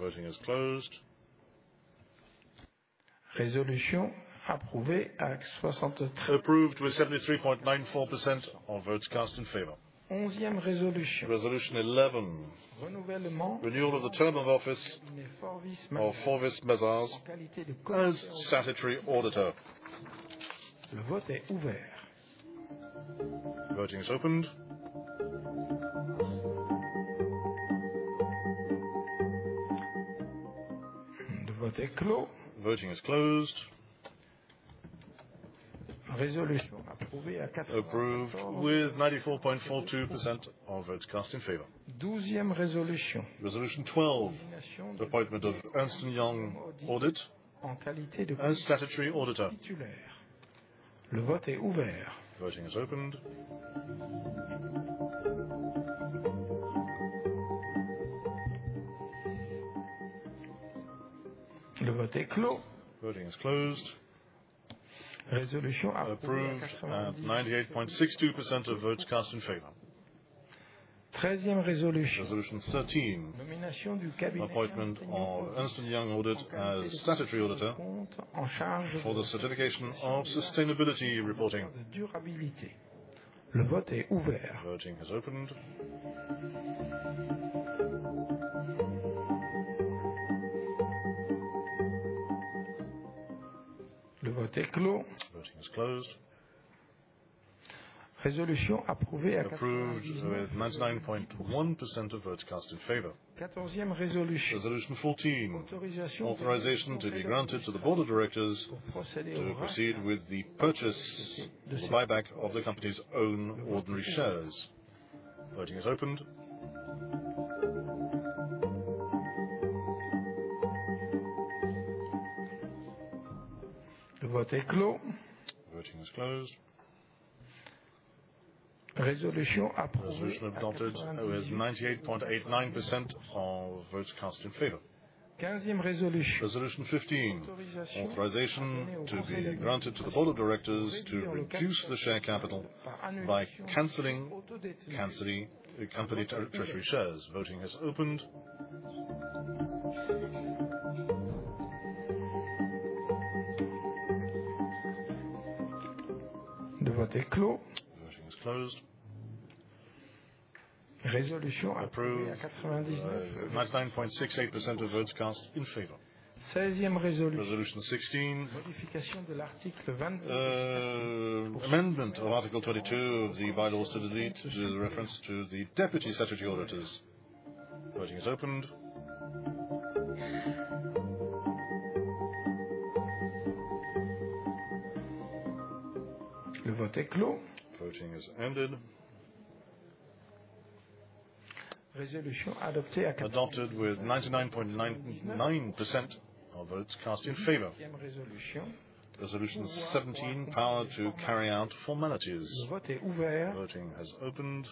Voting is closed. Resolution approved with 73.94% of votes cast in favor. Resolution eleven. Renewal of the term of office of statutory auditor. Voting is opened. Voting is closed. Resolution approved with 94.42% of votes cast in favor. Resolution twelve. Appointment of Ernst & Young Audit as statutory auditor. Voting is opened. Resolution approved with 98.62% of votes cast in favor. Resolution thirteen. Appointment of Ernst & Young Audit as statutory auditor for the certification of sustainability reporting. Voting is opened. Resolution approved with 99.1% of votes cast in favor. Resolution fourteen. Authorization to be granted to the Board of Directors to proceed with the purchase or buyback of the company's own ordinary shares. Voting is opened. Voting is closed. Resolution approved with 98.89% of votes cast in favor. Resolution fifteen. Authorization to be granted to the Board of Directors to reduce the share capital by canceling company treasury shares. Voting is opened. Voting is closed. Resolution approved with 99.68% of votes cast in favor. Resolution sixteen. Amendment of article twenty-two of the bylaws to the league to reference to the deputy statutory auditors. Voting is opened. Voting is ended. Resolution adopted with 99.99% of votes cast in favor. Resolution seventeen. Power to carry out formalities. Voting is opened.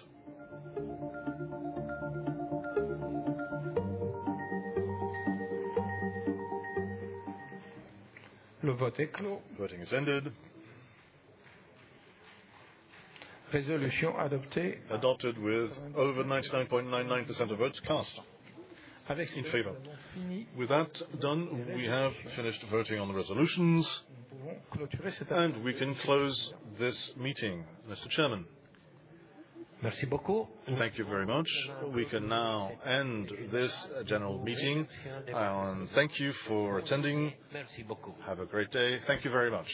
Resolution adopted with over 99.99% of votes cast in favor. With that done, we have finished voting on the resolutions, and we can close this meeting, Monsieur Chairman. Merci beaucoup. Thank you very much. We can now end this general meeting. Thank you for attending. Merci beaucoup. Have a great day. Thank you very much.